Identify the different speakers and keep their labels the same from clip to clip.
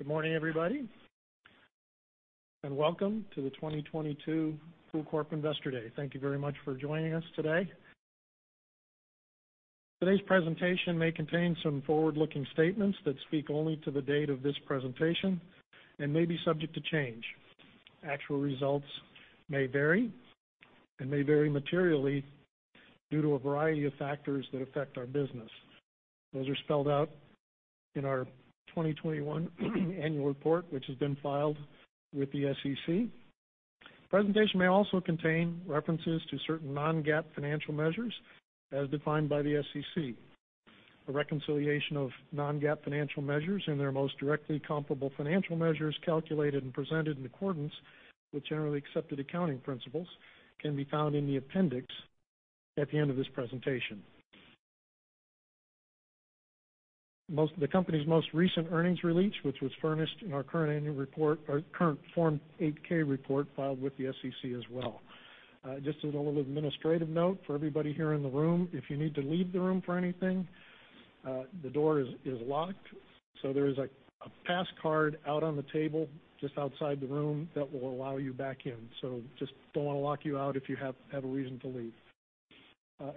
Speaker 1: Good morning, everybody, and welcome to the 2022 POOLCORP Investor Day. Thank you very much for joining us today. Today's presentation may contain some forward-looking statements that speak only to the date of this presentation and may be subject to change. Actual results may vary and may vary materially due to a variety of factors that affect our business. Those are spelled out in our 2021 annual report, which has been filed with the SEC. Presentation may also contain references to certain non-GAAP financial measures as defined by the SEC. A reconciliation of non-GAAP financial measures and their most directly comparable financial measures calculated and presented in accordance with generally accepted accounting principles can be found in the appendix at the end of this presentation. The company's most recent earnings release, which was furnished in our current annual report or current Form 8-K report filed with the SEC as well. Just as a little administrative note for everybody here in the room, if you need to leave the room for anything, the door is locked, so there is a pass card out on the table just outside the room that will allow you back in. So just don't wanna lock you out if you have a reason to leave.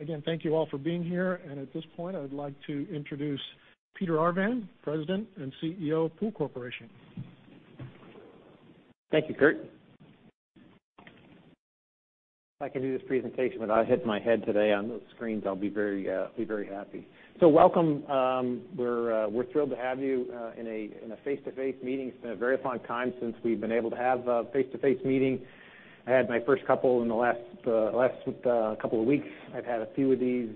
Speaker 1: Again, thank you all for being here. At this point, I would like to introduce Peter Arvan, President and CEO of Pool Corporation.
Speaker 2: Thank you, Curt. If I can do this presentation without hitting my head today on those screens, I'll be very happy. Welcome. We're thrilled to have you in a face-to-face meeting. It's been a very long time since we've been able to have a face-to-face meeting. I had my first couple in the last couple of weeks. I've had a few of these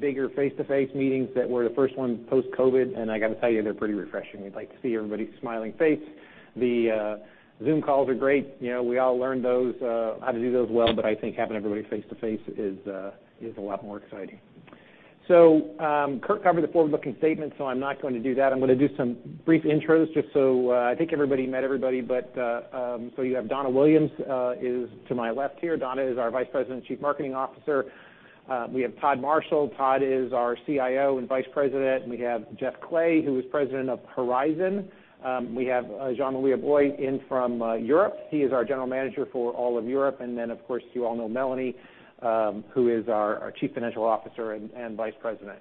Speaker 2: bigger face-to-face meetings that were the first ones post-COVID, and I gotta tell you, they're pretty refreshing. We'd like to see everybody's smiling face. The Zoom calls are great. You know, we all learned how to do those well, but I think having everybody face to face is a lot more exciting. Curt covered the forward-looking statement, so I'm not going to do that. I'm gonna do some brief intros just so I think everybody met everybody, but so you have Donna Williams is to my left here. Donna is our Vice President and Chief Marketing Officer. We have Todd Marshall. Todd is our CIO and Vice President. We have Jeff Clay, who is President of Horizon. We have Jean-Louis Albouy in from Europe. He is our General Manager for all of Europe. Then, of course, you all know Melanie, who is our Chief Financial Officer and Vice President.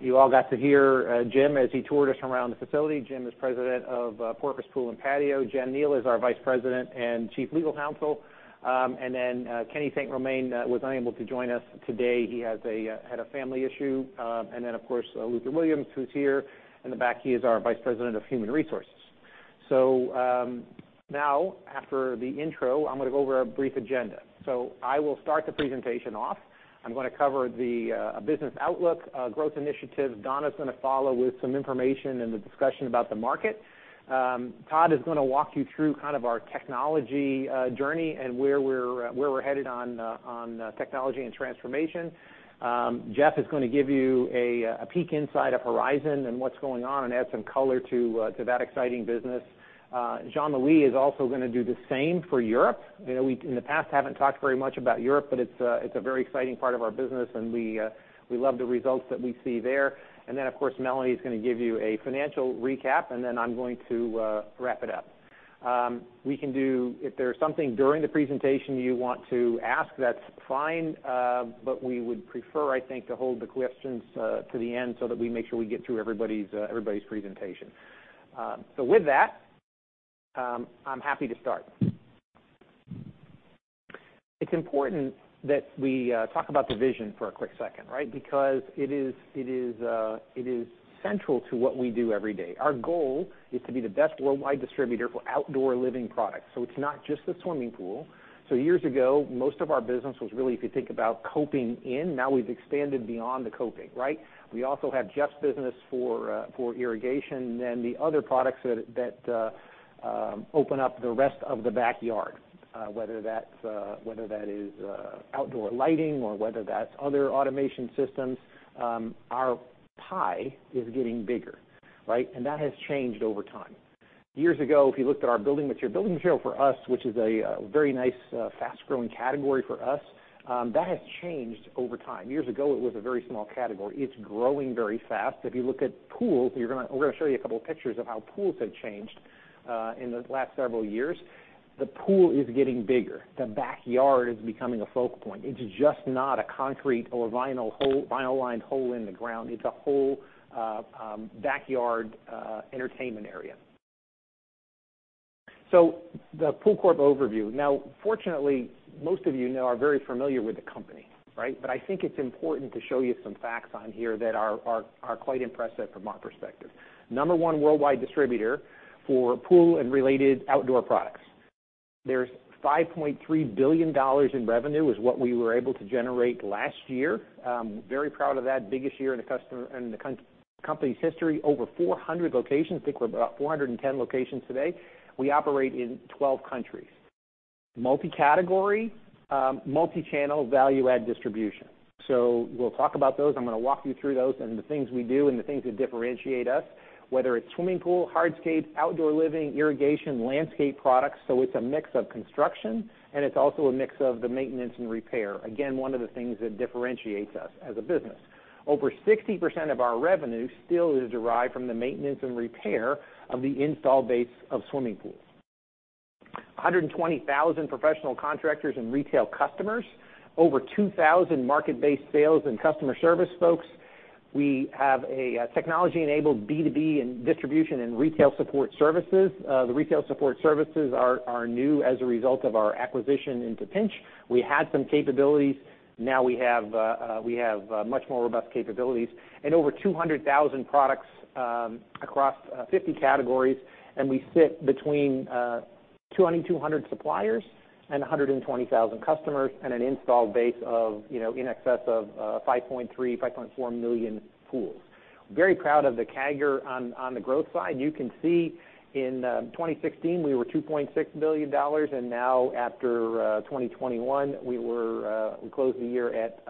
Speaker 2: You all got to hear Jim as he toured us around the facility. Jim is President of Porpoise Pool and Patio. Jenn Neil is our Vice President and Chief Legal Counsel. Then, Kenny St. Romain was unable to join us today. He had a family issue. And then, of course, Luther Willems, who's here in the back. He is our Vice President of Human Resources. Now, after the intro, I'm gonna go over a brief agenda. I will start the presentation off. I'm gonna cover the business outlook, growth initiatives. Donna's gonna follow with some information in the discussion about the market. Todd is gonna walk you through kind of our technology journey and where we're headed on technology and transformation. Jeff is gonna give you a peek inside of Horizon and what's going on and add some color to that exciting business. Jean-Louis is also gonna do the same for Europe. You know, we in the past haven't talked very much about Europe, but it's a very exciting part of our business, and we love the results that we see there. Then, of course, Melanie is gonna give you a financial recap, and then I'm going to wrap it up. If there's something during the presentation you want to ask, that's fine, but we would prefer, I think, to hold the questions to the end so that we make sure we get through everybody's presentation. With that, I'm happy to start. It's important that we talk about the vision for a quick second, right? Because it is central to what we do every day. Our goal is to be the best worldwide distributor for outdoor living products, so it's not just the swimming pool. Years ago, most of our business was really, if you think about coping in. Now we've expanded beyond the coping, right? We also have Jeff's business for irrigation and the other products that open up the rest of the backyard, whether that's outdoor lighting or whether that's other automation systems. Our pie is getting bigger, right? That has changed over time. Years ago, if you looked at our building material for us, which is a very nice fast-growing category for us, that has changed over time. Years ago, it was a very small category. It's growing very fast. If you look at pools, we're gonna show you a couple pictures of how pools have changed in the last several years. The pool is getting bigger. The backyard is becoming a focal point. It's just not a concrete or vinyl lined hole in the ground. It's a whole backyard entertainment area. The POOLCORP overview. Now, fortunately, most of you now are very familiar with the company, right? I think it's important to show you some facts on here that are quite impressive from our perspective. Number one worldwide distributor for pool and related outdoor products. There's $5.3 billion in revenue is what we were able to generate last year. Very proud of that. Biggest year in the company's history. Over 400 locations. I think we're about 410 locations today. We operate in 12 countries. Multi-category, multi-channel value-add distribution. We'll talk about those. I'm gonna walk you through those and the things we do and the things that differentiate us. Whether it's swimming pool, hardscape, outdoor living, irrigation, landscape products. It's a mix of construction, and it's also a mix of the maintenance and repair. Again, one of the things that differentiates us as a business. Over 60% of our revenue still is derived from the maintenance and repair of the install base of swimming pools. 120,000 professional contractors and retail customers. Over 2,000 market-based sales and customer service folks. We have a technology-enabled B2B and distribution and retail support services. The retail support services are new as a result of our acquisition into Pinch. We had some capabilities; now we have much more robust capabilities. Over 200,000 products across 50 categories, and we sit between 200 suppliers and 120,000 customers, and an installed base of, you know, in excess of 5.3 million pools-5.4 million pools. Very proud of the CAGR on the growth side. You can see in 2016 we were $2.6 billion, and now after 2021, we closed the year at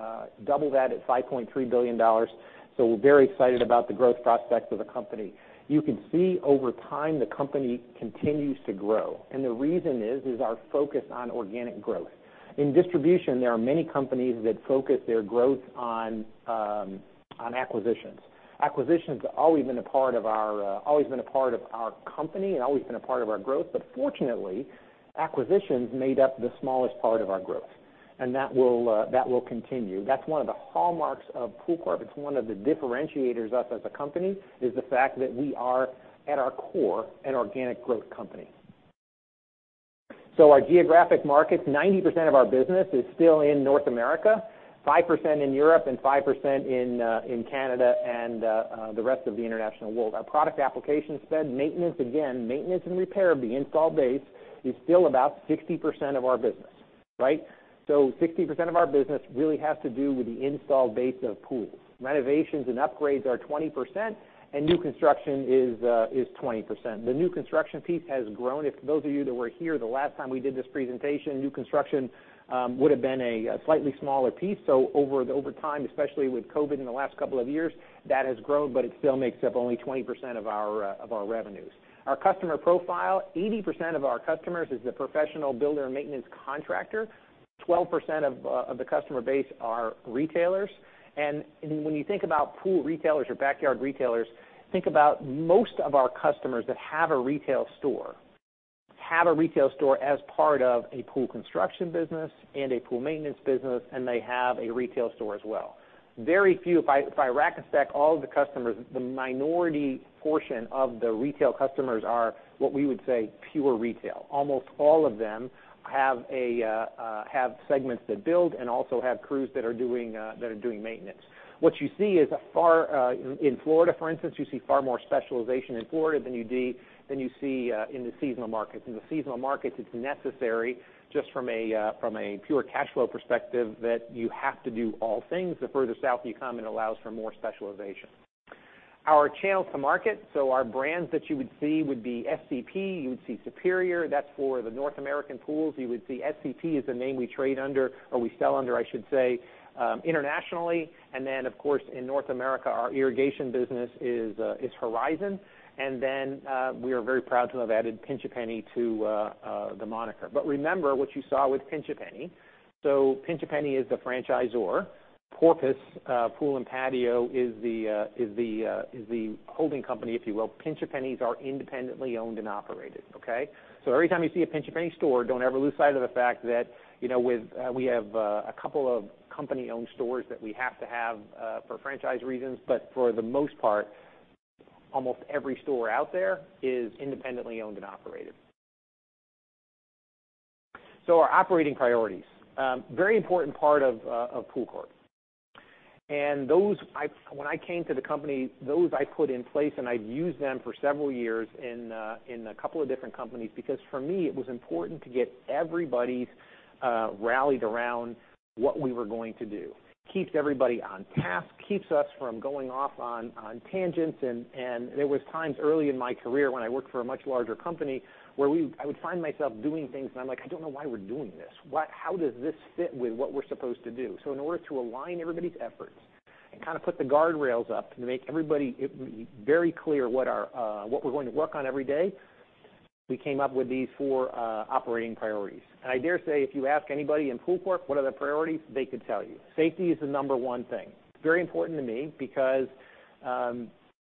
Speaker 2: double that at $5.3 billion. We're very excited about the growth prospects of the company. You can see over time the company continues to grow, and the reason is our focus on organic growth. In distribution, there are many companies that focus their growth on acquisitions. Acquisitions have always been a part of our company and our growth. Fortunately, acquisitions made up the smallest part of our growth, and that will continue. That's one of the hallmarks of POOLCORP. It's one of the differentiators us as a company, is the fact that we are, at our core, an organic growth company. Our geographic markets, 90% of our business is still in North America, 5% in Europe and 5% in Canada and the rest of the international world. Our product application spend, maintenance and repair of the installed base is still about 60% of our business, right? 60% of our business really has to do with the installed base of pools. Renovations and upgrades are 20%, and new construction is 20%. The new construction piece has grown. If those of you that were here the last time we did this presentation, new construction would have been a slightly smaller piece. Over time, especially with COVID in the last couple of years, that has grown, but it still makes up only 20% of our revenues. Our customer profile, 80% of our customers is the professional builder and maintenance contractor. 12% of the customer base are retailers. When you think about pool retailers or backyard retailers, think about most of our customers that have a retail store as part of a pool construction business and a pool maintenance business, and they have a retail store as well. Very few. If I rack and stack all of the customers, the minority portion of the retail customers are what we would say, pure retail. Almost all of them have segments that build and also have crews that are doing maintenance. What you see is, in Florida, for instance, you see far more specialization in Florida than you see in the seasonal markets. In the seasonal markets, it's necessary just from a pure cash flow perspective, that you have to do all things. The further south you come, it allows for more specialization. Our channels to market. Our brands that you would see would be SCP, you would see Superior, that's for the North American pools. You would see SCP is the name we trade under or we sell under, I should say, internationally. In North America, our irrigation business is Horizon. We are very proud to have added Pinch A Penny to the moniker. Remember what you saw with Pinch A Penny. Pinch A Penny is the franchisor. Porpoise Pool and Patio is the holding company, if you will. Pinch A Pennies are independently owned and operated, okay? Every time you see a Pinch A Penny store, don't ever lose sight of the fact that, you know, with we have a couple of company-owned stores that we have to have for franchise reasons. For the most part, almost every store out there is independently owned and operated. Our operating priorities are a very important part of POOLCORP. When I came to the company, those I put in place, and I've used them for several years in a couple of different companies, because for me, it was important to get everybody rallied around what we were going to do. It keeps everybody on task, keeps us from going off on tangents. There was times early in my career when I worked for a much larger company, I would find myself doing things, and I'm like: I don't know why we're doing this. How does this fit with what we're supposed to do? In order to align everybody's efforts and kind of put the guardrails up to make it very clear what we're going to work on every day, we came up with these four operating priorities. I dare say, if you ask anybody in POOLCORP, what are the priorities? They could tell you. Safety is the number one thing. It's very important to me because,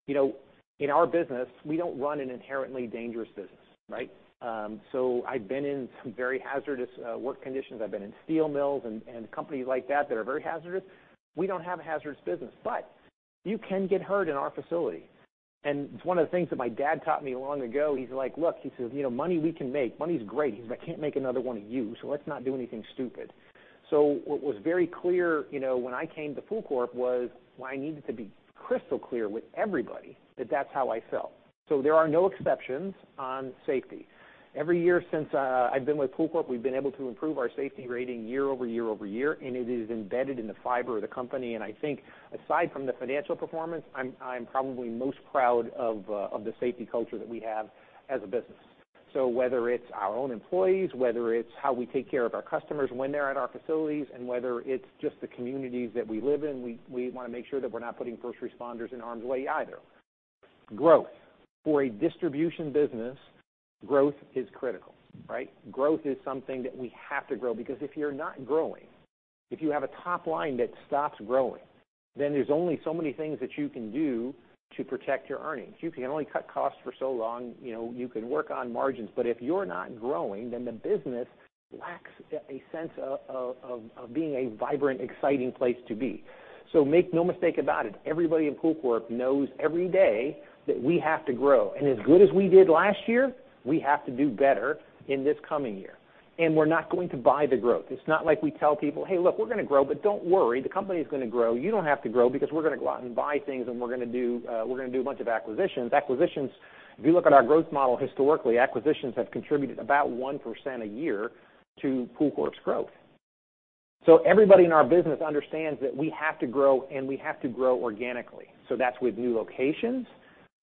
Speaker 2: you know, in our business, we don't run an inherently dangerous business, right? I've been in some very hazardous work conditions. I've been in steel mills and companies like that that are very hazardous. We don't have a hazardous business. You can get hurt in our facility. It's one of the things that my dad taught me long ago. He's like, look. He says, you know, money we can make, money's great, but I can't make another one of you, so let's not do anything stupid. What was very clear, you know, when I came to POOLCORP was, I needed to be crystal clear with everybody that that's how I felt. There are no exceptions on safety. Every year since I've been with POOLCORP, we've been able to improve our safety rating year over year, and it is embedded in the fiber of the company. I think aside from the financial performance, I'm probably most proud of the safety culture that we have as a business. Whether it's our own employees, whether it's how we take care of our customers when they're at our facilities, and whether it's just the communities that we live in, we wanna make sure that we're not putting first responders in harm's way either. Growth. For a distribution business, growth is critical, right? Growth is something that we have to grow because if you're not growing, if you have a top line that stops growing, then there's only so many things that you can do to protect your earnings. You can only cut costs for so long. You know, you can work on margins, but if you're not growing, then the business lacks a sense of being a vibrant, exciting place to be. Make no mistake about it, everybody in POOLCORP knows every day that we have to grow. As good as we did last year, we have to do better in this coming year. We're not going to buy the growth. It's not like we tell people, "Hey, look, we're gonna grow, but don't worry, the company is gonna grow. You don't have to grow because we're gonna go out and buy things, and we're gonna do a bunch of acquisitions." Acquisitions. If you look at our growth model historically, acquisitions have contributed about 1% a year to POOLCORP's growth. Everybody in our business understands that we have to grow, and we have to grow organically. That's with new locations,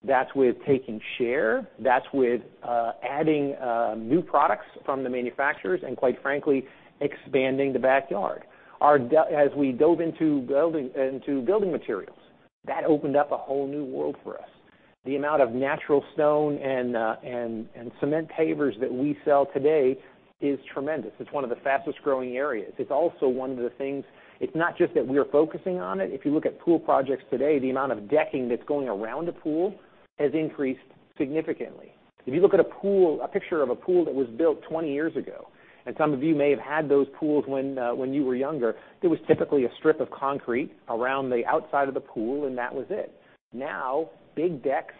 Speaker 2: that's with taking share, that's with adding new products from the manufacturers and, quite frankly, expanding the backyard. As we dove into building materials, that opened up a whole new world for us. The amount of natural stone and cement pavers that we sell today is tremendous. It's one of the fastest-growing areas. It's also one of the things. It's not just that we are focusing on it. If you look at pool projects today, the amount of decking that's going around a pool has increased significantly. If you look at a picture of a pool that was built 20 years ago, and some of you may have had those pools when you were younger, there was typically a strip of concrete around the outside of the pool, and that was it. Now, big decks,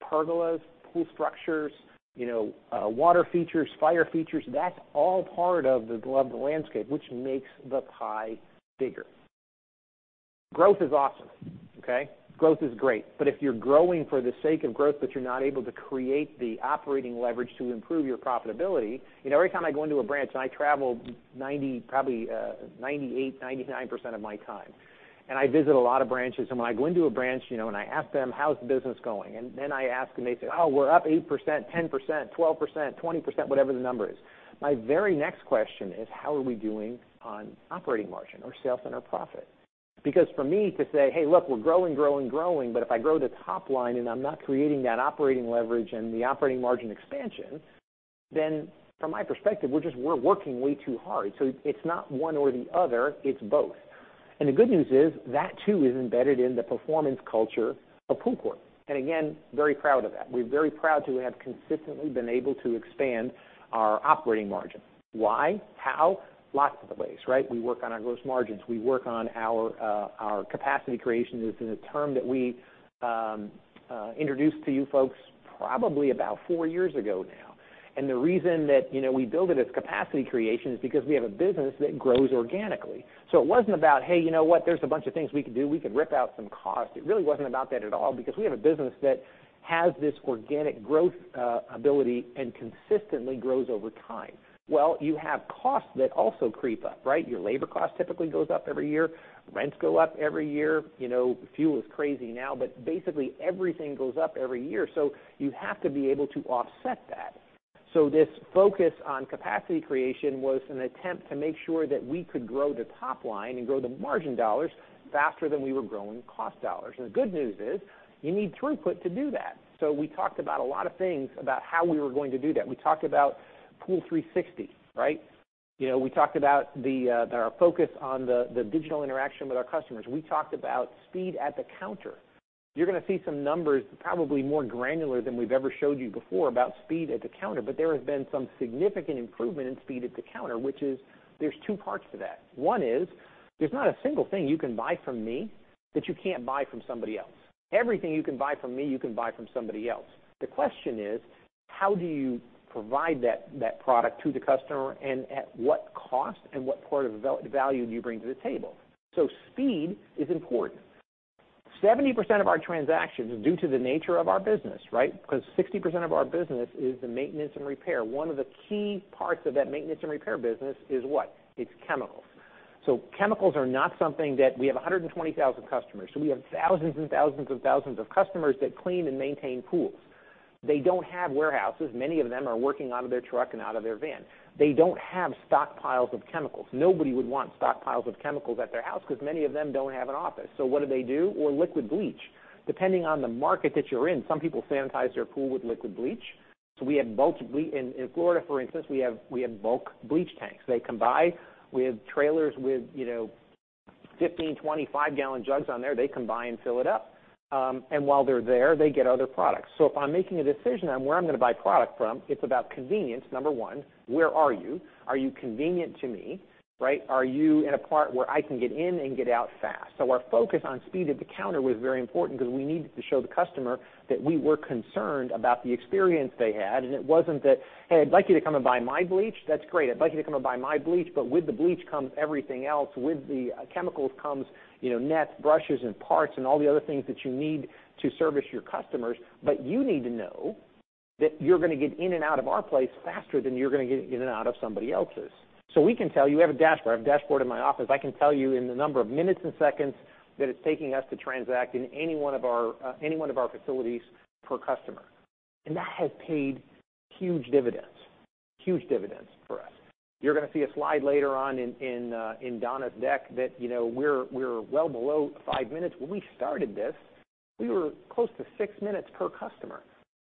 Speaker 2: pergolas, pool structures, you know, water features, fire features, that's all part of the beloved landscape, which makes the pie bigger. Growth is awesome, okay? Growth is great. If you're growing for the sake of growth, but you're not able to create the operating leverage to improve your profitability. You know, every time I go into a branch, and I travel 90%, probably 98%, 99% of my time, and I visit a lot of branches. When I go into a branch, you know, and I ask them, "How's business going?" Then I ask them, they say, "Oh, we're up 8%, 10%, 12%, 20%," whatever the number is. My very next question is, "How are we doing on operating margin or sales and our profit?" Because for me to say, "Hey, look, we're growing, growing," but if I grow the top line and I'm not creating that operating leverage and the operating margin expansion, then from my perspective, we're just working way too hard. It's not one or the other, it's both. The good news is that too is embedded in the performance culture of POOLCORP. Again, very proud of that. We're very proud to have consistently been able to expand our operating margin. Why? How? Lots of ways, right? We work on our gross margins. We work on our capacity creation. This is a term that we introduced to you folks probably about four years ago now. The reason that, you know, we build it as capacity creation is because we have a business that grows organically. It wasn't about, "Hey, you know what? There's a bunch of things we could do. We could rip out some costs." It really wasn't about that at all because we have a business that has this organic growth ability and consistently grows over time. Well, you have costs that also creep up, right? Your labor cost typically goes up every year. Rents go up every year. You know, fuel is crazy now, but basically, everything goes up every year, so you have to be able to offset that. This focus on capacity creation was an attempt to make sure that we could grow the top line and grow the margin dollars faster than we were growing cost dollars. The good news is you need throughput to do that. We talked about a lot of things about how we were going to do that. We talked about POOL360, right? You know, we talked about our focus on the digital interaction with our customers. We talked about speed at the counter. You're gonna see some numbers, probably more granular than we've ever showed you before, about speed at the counter, but there has been some significant improvement in speed at the counter, which is. There's two parts to that. One is, there's not a single thing you can buy from me that you can't buy from somebody else. Everything you can buy from me, you can buy from somebody else. The question is: how do you provide that product to the customer, and at what cost and what part of value do you bring to the table? Speed is important. 70% of our transactions is due to the nature of our business, right? Because 60% of our business is the maintenance and repair. One of the key parts of that maintenance and repair business is what? It's chemicals. Chemicals are not something that we have 120,000 customers, so we have thousands and thousands and thousands of customers that clean and maintain pools. They don't have warehouses. Many of them are working out of their truck and out of their van. They don't have stockpiles of chemicals. Nobody would want stockpiles of chemicals at their house because many of them don't have an office. What do they do? Well, liquid bleach. Depending on the market that you're in, some people sanitize their pool with liquid bleach. We have bulk bleach. In Florida, for instance, we have bulk bleach tanks. They come by. We have trailers with, you know, 15, 20, five-gallon jugs on there. They come by and fill it up. And while they're there, they get other products. If I'm making a decision on where I'm gonna buy product from, it's about convenience. Number one, where are you? Are you convenient to me, right? Are you in a part where I can get in and get out fast? Our focus on speed at the counter was very important because we needed to show the customer that we were concerned about the experience they had, and it wasn't that, "Hey, I'd like you to come and buy my bleach." That's great. I'd like you to come and buy my bleach, but with the bleach comes everything else. With the chemicals comes, you know, nets, brushes, and parts, and all the other things that you need to service your customers. But you need to know that you're gonna get in and out of our place faster than you're gonna get in and out of somebody else's. We can tell. You have a dashboard. I have a dashboard in my office. I can tell you in the number of minutes and seconds that it's taking us to transact in any one of our facilities per customer. That has paid huge dividends. Huge dividends for us. You're gonna see a slide later on in Donna's deck that, you know, we're well below five minutes. When we started this, we were close to six minutes per customer.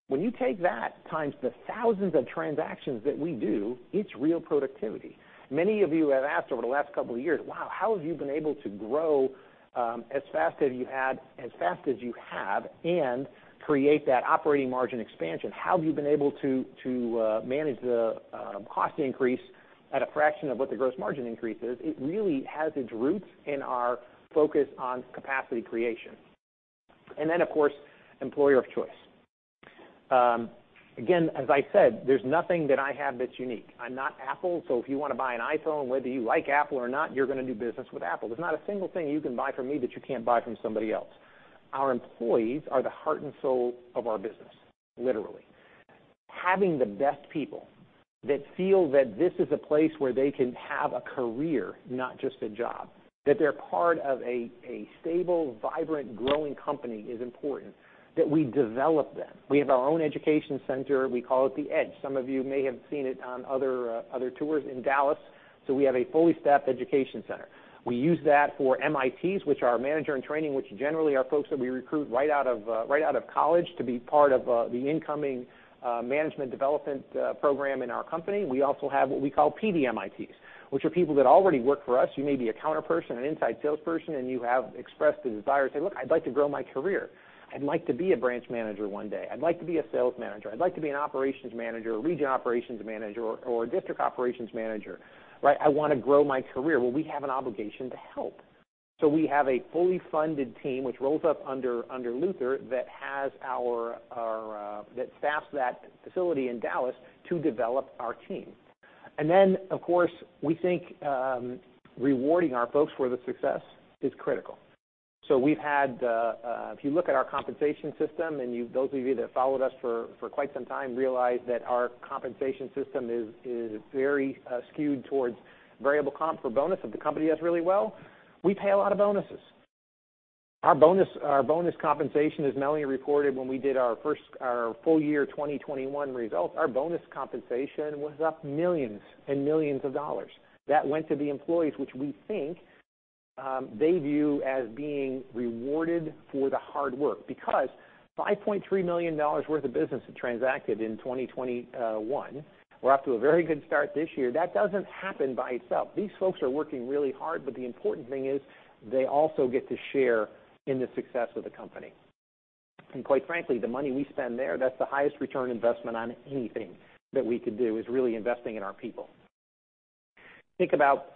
Speaker 2: When you take that times the thousands of transactions that we do, it's real productivity. Many of you have asked over the last couple of years, "Wow, how have you been able to grow as fast as you have and create that operating margin expansion? How have you been able to manage the cost increase at a fraction of what the gross margin increase is?" It really has its roots in our focus on capacity creation. Then of course, employer of choice. Again, as I said, there's nothing that I have that's unique. I'm not Apple, so if you wanna buy an iPhone, whether you like Apple or not, you're gonna do business with Apple. There's not a single thing you can buy from me that you can't buy from somebody else. Our employees are the heart and soul of our business, literally. Having the best people that feel that this is a place where they can have a career, not just a job, that they're part of a stable, vibrant, growing company is important. That we develop them. We have our own education center, we call it The EDGE. Some of you may have seen it on other tours in Dallas. We have a fully staffed education center. We use that for MITs, which are our manager-in-training, which generally are folks that we recruit right out of college to be part of the incoming management development program in our company. We also have what we call PDMITs, which are people that already work for us. You may be a counter person, an inside sales person, and you have expressed the desire to say, "Look, I'd like to grow my career. I'd like to be a branch manager one day. I'd like to be a sales manager. I'd like to be an operations manager or region operations manager or a district operations manager. Right? I wanna grow my career." Well, we have an obligation to help. We have a fully funded team, which rolls up under Luther, that has our that staffs that facility in Dallas to develop our team. Then of course, we think rewarding our folks for the success is critical. We've had if you look at our compensation system, and you've, those of you that followed us for quite some time realize that our compensation system is very skewed towards variable comp for bonus. If the company does really well, we pay a lot of bonuses. Our bonus compensation, as Melanie reported when we did our full year 2021 results, our bonus compensation was up millions and millions of dollars. That went to the employees, which we think they view as being rewarded for the hard work. Because $5.3 million worth of business transacted in 2021, we're off to a very good start this year. That doesn't happen by itself. These folks are working really hard, but the important thing is they also get to share in the success of the company. Quite frankly, the money we spend there, that's the highest return on investment on anything that we could do, is really investing in our people. Think about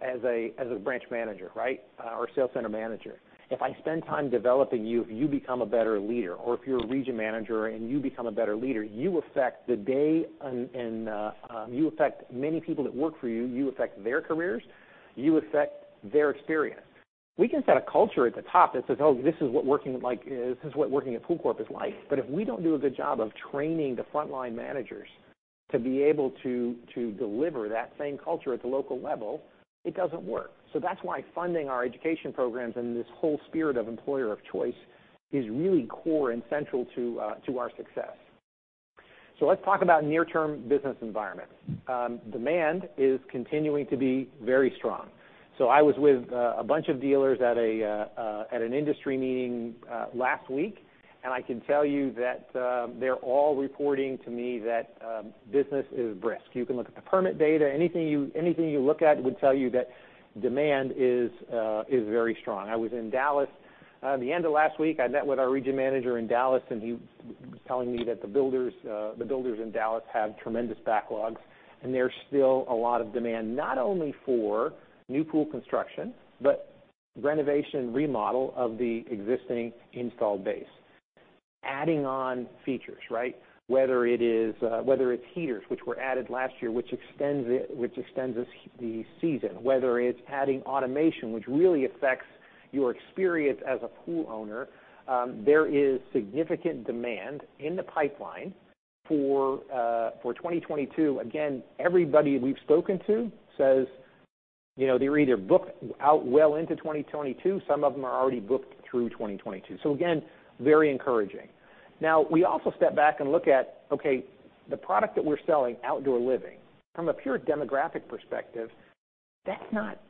Speaker 2: as a branch manager, right? Or sales center manager. If I spend time developing you, if you become a better leader, or if you're a region manager and you become a better leader, you affect the day and you affect many people that work for you affect their careers, you affect their experience. We can set a culture at the top that says, "Oh, this is what working like is. This is what working at POOLCORP is like." But if we don't do a good job of training the frontline managers to be able to deliver that same culture at the local level, it doesn't work. That's why funding our education programs and this whole spirit of employer of choice is really core and central to our success. Let's talk about near-term business environment. Demand is continuing to be very strong. I was with a bunch of dealers at an industry meeting last week, and I can tell you that they're all reporting to me that business is brisk. You can look at the permit data. Anything you look at would tell you that demand is very strong. I was in Dallas the end of last week. I met with our region manager in Dallas, and he was telling me that the builders in Dallas have tremendous backlogs, and there's still a lot of demand, not only for new pool construction, but renovation, remodel of the existing installed base, adding on features, right? Whether it's heaters, which were added last year, which extends the season, whether it's adding automation, which really affects your experience as a pool owner, there is significant demand in the pipeline for 2022. Again, everybody we've spoken to says, you know, they're either booked out well into 2022, some of them are already booked through 2022. So again, very encouraging. Now, we also step back and look at, okay, the product that we're selling, outdoor living, from a pure demographic perspective, that's not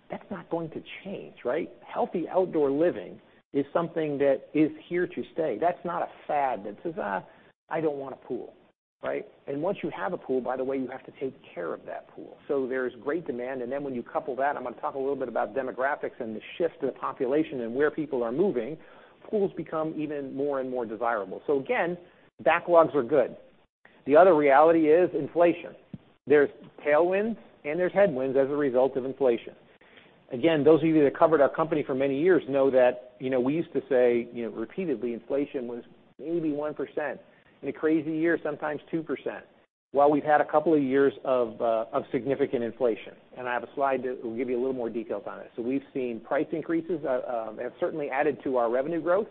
Speaker 2: going to change, right? Healthy outdoor living is something that is here to stay. That's not a fad that says, "Ah, I don't want a pool." Right? Once you have a pool, by the way, you have to take care of that pool. There's great demand, and then when you couple that, I'm gonna talk a little bit about demographics and the shift in the population and where people are moving, pools become even more and more desirable. Again, backlogs are good. The other reality is inflation. There's tailwinds and there's headwinds as a result of inflation. Again, those of you that covered our company for many years know that, you know, we used to say, you know, repeatedly, inflation was maybe 1%. In a crazy year, sometimes 2%. Well, we've had a couple of years of significant inflation, and I have a slide that will give you a little more details on it. We've seen price increases have certainly added to our revenue growth.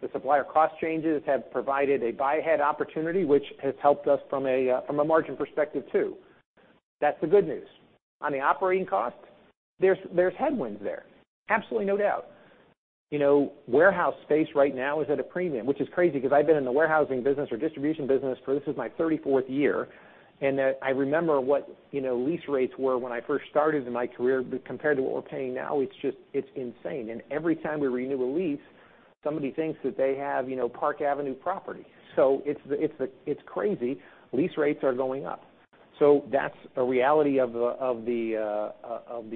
Speaker 2: The supplier cost changes have provided a buy-ahead opportunity, which has helped us from a margin perspective too. That's the good news. On the operating cost, there's headwinds there. Absolutely no doubt. You know, warehouse space right now is at a premium, which is crazy because I've been in the warehousing business or distribution business for this is my 34th year, and I remember what, you know, lease rates were when I first started in my career. Compared to what we're paying now, it's just insane. Every time we renew a lease, somebody thinks that they have, you know, Park Avenue property. It's crazy. Lease rates are going up. That's a reality of the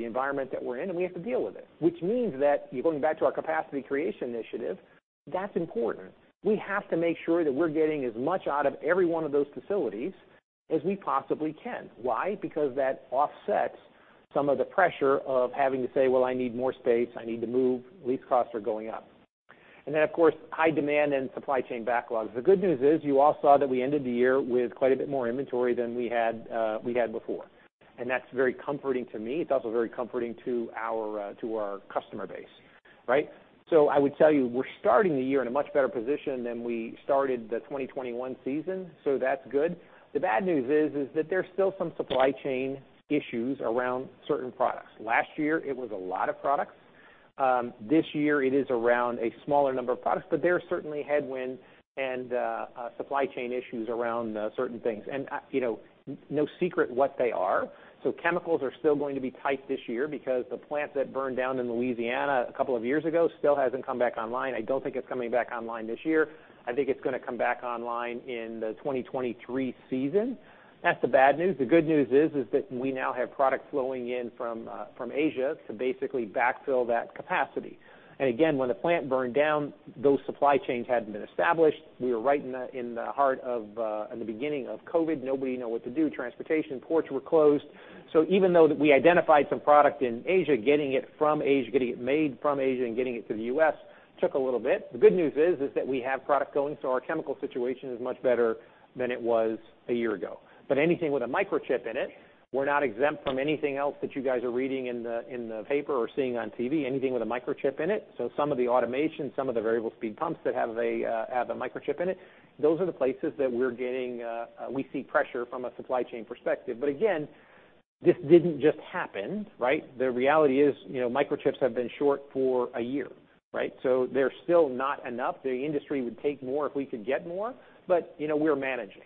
Speaker 2: environment that we're in, and we have to deal with it. Which means that going back to our capacity creation initiative, that's important. We have to make sure that we're getting as much out of every one of those facilities as we possibly can. Why? Because that offsets some of the pressure of having to say, "Well, I need more space. I need to move. Lease costs are going up." Of course, high demand and supply chain backlogs. The good news is you all saw that we ended the year with quite a bit more inventory than we had before, and that's very comforting to me. It's also very comforting to our customer base, right? I would tell you, we're starting the year in a much better position than we started the 2021 season. That's good. The bad news is that there's still some supply chain issues around certain products. Last year, it was a lot of products. This year it is around a smaller number of products, but there are certainly headwinds and supply chain issues around certain things. You know, no secret what they are. Chemicals are still going to be tight this year because the plant that burned down in Louisiana a couple of years ago still hasn't come back online. I don't think it's coming back online this year. I think it's gonna come back online in the 2023 season. That's the bad news. The good news is that we now have product flowing in from Asia to basically backfill that capacity. Again, when the plant burned down, those supply chains hadn't been established. We were right in the heart of the beginning of COVID. Nobody knew what to do. Transportation ports were closed. Even though we identified some product in Asia, getting it from Asia, getting it made from Asia and getting it to the U.S. took a little bit. The good news is that we have product going, our chemical situation is much better than it was a year ago. But anything with a microchip in it, we're not exempt from anything else that you guys are reading in the paper or seeing on TV, anything with a microchip in it. Some of the automation, some of the variable speed pumps that have a microchip in it, those are the places that we see pressure from a supply chain perspective. Again, this didn't just happen, right? The reality is, you know, microchips have been short for a year, right? So there's still not enough. The industry would take more if we could get more, but, you know, we're managing.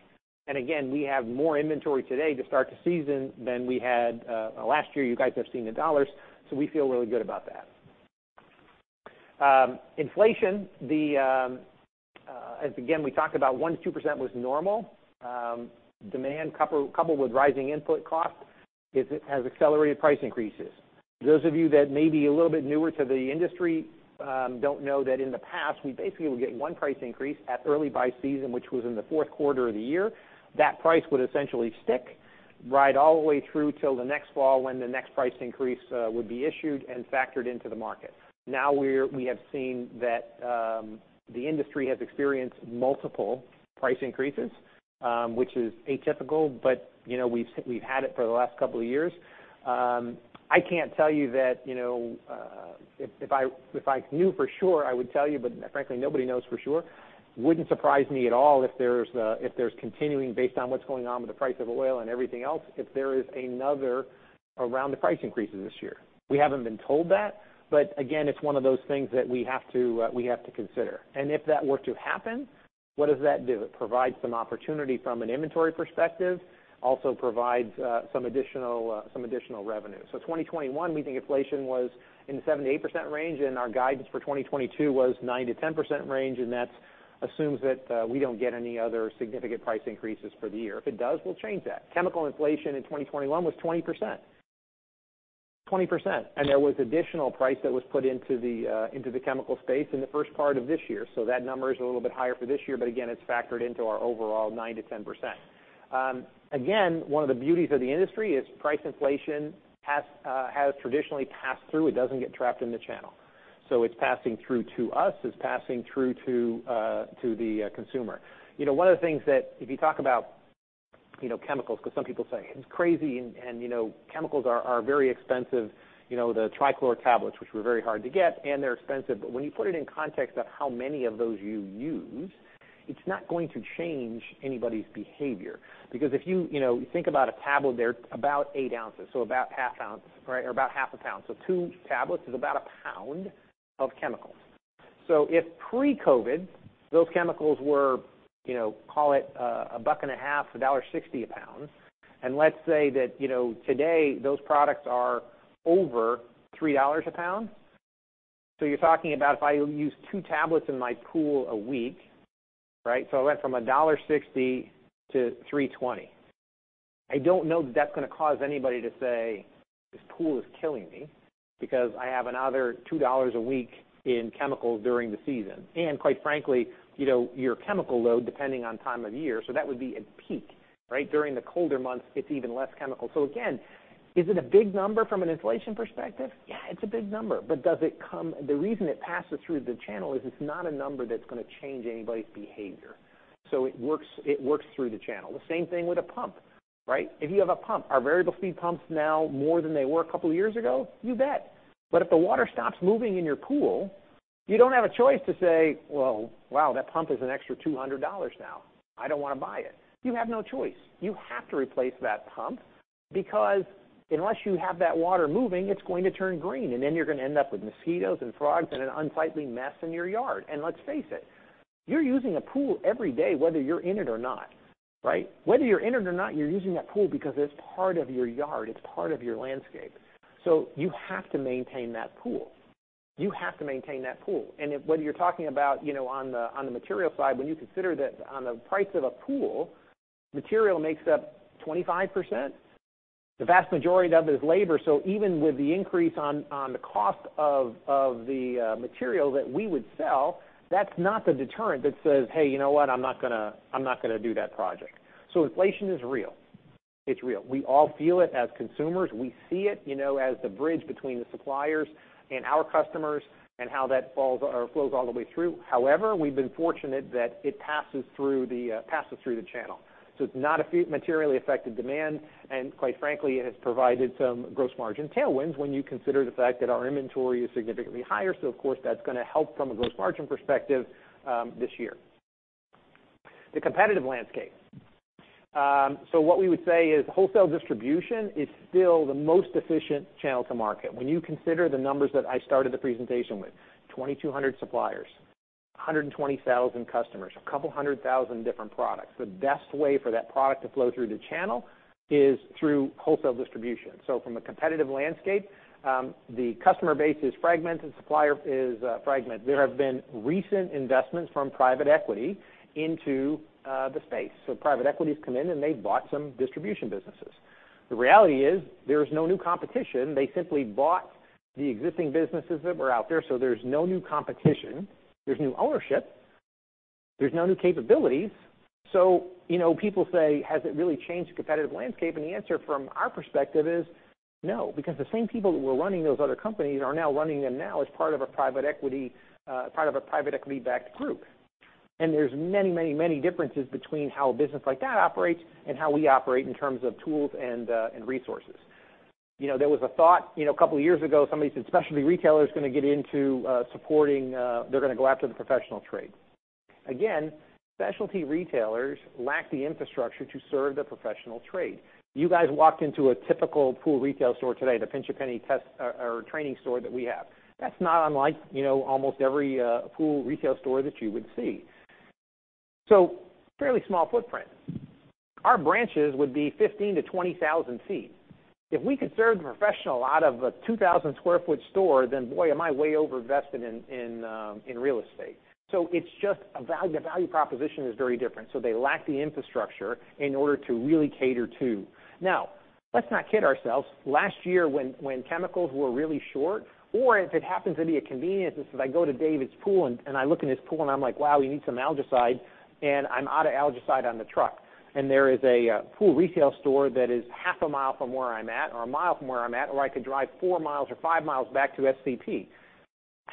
Speaker 2: And again, we have more inventory today to start the season than we had last year. You guys have seen the dollars, so we feel really good about that. Inflation, again, we talked about 1%-2% was normal. Demand coupled with rising input costs has accelerated price increases. Those of you that may be a little bit newer to the industry don't know that in the past, we basically would get one price increase at early buy season, which was in the Q4 of the year. That price would essentially stick right all the way through till the next fall when the next price increase would be issued and factored into the market. Now we have seen that the industry has experienced multiple price increases, which is atypical, but, you know, we've had it for the last couple of years. I can't tell you that, you know, if I knew for sure, I would tell you, but frankly, nobody knows for sure. Wouldn't surprise me at all if there's continuing based on what's going on with the price of oil and everything else, if there is another round the price increases this year. We haven't been told that, but again, it's one of those things that we have to consider. If that were to happen, what does that do? It provides some opportunity from an inventory perspective, also provides some additional revenue. 2021, we think inflation was in the 7%-8% range, and our guidance for 2022 was 9%-10% range, and that assumes that we don't get any other significant price increases for the year. If it does, we'll change that. Chemical inflation in 2021 was 20%. 20%. There was additional price that was put into the chemical space in the first part of this year. That number is a little bit higher for this year, but again, it's factored into our overall 9%-10%. Again, one of the beauties of the industry is price inflation has traditionally passed through. It doesn't get trapped in the channel. It's passing through to us, it's passing through to the consumer. You know, one of the things that if you talk about, you know, chemicals because some people say it's crazy and you know, chemicals are very expensive, you know, the trichlor tablets, which were very hard to get and they're expensive, but when you put it in context of how many of those you use, it's not going to change anybody's behavior. Because if you know, think about a tablet, they're about eight ounces, so about half ounce, about half a pound. Two tablets is about a pound of chemicals. If pre-COVID, those chemicals were, you know, call it $1.50, $1.60 a pound, and let's say that, you know, today those products are over $3 a pound. You're talking about if I use two tablets in my pool a week, right? I went from $1.60-$3.20. I don't know, that's gonna cause anybody to say, "This pool is killing me because I have another $2 a week in chemicals during the season." Quite frankly, you know, your chemical load, depending on time of year, so that would be at peak, right? During the colder months, it's even less chemical. Again, is it a big number from an inflation perspective? Yeah, it's a big number. The reason it passes through the channel is it's not a number that's gonna change anybody's behavior. It works through the channel. The same thing with a pump, right? If you have a pump, are variable speed pumps now more than they were a couple of years ago? You bet. If the water stops moving in your pool, you don't have a choice to say, "Well, wow, that pump is an extra $200 now. I don't wanna buy it." You have no choice. You have to replace that pump. Because unless you have that water moving, it's going to turn green, and then you're going to end up with mosquitoes and frogs and an unsightly mess in your yard. Let's face it, you're using a pool every day, whether you're in it or not, right? Whether you're in it or not, you're using that pool because it's part of your yard. It's part of your landscape. You have to maintain that pool. Whether you're talking about, you know, on the material side, when you consider that on the price of a pool, material makes up 25%. The vast majority of it is labor. Even with the increase in the cost of the material that we would sell, that's not the deterrent that says, "Hey, you know what? I'm not gonna do that project." Inflation is real. It's real. We all feel it as consumers. We see it, you know, as the bridge between the suppliers and our customers and how that falls or flows all the way through. However, we've been fortunate that it passes through the channel. It's not materially affected demand, and quite frankly, it has provided some gross margin tailwinds when you consider the fact that our inventory is significantly higher. Of course, that's going to help from a gross margin perspective, this year. The competitive landscape. What we would say is wholesale distribution is still the most efficient channel to market. When you consider the numbers that I started the presentation with, 2,200 suppliers, 120,000 customers, 200,000 different products. The best way for that product to flow through the channel is through wholesale distribution. From a competitive landscape, the customer base is fragmented, supplier is fragmented. There have been recent investments from private equity into the space. Private equity has come in, and they've bought some distribution businesses. The reality is there's no new competition. They simply bought the existing businesses that were out there, so there's no new competition. There's new ownership. There's no new capabilities. You know, people say, "Has it really changed the competitive landscape?" The answer from our perspective is no, because the same people that were running those other companies are now running them now as part of a private equity-backed group. There's many, many, many differences between how a business like that operates and how we operate in terms of tools and resources. You know, there was a thought, you know, a couple of years ago, somebody said specialty retailer is going to get into supporting, they're going to go after the professional trade. Again, specialty retailers lack the infrastructure to serve the professional trade. You guys walked into a typical pool retail store today, the Pinch A Penny training store that we have. That's not unlike, you know, almost every pool retail store that you would see. Fairly small footprint. Our branches would be 15,000 sq ft-20,000 sq ft. If we could serve the professional out of a 2,000 sq ft store, then boy, am I way overinvested in real estate. It's just a value, the value proposition is very different. They lack the infrastructure in order to really cater to. Now, let's not kid ourselves. Last year, when chemicals were really short, or if it happens to be a convenience, is that I go to David's pool, and I look in his pool, and I'm like, "Wow, you need some algaecide, and I'm out of algaecide on the truck." There is a pool retail store that is half a mile from where I'm at or 1 mi from where I'm at, or I could drive 4 mi or 5 mi back to SCP.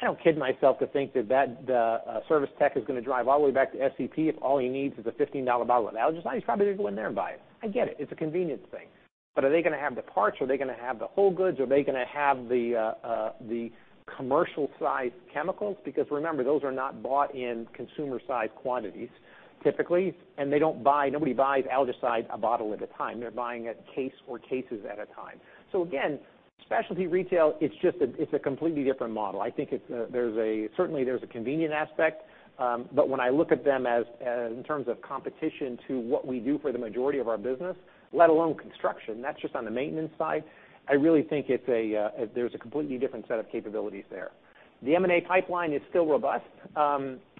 Speaker 2: I don't kid myself to think that the service tech is going to drive all the way back to SCP if all he needs is a $15 bottle of algaecide. He's probably just go in there and buy it. I get it. It's a convenience thing. But are they going to have the parts? Are they going to have the whole goods? Are they going to have the commercial-sized chemicals? Because remember, those are not bought in consumer-sized quantities, typically. Nobody buys algaecide a bottle at a time. They're buying a case or cases at a time. Again, specialty retail, it's just a completely different model. I think it's a. Certainly, there's a convenient aspect. But when I look at them as in terms of competition to what we do for the majority of our business, let alone construction, that's just on the maintenance side. I really think there's a completely different set of capabilities there. The M&A pipeline is still robust.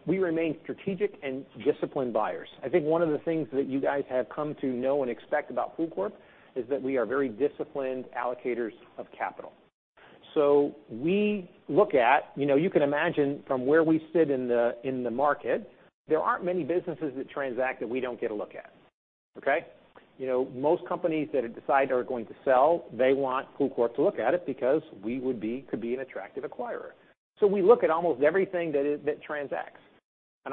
Speaker 2: We remain strategic and disciplined buyers. I think one of the things that you guys have come to know and expect about POOLCORP is that we are very disciplined allocators of capital. We look at. You know, you can imagine from where we sit in the market, there aren't many businesses that transact that we don't get a look at, okay? You know, most companies that decide they are going to sell, they want POOLCORP to look at it because we would be, could be an attractive acquirer. We look at almost everything that transacts.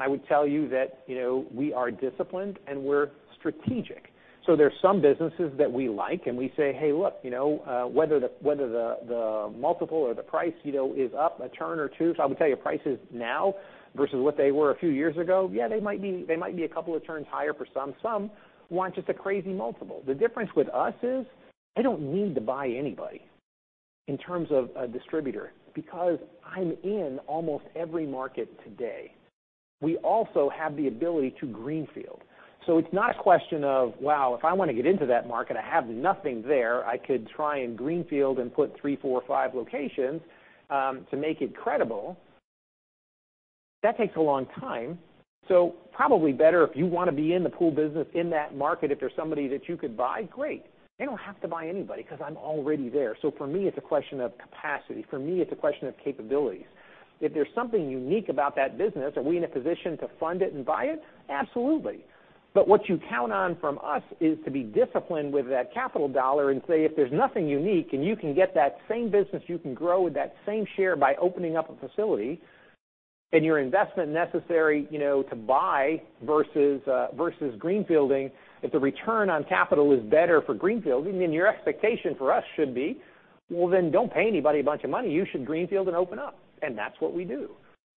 Speaker 2: I would tell you that, you know, we are disciplined, and we're strategic. There's some businesses that we like, and we say, "Hey, look, you know, whether the multiple or the price, you know, is up a turn or two." I would tell you prices now versus what they were a few years ago, yeah, they might be a couple of turns higher for some. Some want just a crazy multiple. The difference with us is I don't need to buy anybody in terms of a distributor because I'm in almost every market today. We also have the ability to greenfield. It's not a question of, wow, if I want to get into that market, I have nothing there. I could try and greenfield and put three, four, five locations to make it credible. That takes a long time. Probably better if you want to be in the pool business in that market, if there's somebody that you could buy, great. I don't have to buy anybody because I'm already there. For me, it's a question of capacity. For me, it's a question of capabilities. If there's something unique about that business, are we in a position to fund it and buy it? Absolutely. What you count on from us is to be disciplined with that capital dollar and say, if there's nothing unique, and you can get that same business, you can grow with that same share by opening up a facility, and your investment necessary, you know, to buy versus versus greenfielding, if the return on capital is better for greenfielding, then your expectation for us should be, well, then don't pay anybody a bunch of money. You should greenfield and open up, and that's what we do.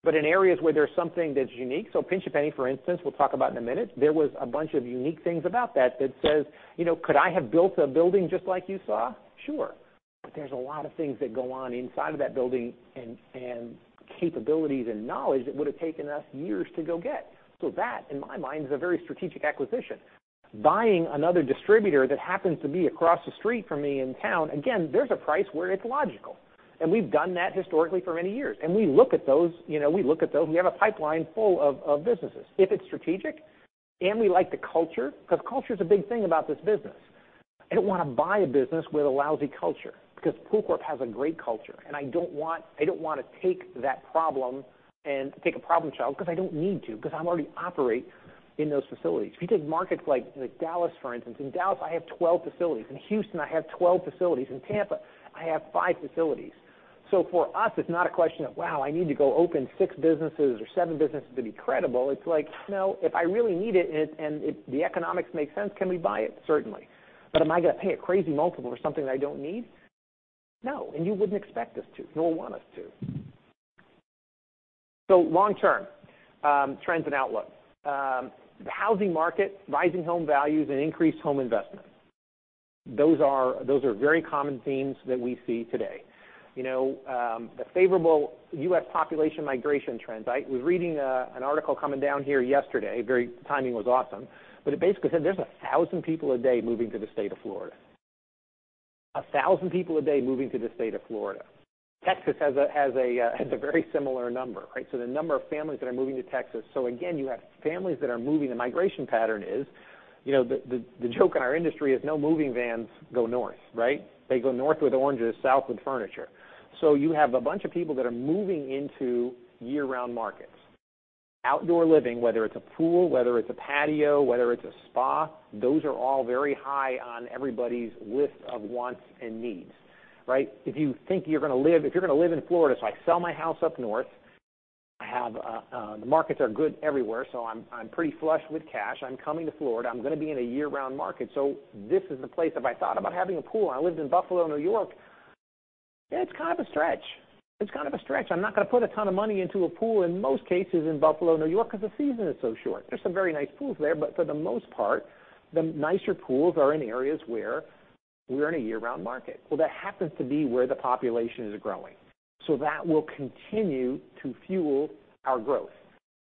Speaker 2: In areas where there's something that's unique, so Pinch A Penny, for instance, we'll talk about in a minute, there was a bunch of unique things about that that says, you know, could I have built a building just like you saw? Sure. There's a lot of things that go on inside of that building and capabilities and knowledge that would have taken us years to go get. That, in my mind, is a very strategic acquisition. Buying another distributor that happens to be across the street from me in town, again, there's a price where it's logical, and we've done that historically for many years, and we look at those, you know. We have a pipeline full of businesses. If it's strategic, and we like the culture, 'cause culture is a big thing about this business. I don't want to buy a business with a lousy culture because POOLCORP has a great culture, and I don't want to take that problem and take a problem child 'cause I don't need to, 'cause I'm already operate in those facilities. If you take markets like Dallas, for instance. In Dallas, I have 12 facilities. In Houston, I have 12 facilities. In Tampa, I have five facilities. For us, it's not a question of, wow, I need to go open six businesses or seven businesses to be credible. It's like, no, if I really need it and the economics make sense, can we buy it? Certainly. But am I going to pay a crazy multiple for something that I don't need? No, and you wouldn't expect us to nor want us to. Long-term trends and outlook. The housing market, rising home values, and increased home investments. Those are very common themes that we see today. You know, the favorable U.S. population migration trends. I was reading an article coming down here yesterday, very, timing was awesome, but it basically said there's 1,000 people a day moving to the state of Florida. Texas has a very similar number, right? The number of families that are moving to Texas. Again, you have families that are moving. The migration pattern is, you know, the joke in our industry is no moving vans go north, right? They go north with oranges, south with furniture. You have a bunch of people that are moving into year-round markets. Outdoor living, whether it's a pool, whether it's a patio, whether it's a spa, those are all very high on everybody's list of wants and needs, right? If you're going to live in Florida, I sell my house up north. I have the markets are good everywhere, so I'm pretty flush with cash. I'm coming to Florida. I'm going to be in a year-round market. This is the place. If I thought about having a pool and I lived in Buffalo, New York, it's kind of a stretch. I'm not going to put a ton of money into a pool in most cases in Buffalo, New York, because the season is so short. There's some very nice pools there, but for the most part, the nicer pools are in areas where we're in a year-round market. Well, that happens to be where the population is growing. That will continue to fuel our growth.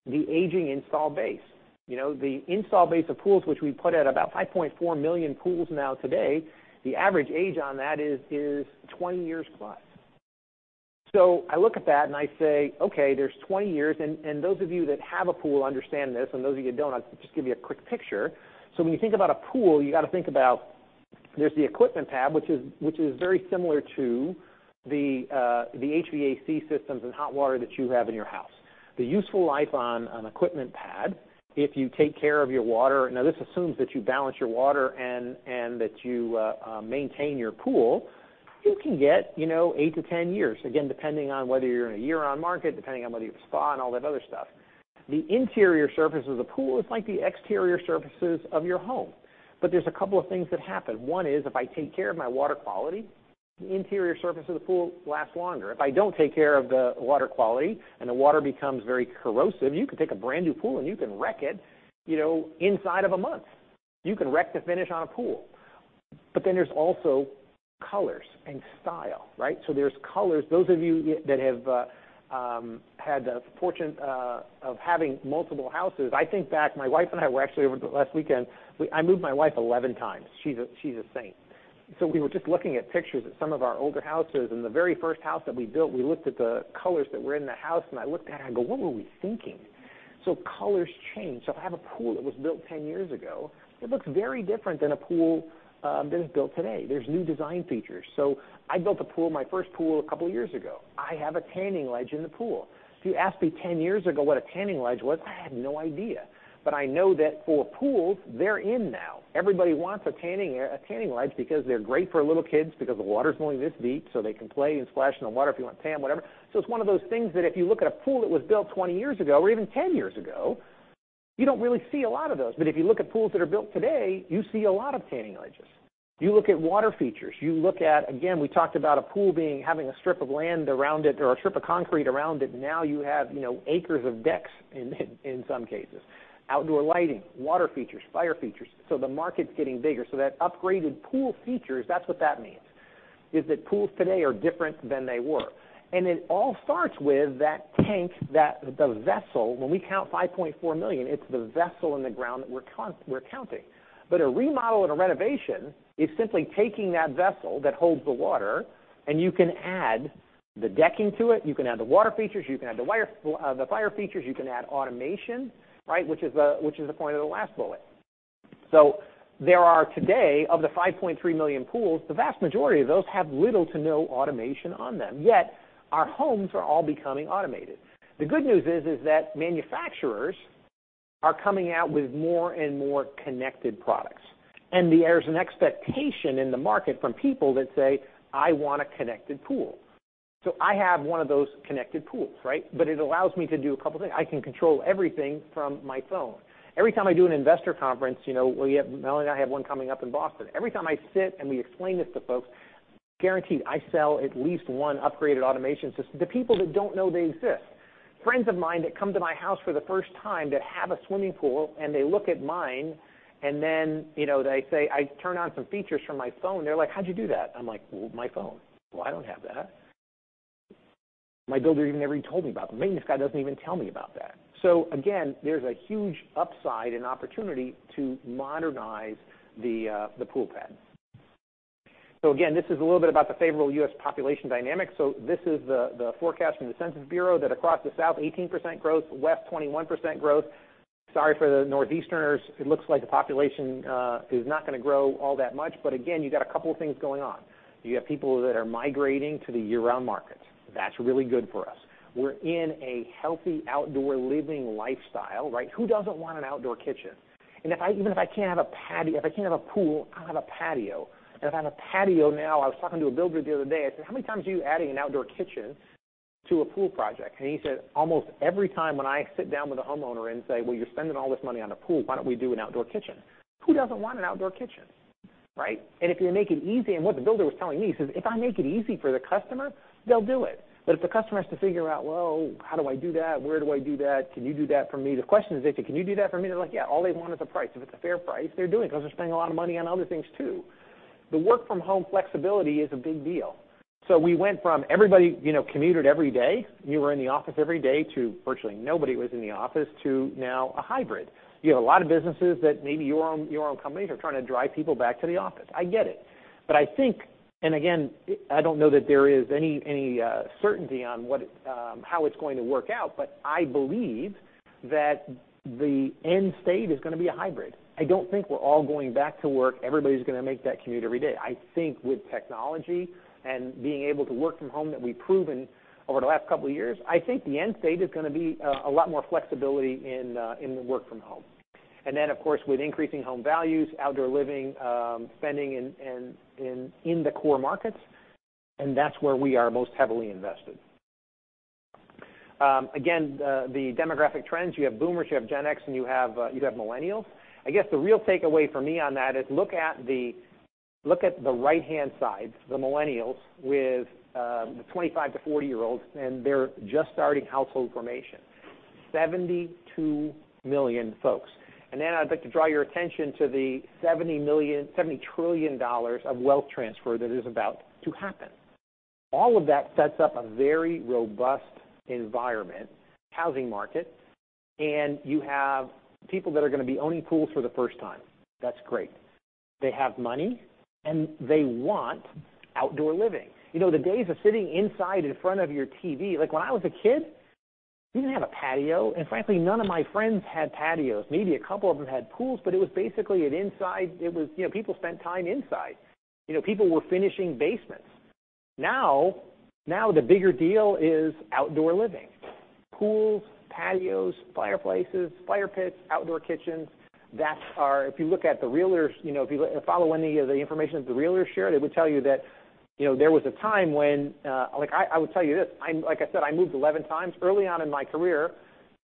Speaker 2: The aging install base. You know, the installed base of pools, which we put at about 5.4 million pools now today, the average age on that is 20 years plus. I look at that, and I say, okay, there's 20 years. Those of you that have a pool understand this, and those of you don't, I'll just give you a quick picture. When you think about a pool, you got to think about there's the equipment pad, which is very similar to the HVAC systems and hot water that you have in your house. The useful life on an equipment pad, if you take care of your water, this assumes that you balance your water and that you maintain your pool. It can get, you know, eight to 10 years, again, depending on whether you're in a year-round market, depending on whether you have a spa and all that other stuff. The interior surface of the pool is like the exterior surfaces of your home. There's a couple of things that happen. One is if I take care of my water quality, the interior surface of the pool lasts longer. If I don't take care of the water quality, and the water becomes very corrosive, you can take a brand-new pool, and you can wreck it, you know, inside of a month. You can wreck the finish on a pool. Then there's also colors and style, right? There's colors. Those of you that have had the fortune of having multiple houses, I think back, my wife and I were actually over last weekend. I moved my wife 11 times. She's a saint. We were just looking at pictures of some of our older houses, and the very first house that we built, we looked at the colors that were in the house, and I looked at it, and I go, "What were we thinking?" Colors change. If I have a pool that was built 10 years ago, it looks very different than a pool that is built today. There's new design features. I built a pool, my first pool, a couple of years ago. I have a tanning ledge in the pool. If you asked me 10 years ago what a tanning ledge was, I had no idea. I know that for pools, they're in now. Everybody wants a tanning ledge because they're great for little kids because the water's only this deep, so they can play and splash in the water if you want to tan, whatever. It's one of those things that if you look at a pool that was built 20 years ago or even 10 years ago, you don't really see a lot of those. If you look at pools that are built today, you see a lot of tanning ledges. You look at water features. You look at, again, we talked about a pool having a strip of land around it or a strip of concrete around it. Now you have, you know, acres of decks in some cases. Outdoor lighting, water features, fire features. The market's getting bigger. That upgraded pool features, that's what that means, is that pools today are different than they were. It all starts with that the vessel. When we count 5.4 million, it's the vessel in the ground that we're counting. A remodel and a renovation is simply taking that vessel that holds the water, and you can add the decking to it. You can add the water features. You can add the fire features. You can add automation, right? Which is, which is the point of the last bullet. There are today, of the 5.3 million pools, the vast majority of those have little to no automation on them, yet our homes are all becoming automated. The good news is that manufacturers are coming out with more and more connected products. There's an expectation in the market from people that say, "I want a connected pool." I have one of those connected pools, right? It allows me to do a couple of things. I can control everything from my phone. Every time I do an investor conference, you know, we have, Melanie and I have one coming up in Boston. Every time I sit, and we explain this to folks. Guaranteed, I sell at least one upgraded automation system to people that don't know they exist. Friends of mine that come to my house for the first time that have a swimming pool, and they look at mine, and then, you know, they say. I turn on some features from my phone, they're like, "How'd you do that?" I'm like, "Well, my phone." "Well, I don't have that. My builder never even told me about that. The maintenance guy doesn't even tell me about that. Again, there's a huge upside and opportunity to modernize the pool pad. Again, this is a little bit about the favorable U.S. population dynamics. This is the forecast from the Census Bureau that across the South, 18% growth, West, 21% growth. Sorry for the Northeasterners, it looks like the population is not gonna grow all that much. Again, you got a couple of things going on. You have people that are migrating to the year-round markets. That's really good for us. We're in a healthy outdoor living lifestyle, right? Who doesn't want an outdoor kitchen? Even if I can't have a patio, if I can't have a pool, I'll have a patio. If I have a patio now, I was talking to a builder the other day. I said, "How many times are you adding an outdoor kitchen to a pool project?" He said, "Almost every time when I sit down with a homeowner and say, 'Well, you're spending all this money on a pool, why don't we do an outdoor kitchen?'" Who doesn't want an outdoor kitchen, right? If you make it easy, and what the builder was telling me, he says, "If I make it easy for the customer, they'll do it. But if the customer has to figure out, well, how do I do that? Where do I do that? Can you do that for me?" The question is if can you do that for me? They're like, "Yeah." All they want is a price. If it's a fair price, they're doing it 'cause they're spending a lot of money on other things too. The work from home flexibility is a big deal. We went from everybody, you know, commuted every day, you were in the office every day, to virtually nobody was in the office, to now a hybrid. You have a lot of businesses that maybe your own, your own companies are trying to drive people back to the office. I get it. I think, and again, I don't know that there is any certainty on how it's going to work out, but I believe that the end state is gonna be a hybrid. I don't think we're all going back to work, everybody's gonna make that commute every day. I think with technology and being able to work from home, that we've proven over the last couple of years, I think the end state is gonna be a lot more flexibility in the work from home. Then, of course, with increasing home values, outdoor living, spending in the core markets, and that's where we are most heavily invested. Again, the demographic trends, you have boomers, you have Gen X, and you have millennials. I guess the real takeaway for me on that is look at the right-hand side, the millennials with the 25- to 40-year-olds, and they're just starting household formation. 72 million folks. Then I'd like to draw your attention to the $70 trillion of wealth transfer that is about to happen. All of that sets up a very robust environment, housing market, and you have people that are gonna be owning pools for the first time. That's great. They have money, and they want outdoor living. You know, the days of sitting inside in front of your TV. Like when I was a kid, we didn't have a patio, and frankly, none of my friends had patios. Maybe a couple of them had pools, but it was basically an inside, you know, people spent time inside. You know, people were finishing basements. Now the bigger deal is outdoor living. Pools, patios, fireplaces, fire pits, outdoor kitchens, that's our. If you look at the realtors, you know, if you follow any of the information that the realtors shared, it would tell you that, you know, there was a time when, like I would tell you this. Like I said, I moved 11 times early on in my career,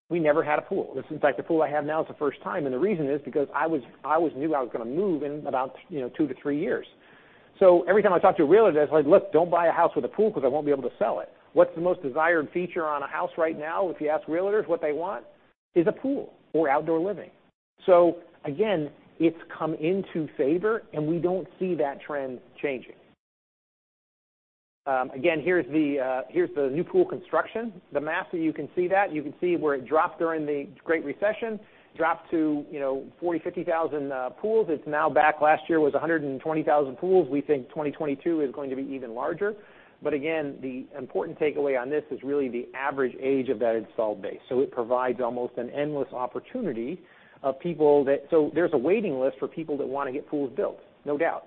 Speaker 2: we never had a pool. This, in fact, the pool I have now is the first time, and the reason is because I was, I always knew I was gonna move in about, you know, 2-3 years. Every time I talk to a realtor, I was like, "Look, don't buy a house with a pool 'cause I won't be able to sell it." What's the most desired feature on a house right now, if you ask realtors what they want, is a pool or outdoor living. Again, it's come into favor, and we don't see that trend changing. Again, here's the new pool construction. The map, so you can see that. You can see where it dropped during the Great Recession, dropped to you know 40,000 pools-50,000 pools. It's now back. Last year was 120,000 pools. We think 2022 is going to be even larger. Again, the important takeaway on this is really the average age of that installed base. It provides almost an endless opportunity of people that. There's a waiting list for people that wanna get pools built, no doubt.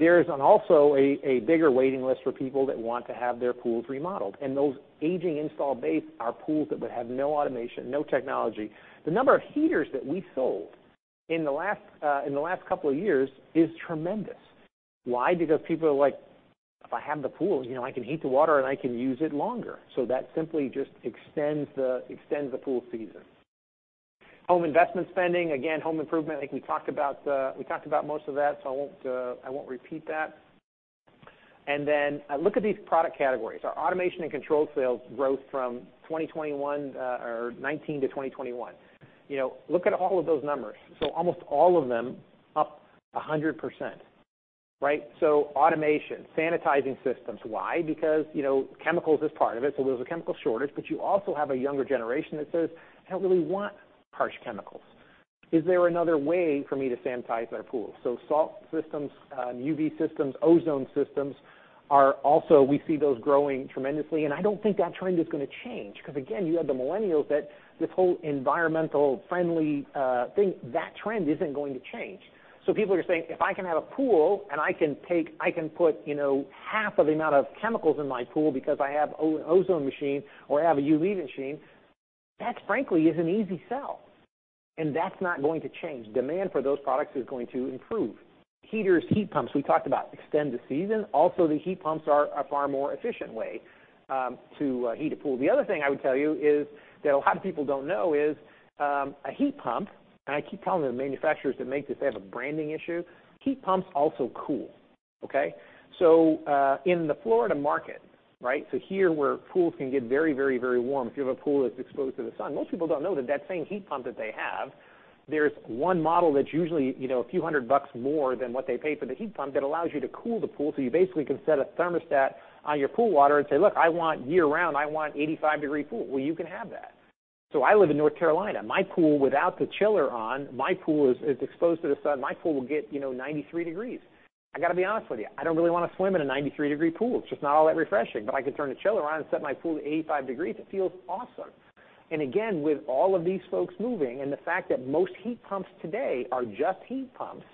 Speaker 2: There is also a bigger waiting list for people that want to have their pools remodeled, and those aging installed base are pools that would have no automation, no technology. The number of heaters that we sold in the last couple of years is tremendous. Why? Because people are like, "If I have the pool, you know, I can heat the water, and I can use it longer." That simply just extends the pool season. Home investment spending, again, home improvement, I think we talked about most of that, I won't repeat that. Then look at these product categories. Our automation and control sales growth from 2021 or 2019 to 2021. You know, look at all of those numbers. Almost all of them up 100%, right? Automation, sanitizing systems. Why? Because, you know, chemicals is part of it, so there was a chemical shortage, but you also have a younger generation that says, "I don't really want harsh chemicals. Is there another way for me to sanitize our pool?" Salt systems, UV systems, ozone systems are also, we see those growing tremendously, and I don't think that trend is gonna change. 'Cause again, you have the millennials that this whole environmentally friendly thing, that trend isn't going to change. People are saying, "If I can have a pool, and I can put, you know, half of the amount of chemicals in my pool because I have an ozone machine or I have a UV machine," that frankly is an easy sell, and that's not going to change. Demand for those products is going to improve. Heaters, heat pumps, we talked about extend the season. Also, the heat pumps are a far more efficient way to heat a pool. The other thing I would tell you is that a lot of people don't know is a heat pump, and I keep telling the manufacturers that make this, they have a branding issue, heat pumps also cool. Okay? In the Florida market, right? Here where pools can get very warm, if you have a pool that's exposed to the sun, most people don't know that that same heat pump that they have, there's one model that's usually, you know, a few hundred bucks more than what they pay for the heat pump that allows you to cool the pool. You basically can set a thermostat on your pool water and say, "Look, I want year-round, I want 85-degree pool." Well, you can have that. I live in North Carolina. My pool without the chiller on, my pool is exposed to the sun. My pool will get, you know, 93 degrees. I gotta be honest with you, I don't really want to swim in a 93-degree pool. It's just not all that refreshing. But I can turn the chiller on and set my pool to 85 degrees. It feels awesome. Again, with all of these folks moving, and the fact that most heat pumps today are just heat pumps,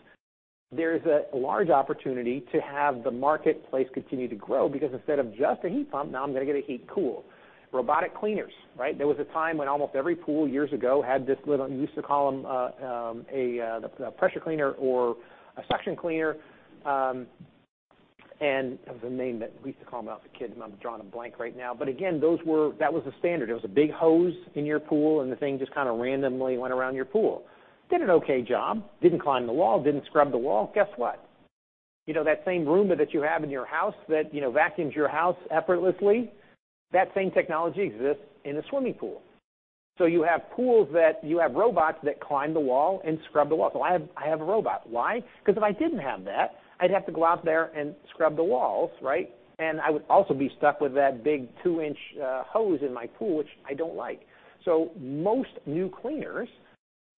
Speaker 2: there's a large opportunity to have the marketplace continue to grow because instead of just a heat pump, now I'm going to get a heat cool. Robotic cleaners, right? There was a time when almost every pool years ago had this little, you used to call them, the pressure cleaner or a suction cleaner, and there was a name that we used to call them as a kid, and I'm drawing a blank right now. But again, those were that was the standard. It was a big hose in your pool, and the thing just kind of randomly went around your pool. Did an okay job, didn't climb the wall, didn't scrub the wall. Guess what? You know that same Roomba that you have in your house that, you know, vacuums your house effortlessly, that same technology exists in a swimming pool. So you have pools that have robots that climb the wall and scrub the wall. So I have a robot. Why? Because if I didn't have that, I'd have to go out there and scrub the walls, right? And I would also be stuck with that big 2-inch hose in my pool, which I don't like. Most new cleaners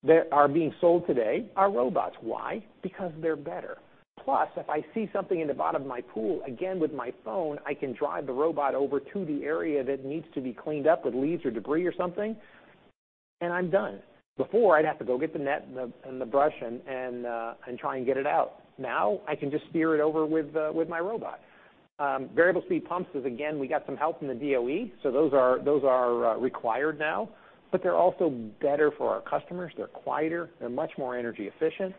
Speaker 2: that are being sold today are robots. Why? Because they're better. Plus, if I see something in the bottom of my pool, again, with my phone, I can drive the robot over to the area that needs to be cleaned up with leaves or debris or something, and I'm done. Before, I'd have to go get the net and the brush and try and get it out. Now, I can just steer it over with my robot. Variable speed pumps is, again, we got some help from the DOE, so those are required now. They're also better for our customers. They're quieter, they're much more energy efficient,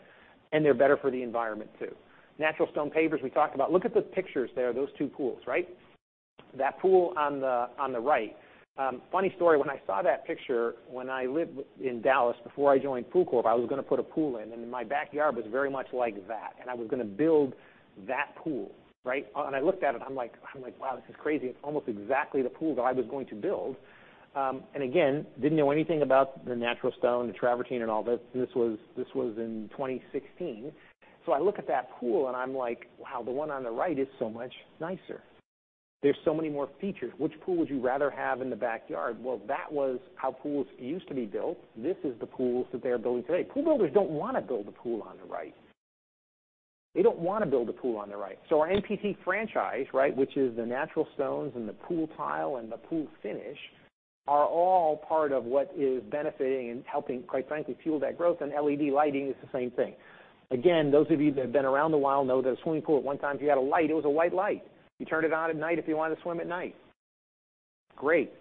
Speaker 2: and they're better for the environment too. Natural stone pavers we talked about. Look at the pictures there, those two pools, right? That pool on the right. Funny story. When I saw that picture when I lived in Dallas before I joined POOLCORP, I was going to put a pool in, and my backyard was very much like that, and I was going to build that pool, right? I looked at it, I'm like, "Wow, this is crazy. It's almost exactly the pool that I was going to build." Again, didn't know anything about the natural stone, the travertine and all this. This was in 2016. I look at that pool and I'm like, "Wow, the one on the right is so much nicer." There's so many more features. Which pool would you rather have in the backyard? Well, that was how pools used to be built. This is the pools that they are building today. Pool builders don't want to build the pool on the right. Our NPT franchise, right, which is the natural stones and the pool tile and the pool finish, are all part of what is benefiting and helping, quite frankly, fuel that growth. LED lighting is the same thing. Again, those of you that have been around a while know that a swimming pool at one time, if you had a light, it was a white light. You turned it on at night if you wanted to swim at night. Great.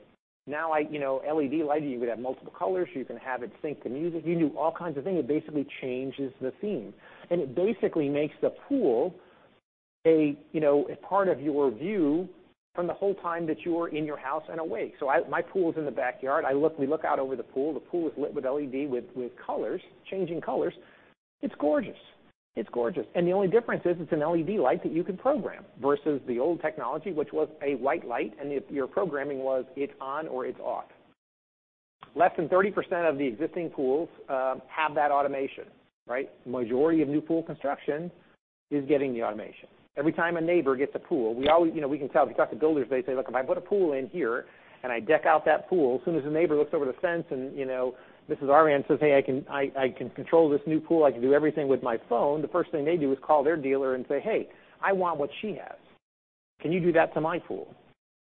Speaker 2: Now, like, you know, LED lighting, you could have multiple colors. You can have it sync to music. You can do all kinds of things. It basically changes the theme, and it basically makes the pool a, you know, a part of your view from the whole time that you are in your house and awake. My pool is in the backyard. We look out over the pool. The pool is lit with LED, with colors, changing colors. It's gorgeous. The only difference is it's an LED light that you can program versus the old technology, which was a white light, and your programming was it's on or it's off. Less than 30% of the existing pools have that automation, right? Majority of new pool construction is getting the automation. Every time a neighbor gets a pool, we always, you know, we can tell. We talk to builders, they say, "Look, if I put a pool in here and I deck out that pool, as soon as the neighbor looks over the fence and, you know, Mrs. Arvan says, 'Hey, I can control this new pool. I can do everything with my phone.' The first thing they do is call their dealer and say, 'Hey, I want what she has. Can you do that to my pool?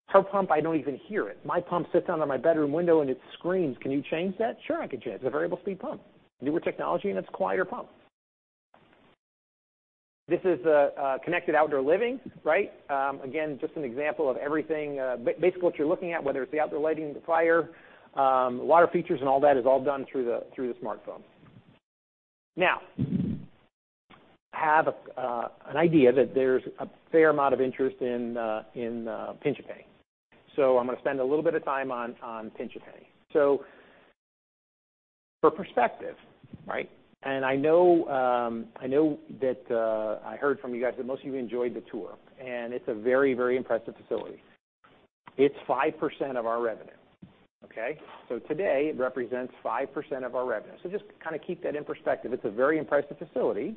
Speaker 2: Her pump, I don't even hear it. My pump sits under my bedroom window and it screams. Can you change that?'" Sure, I can change it. It's a variable speed pump. Newer technology, and it's a quieter pump. This is connected outdoor living, right? Again, just an example of everything. Basically what you're looking at, whether it's the outdoor lighting, the fire, water features and all that is all done through the smartphone. Now, I have an idea that there's a fair amount of interest in Pinch A Penny. I'm going to spend a little bit of time on Pinch A Penny. For perspective, right? I know that I heard from you guys that most of you enjoyed the tour, and it's a very impressive facility. It's 5% of our revenue, okay? Today, it represents 5% of our revenue. Just to kind of keep that in perspective, it's a very impressive facility,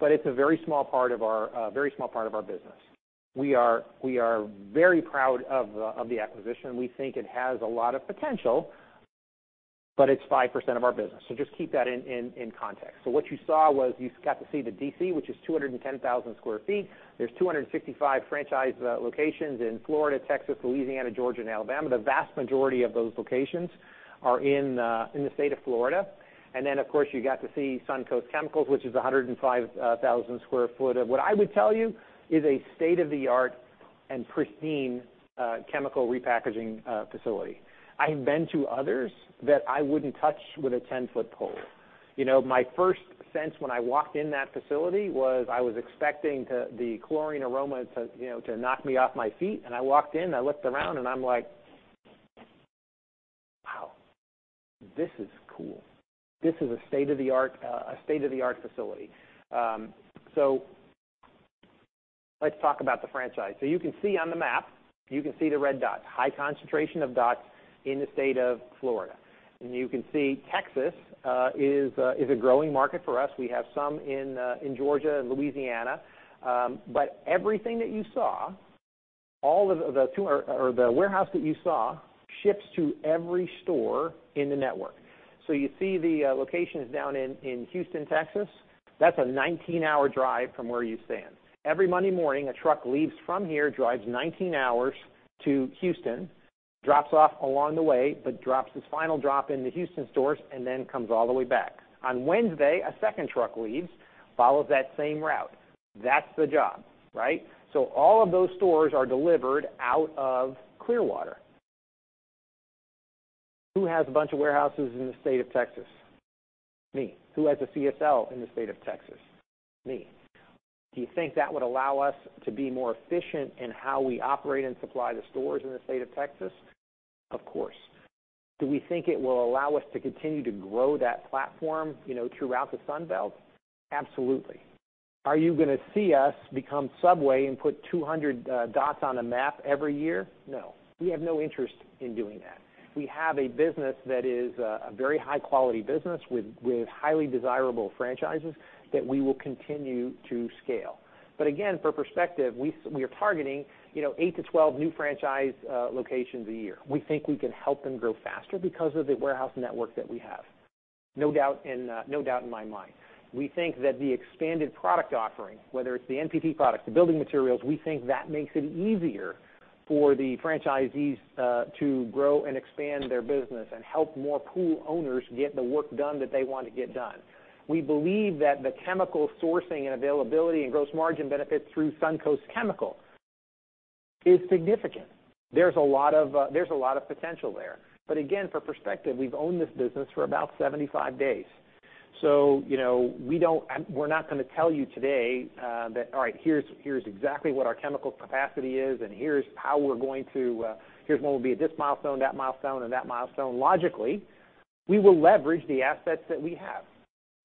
Speaker 2: but it's a very small part of our business. We are very proud of the acquisition. We think it has a lot of potential, but it's 5% of our business, so just keep that in context. What you saw was, you got to see the DC, which is 210,000 sq ft. There are 255 franchise locations in Florida, Texas, Louisiana, Georgia, and Alabama. The vast majority of those locations are in the state of Florida. Then, of course, you got to see Suncoast Chemicals, which is 105,000 sq ft of what I would tell you is a state-of-the-art and pristine chemical repackaging facility. I have been to others that I wouldn't touch with a 10-foot pole. You know, my first sense when I walked in that facility was I was expecting the chlorine aroma to knock me off my feet. I walked in, I looked around, and I'm like, this is cool. This is a state-of-the-art facility. Let's talk about the franchise. You can see on the map, you can see the red dot, high concentration of dots in the state of Florida. You can see Texas is a growing market for us. We have some in Georgia and Louisiana. Everything that you saw, the warehouse that you saw ships to every store in the network. You see the locations down in Houston, Texas. That's a 19-hour drive from where you stand. Every Monday morning, a truck leaves from here, drives 19 hours to Houston, drops off along the way, but drops its final drop in the Houston stores, and then comes all the way back. On Wednesday, a second truck leaves, follows that same route. That's the job, right? All of those stores are delivered out of Clearwater. Who has a bunch of warehouses in the state of Texas? Me. Who has a CSL in the state of Texas? Me. Do you think that would allow us to be more efficient in how we operate and supply the stores in the state of Texas? Of course. Do we think it will allow us to continue to grow that platform, you know, throughout the Sun Belt? Absolutely. Are you gonna see us become Subway and put 200 dots on a map every year? No. We have no interest in doing that. We have a business that is a very high-quality business with highly desirable franchises that we will continue to scale. Again, for perspective, we are targeting, you know, eight to 12 new franchise locations a year. We think we can help them grow faster because of the warehouse network that we have. No doubt in my mind. We think that the expanded product offering, whether it's the NPT product, the building materials, we think that makes it easier for the franchisees to grow and expand their business and help more pool owners get the work done that they want to get done. We believe that the chemical sourcing and availability and gross margin benefits through Suncoast Chemicals is significant. There's a lot of potential there. Again, for perspective, we've owned this business for about 75 days. You know, we're not gonna tell you today that here's exactly what our chemical capacity is, and here's how we're going to, here's when we'll be at this milestone, that milestone, or that milestone. Logically, we will leverage the assets that we have.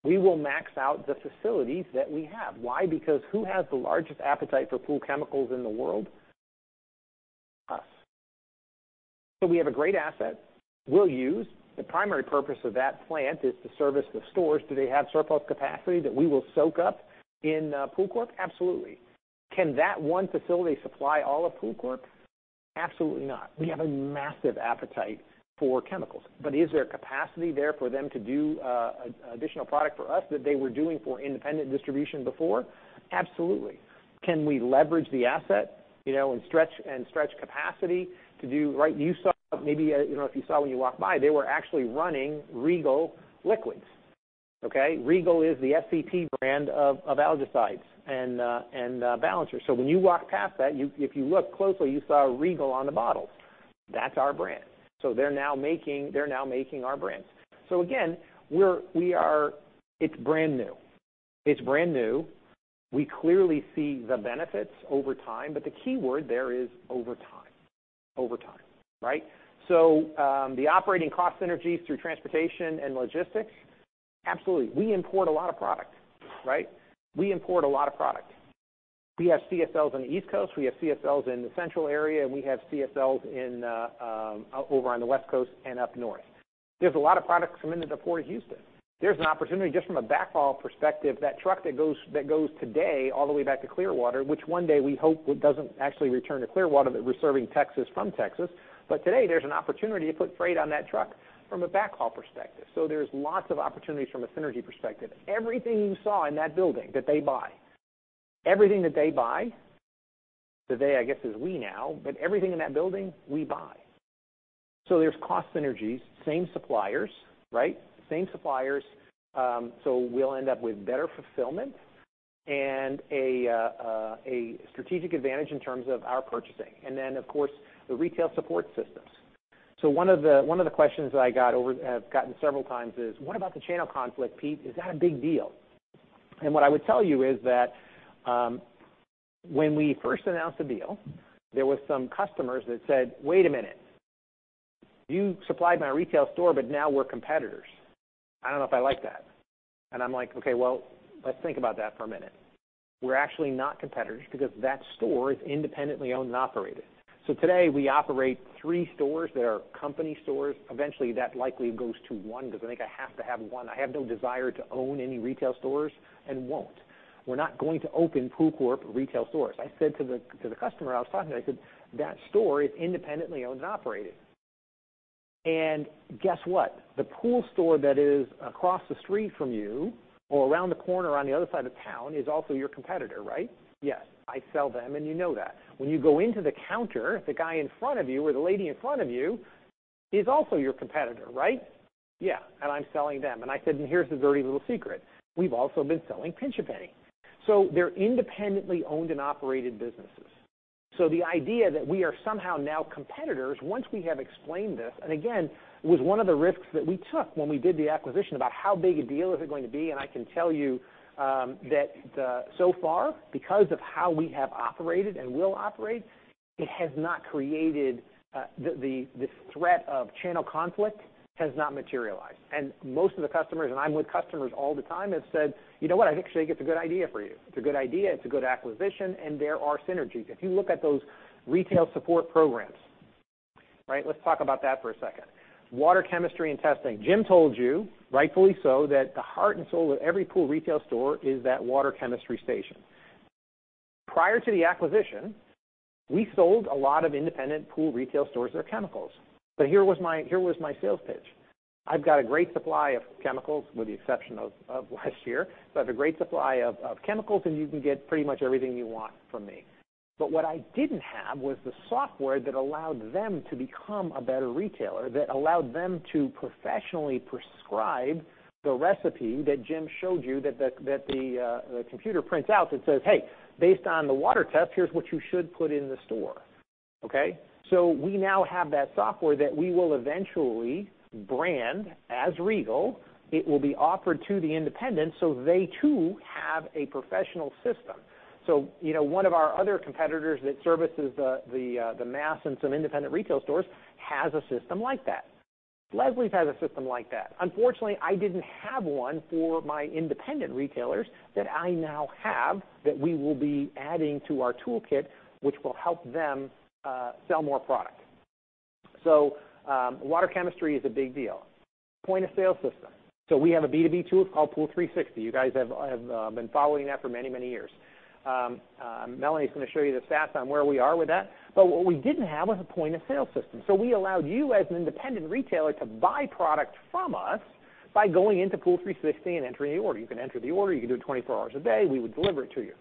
Speaker 2: We will max out the facilities that we have. Why? Because who has the largest appetite for pool chemicals in the world? Us. We have a great asset we'll use. The primary purpose of that plant is to service the stores. Do they have surplus capacity that we will soak up in POOLCORP? Absolutely. Can that one facility supply all of POOLCORP? Absolutely not. We have a massive appetite for chemicals. Is there capacity there for them to do an additional product for us that they were doing for independent distribution before? Absolutely. Can we leverage the asset, you know, and stretch capacity to do right. You saw maybe, you know, if you saw when you walked by, they were actually running Regal liquids, okay? Regal is the SCP brand of algaecides and balancers. When you walk past that, you, if you look closely, you saw Regal on the bottle. That's our brand. They're now making our brands. Again, we are. It's brand new. We clearly see the benefits over time, but the keyword there is over time. Over time, right? The operating cost synergies through transportation and logistics, absolutely. We import a lot of product, right? We import a lot of product. We have CSLs on the East Coast, we have CSLs in the central area, and we have CSLs out over on the West Coast and up north. There's a lot of products coming into the Port of Houston. There's an opportunity just from a backhaul perspective, that truck that goes today all the way back to Clearwater, which one day we hope it doesn't actually return to Clearwater, that we're serving Texas from Texas. Today there's an opportunity to put freight on that truck from a backhaul perspective. There's lots of opportunities from a synergy perspective. Everything you saw in that building that they buy, so they, I guess, is we now, but everything in that building, we buy. There's cost synergies, same suppliers, right? Same suppliers, so we'll end up with better fulfillment and a strategic advantage in terms of our purchasing. Of course, the retail support systems. One of the questions that I have gotten several times is, "What about the channel conflict, Pete? Is that a big deal?" What I would tell you is that, when we first announced the deal, there was some customers that said, "Wait a minute. You supplied my retail store, but now we're competitors. I don't know if I like that." I'm like, "Okay, well, let's think about that for a minute. We're actually not competitors because that store is independently owned and operated." Today we operate three stores that are company stores. Eventually, that likely goes to one because I think I have to have one. I have no desire to own any retail stores, and won't. We're not going to open POOLCORP retail stores. I said to the customer I was talking to, I said, "That store is independently owned and operated. Guess what? The pool store that is across the street from you or around the corner on the other side of town is also your competitor, right? Yes. I sell them, and you know that. When you go into the counter, the guy in front of you or the lady in front of you is also your competitor, right? Yeah. And I'm selling them." I said, "Here's the dirty little secret. We've also been selling Pinch A Penny. They're independently owned and operated businesses. The idea that we are somehow now competitors, once we have explained this, and again, was one of the risks that we took when we did the acquisition about how big a deal is it going to be. I can tell you, so far, because of how we have operated and will operate, it has not created the threat of channel conflict. The threat has not materialized. Most of the customers, and I'm with customers all the time, have said, "You know what? I think [Shake] is a good idea for you." It's a good idea, it's a good acquisition, and there are synergies. If you look at those retail support programs. Right. Let's talk about that for a second. Water chemistry and testing. Jim told you, rightfully so, that the heart and soul of every pool retail store is that water chemistry station. Prior to the acquisition, we sold a lot of independent pool retail stores their chemicals. Here was my sales pitch. I've got a great supply of chemicals with the exception of last year. I have a great supply of chemicals, and you can get pretty much everything you want from me. But what I didn't have was the software that allowed them to become a better retailer, that allowed them to professionally prescribe the recipe that Jim showed you that the computer prints out that says, "Hey, based on the water test, here's what you should put in the store." Okay? We now have that software that we will eventually brand as Regal. It will be offered to the independents, so they too have a professional system. You know, one of our other competitors that services the mass and some independent retail stores has a system like that. Leslie's has a system like that. Unfortunately, I didn't have one for my independent retailers that I now have that we will be adding to our toolkit, which will help them sell more product. Water chemistry is a big deal. Point-of-sale system. We have a B2B tool called POOL360. You guys have been following that for many, many years. Melanie's going to show you the stats on where we are with that. But what we didn't have was a point-of-sale system. We allowed you as an independent retailer to buy product from us by going into POOL360 and entering the order. You can enter the order, you can do it 24 hours a day, we would deliver it to you.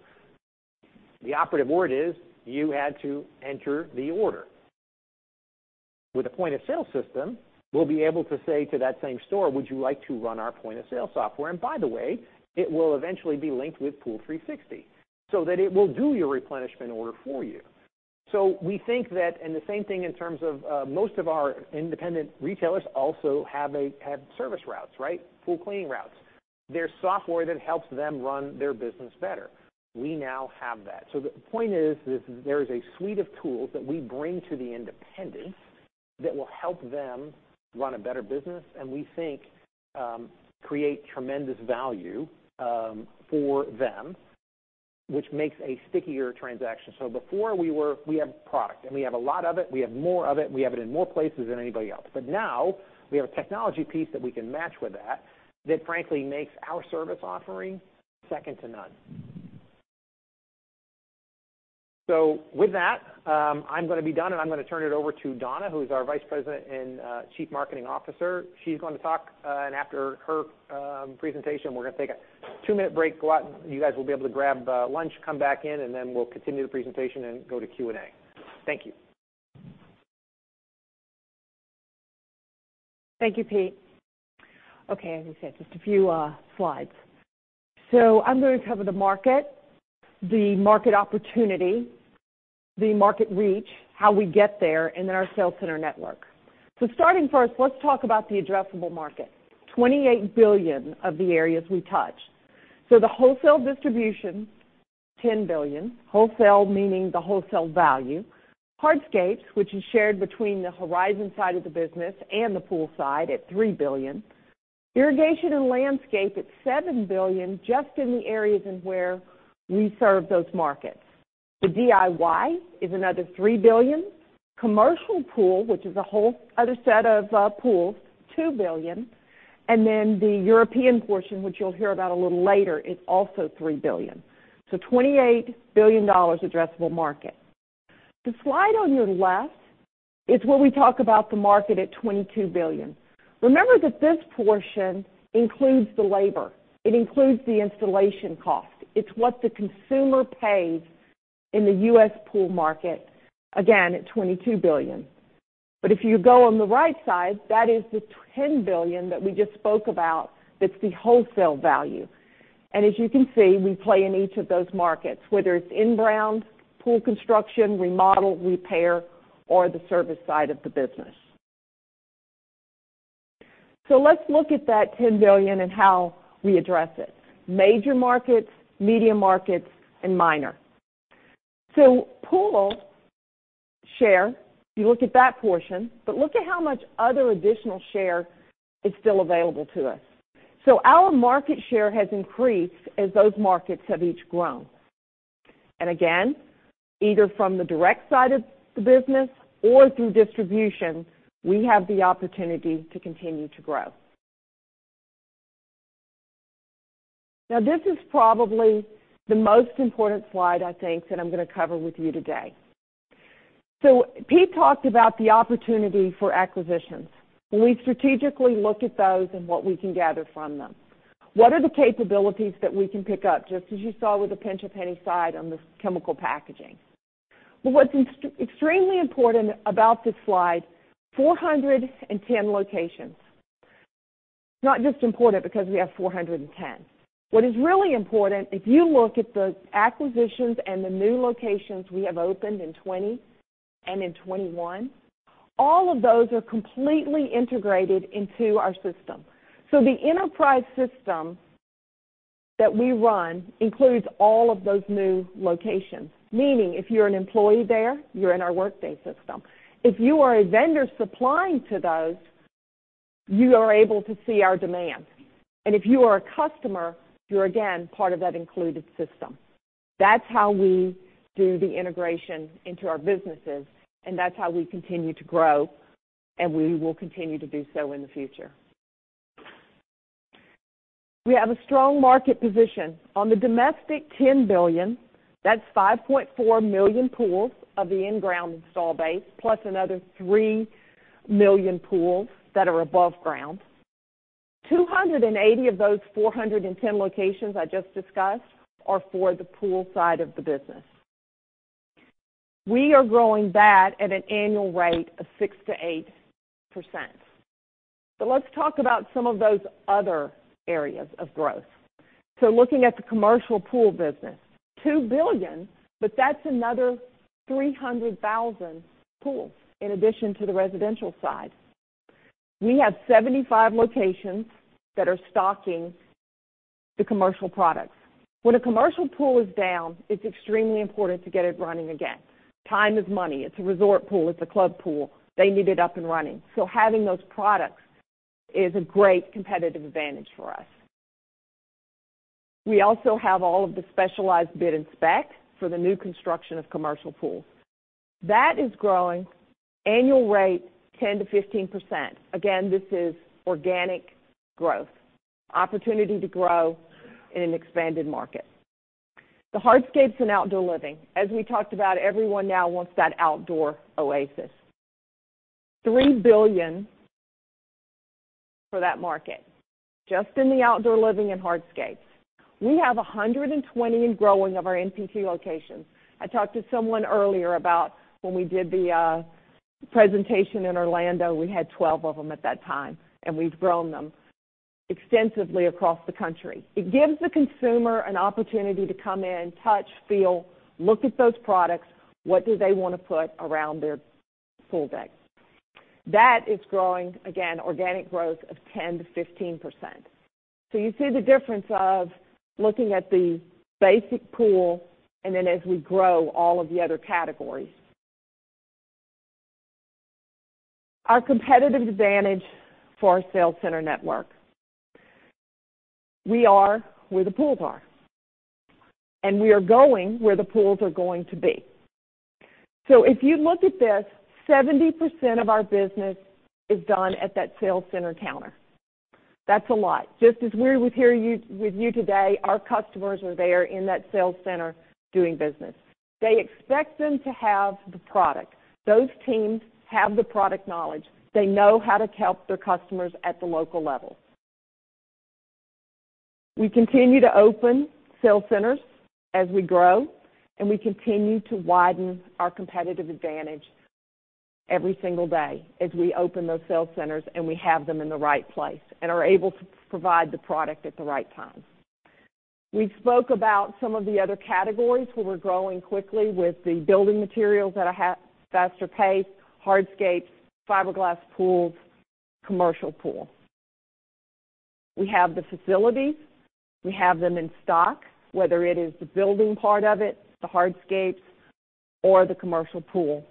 Speaker 2: The operative word is you had to enter the order. With a point-of-sale system, we'll be able to say to that same store, "Would you like to run our point-of-sale software?" And by the way, it will eventually be linked with POOL360, so that it will do your replenishment order for you. We think that, and the same thing in terms of, most of our independent retailers also have service routes, right? Pool cleaning routes. There's software that helps them run their business better. We now have that. The point is, there is a suite of tools that we bring to the independents that will help them run a better business, and we think, create tremendous value, for them, which makes a stickier transaction. Before we were, "We have product, and we have a lot of it, we have more of it, we have it in more places than anybody else." Now we have a technology piece that we can match with that frankly makes our service offering second to none. With that, I'm going to be done, and I'm going to turn it over to Donna, who is our Vice President and Chief Marketing Officer. She's going to talk, and after her presentation, we're going to take a two-minute break. Go out, and you guys will be able to grab lunch, come back in, and then we'll continue the presentation, and go to Q&A. Thank you.
Speaker 3: Thank you, Pete. Okay, as you said, just a few slides. I'm going to cover the market, the market opportunity, the market reach, how we get there, and then our sales center network. Starting first, let's talk about the addressable market. $28 billion of the areas we touch. The wholesale distribution, $10 billion. Wholesale meaning the wholesale value. Hardscapes, which is shared between the Horizon side of the business and the pool side at $3 billion. Irrigation and landscape at $7 billion just in the areas in where we serve those markets. The DIY is another $3 billion. Commercial pool, which is a whole other set of pools, $2 billion. Then the European portion, which you'll hear about a little later, is also $3 billion. $28 billion addressable market. The slide on your left is where we talk about the market at $22 billion. Remember that this portion includes the labor. It includes the installation cost. It's what the consumer pays in the U.S. pool market, again, at $22 billion. If you go on the right side, that is the $10 billion that we just spoke about, that's the wholesale value. As you can see, we play in each of those markets, whether it's in-ground, pool construction, remodel, repair, or the service side of the business. Let's look at that $10 billion and how we address it. Major markets, medium markets, and minor. Pool share, if you look at that portion, but look at how much other additional share is still available to us. Our market share has increased as those markets have each grown. Again, either from the direct side of the business or through distribution, we have the opportunity to continue to grow. Now, this is probably the most important slide, I think, that I'm going to cover with you today. Pete talked about the opportunity for acquisitions, and we strategically look at those and what we can gather from them. What are the capabilities that we can pick up, just as you saw with the Pinch A Penny side on this chemical packaging? Well, what's extremely important about this slide, 410 locations. It's not just important because we have 410. What is really important, if you look at the acquisitions and the new locations we have opened in 2020 and in 2021, all of those are completely integrated into our system. The enterprise system that we run includes all of those new locations. Meaning if you're an employee there, you're in our Workday system. If you are a vendor supplying to those, you are able to see our demands. If you are a customer, you're again, part of that included system. That's how we do the integration into our businesses, and that's how we continue to grow, and we will continue to do so in the future. We have a strong market position. On the domestic $10 billion, that's 5.4 million pools of the in-ground install base, plus another 3 million pools that are above ground. 280 of those 410 locations I just discussed are for the pool side of the business. We are growing that at an annual rate of 6%-8%. Let's talk about some of those other areas of growth. Looking at the commercial pool business, $2 billion, but that's another 300,000 pools in addition to the residential side. We have 75 locations that are stocking the commercial products. When a commercial pool is down, it's extremely important to get it running again. Time is money. It's a resort pool. It's a club pool. They need it up and running. Having those products is a great competitive advantage for us. We also have all of the specialized bid and spec for the new construction of commercial pools. That is growing annual rate 10%-15%. Again, this is organic growth, opportunity to grow in an expanded market. The hardscapes and outdoor living, as we talked about, everyone now wants that outdoor oasis. $3 billion for that market, just in the outdoor living and hardscapes. We have 120 and growing of our NPT locations. I talked to someone earlier about when we did the presentation in Orlando, we had 12 of them at that time, and we've grown them extensively across the country. It gives the consumer an opportunity to come in, touch, feel, look at those products. What do they want to put around their pool deck? That is growing, again, organic growth of 10%-15%. You see the difference of looking at the basic pool and then as we grow all of the other categories. Our competitive advantage for our sales center network. We are where the pools are, and we are going where the pools are going to be. If you look at this, 70% of our business is done at that sales center counter. That's a lot. Just as we're with you today, our customers are there in that sales center doing business. They expect them to have the product. Those teams have the product knowledge. They know how to help their customers at the local level. We continue to open sales centers as we grow, and we continue to widen our competitive advantage every single day as we open those sales centers, and we have them in the right place and are able to provide the product at the right time. We spoke about some of the other categories where we're growing quickly with the building materials at a faster pace, hardscapes, fiberglass pools, commercial pools. We have the facilities. We have them in stock, whether it is the building part of it, the hardscapes or the commercial pool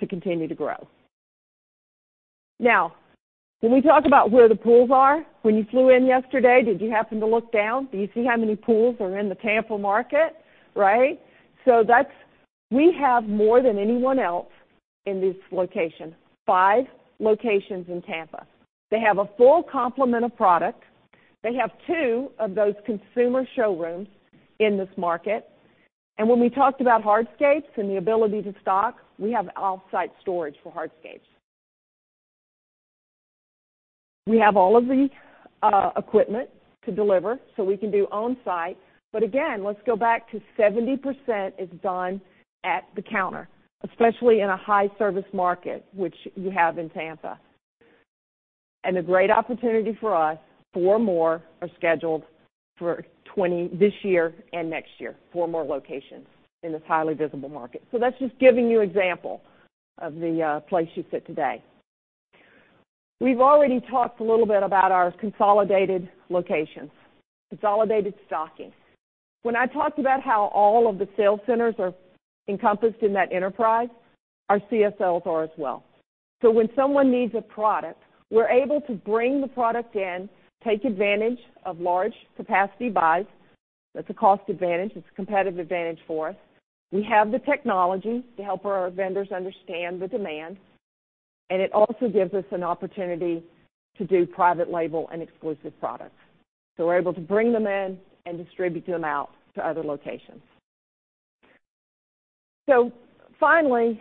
Speaker 3: to continue to grow. Now, when we talk about where the pools are, when you flew in yesterday, did you happen to look down? Do you see how many pools are in the Tampa market, right? We have more than anyone else in this location, five locations in Tampa. They have a full complement of product. They have two of those consumer showrooms in this market. When we talked about hardscapes and the ability to stock, we have off-site storage for hardscapes. We have all of the equipment to deliver, so we can do on-site. Again, let's go back to 70% is done at the counter, especially in a high service market, which you have in Tampa. A great opportunity for us, four more are scheduled for 2024 this year and next year, four more locations in this highly visible market. That's just giving you example of the place you sit today. We've already talked a little bit about our consolidated locations, consolidated stocking. When I talked about how all of the sales centers are encompassed in that enterprise, our CSLs are as well. When someone needs a product, we're able to bring the product in, take advantage of large capacity buys. That's a cost advantage. It's a competitive advantage for us. We have the technology to help our vendors understand the demand, and it also gives us an opportunity to do private label and exclusive products. We're able to bring them in and distribute them out to other locations. Finally,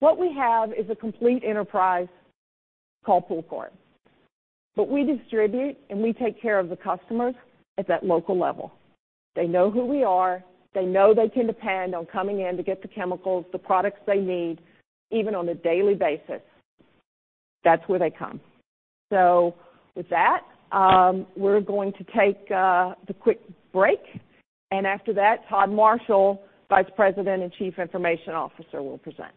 Speaker 3: what we have is a complete enterprise called POOLCORP. We distribute, and we take care of the customers at that local level. They know who we are. They know they can depend on coming in to get the chemicals, the products they need, even on a daily basis. That's where they come. With that, we're going to take the quick break, and after that, Todd Marshall, Vice President and Chief Information Officer, will present.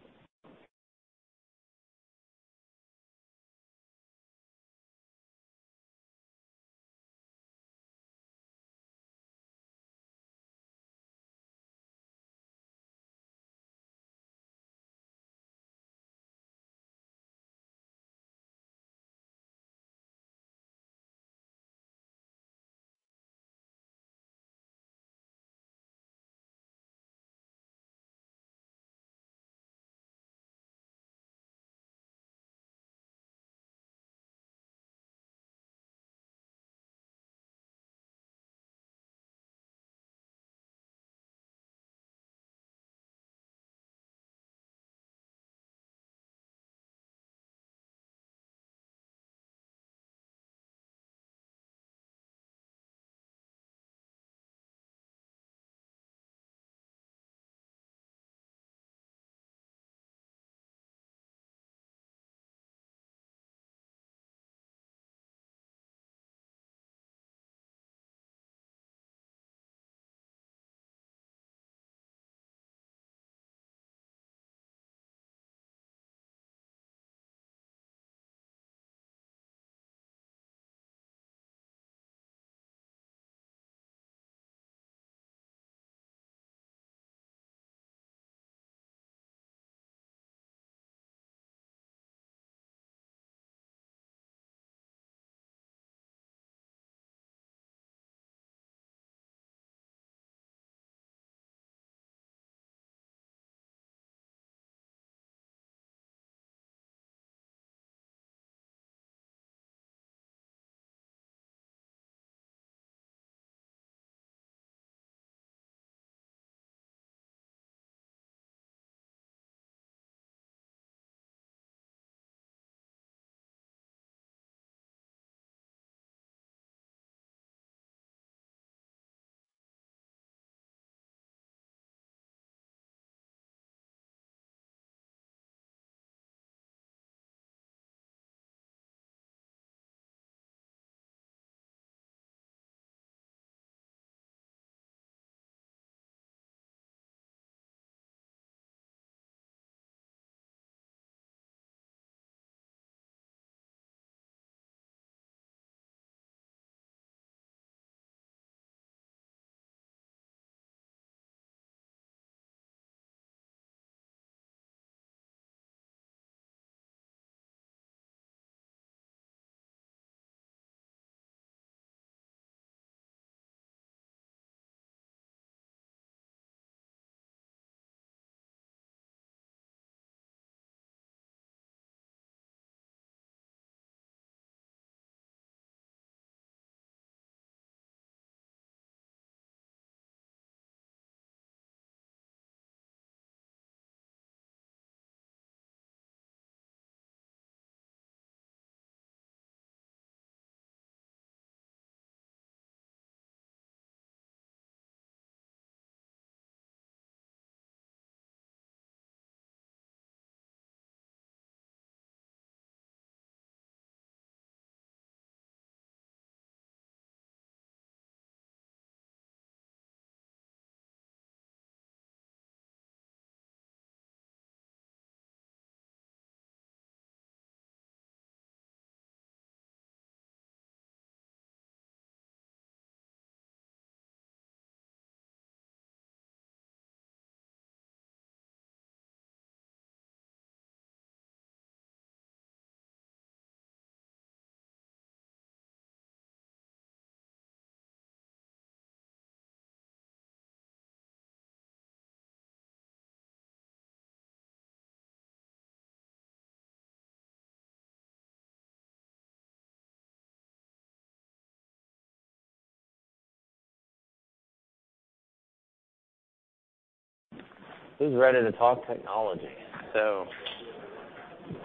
Speaker 4: Who's ready to talk technology? I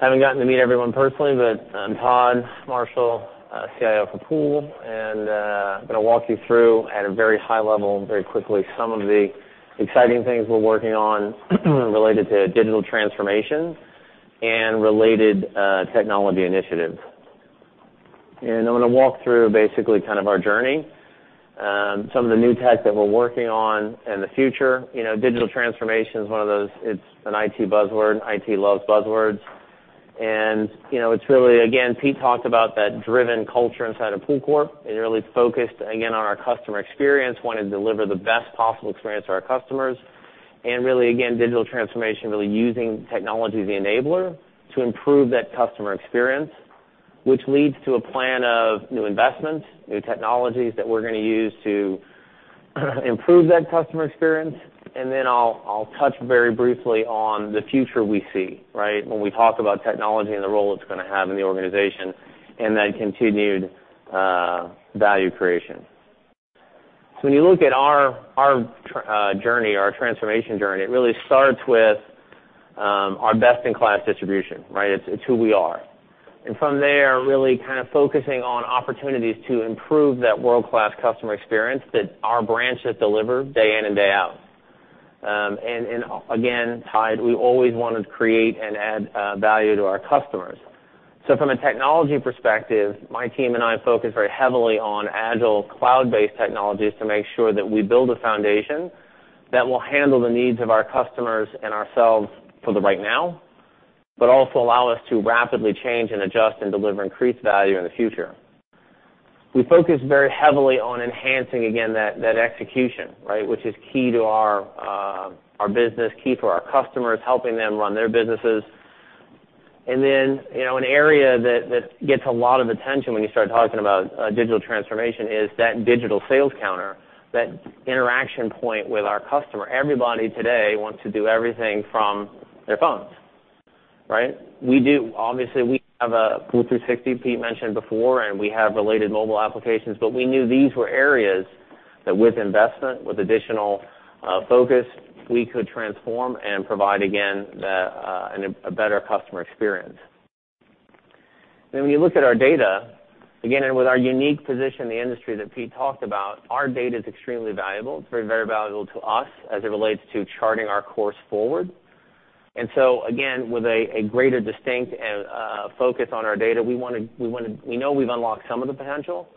Speaker 4: haven't gotten to meet everyone personally, but I'm Todd Marshall, CIO for Pool, and gonna walk you through at a very high level, very quickly, some of the exciting things we're working on related to digital transformation and related technology initiatives. I'm gonna walk through basically kind of our journey, some of the new tech that we're working on and the future. You know, digital transformation is one of those. It's an IT buzzword. IT loves buzzwords. You know, it's really, again, Pete talked about that driven culture inside of POOLCORP, and really focused, again, on our customer experience. Wanna deliver the best possible experience to our customers and really, again, digital transformation, really using technology as the enabler to improve that customer experience, which leads to a plan of new investments, new technologies that we're gonna use to improve that customer experience. I'll touch very briefly on the future we see, right? When we talk about technology and the role it's gonna have in the organization and that continued value creation. When you look at our journey, our transformation journey, it really starts with Our best-in-class distribution, right? It's who we are. From there, really kind of focusing on opportunities to improve that world-class customer experience that our branches deliver day in and day out. And again, tied, we always want to create and add value to our customers. From a technology perspective, my team and I focus very heavily on agile, cloud-based technologies to make sure that we build a foundation that will handle the needs of our customers and ourselves for right now, but also allow us to rapidly change and adjust and deliver increased value in the future. We focus very heavily on enhancing again that execution, right? Which is key to our business, key to our customers, helping them run their businesses. You know, an area that gets a lot of attention when you start talking about digital transformation is that digital sales counter, that interaction point with our customer. Everybody today wants to do everything from their phones, right? We obviously have POOL360 Pete mentioned before, and we have related mobile applications, but we knew these were areas that with investment, with additional focus, we could transform and provide again a better customer experience. When you look at our data, again and with our unique position in the industry that Pete talked about, our data is extremely valuable. It's very, very valuable to us as it relates to charting our course forward. again, with a greater distinct and focus on our data, we wanna we know we've unlocked some of the potential,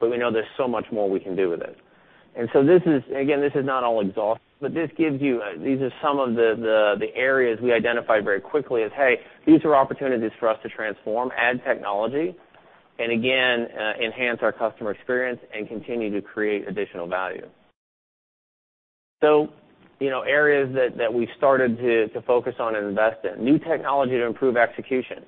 Speaker 4: but we know there's so much more we can do with it. This is not all exhaustive, but this gives you these are some of the areas we identified very quickly as hey, these are opportunities for us to transform, add technology, and again enhance our customer experience and continue to create additional value. You know, areas that we started to focus on and invest in. New technology to improve execution.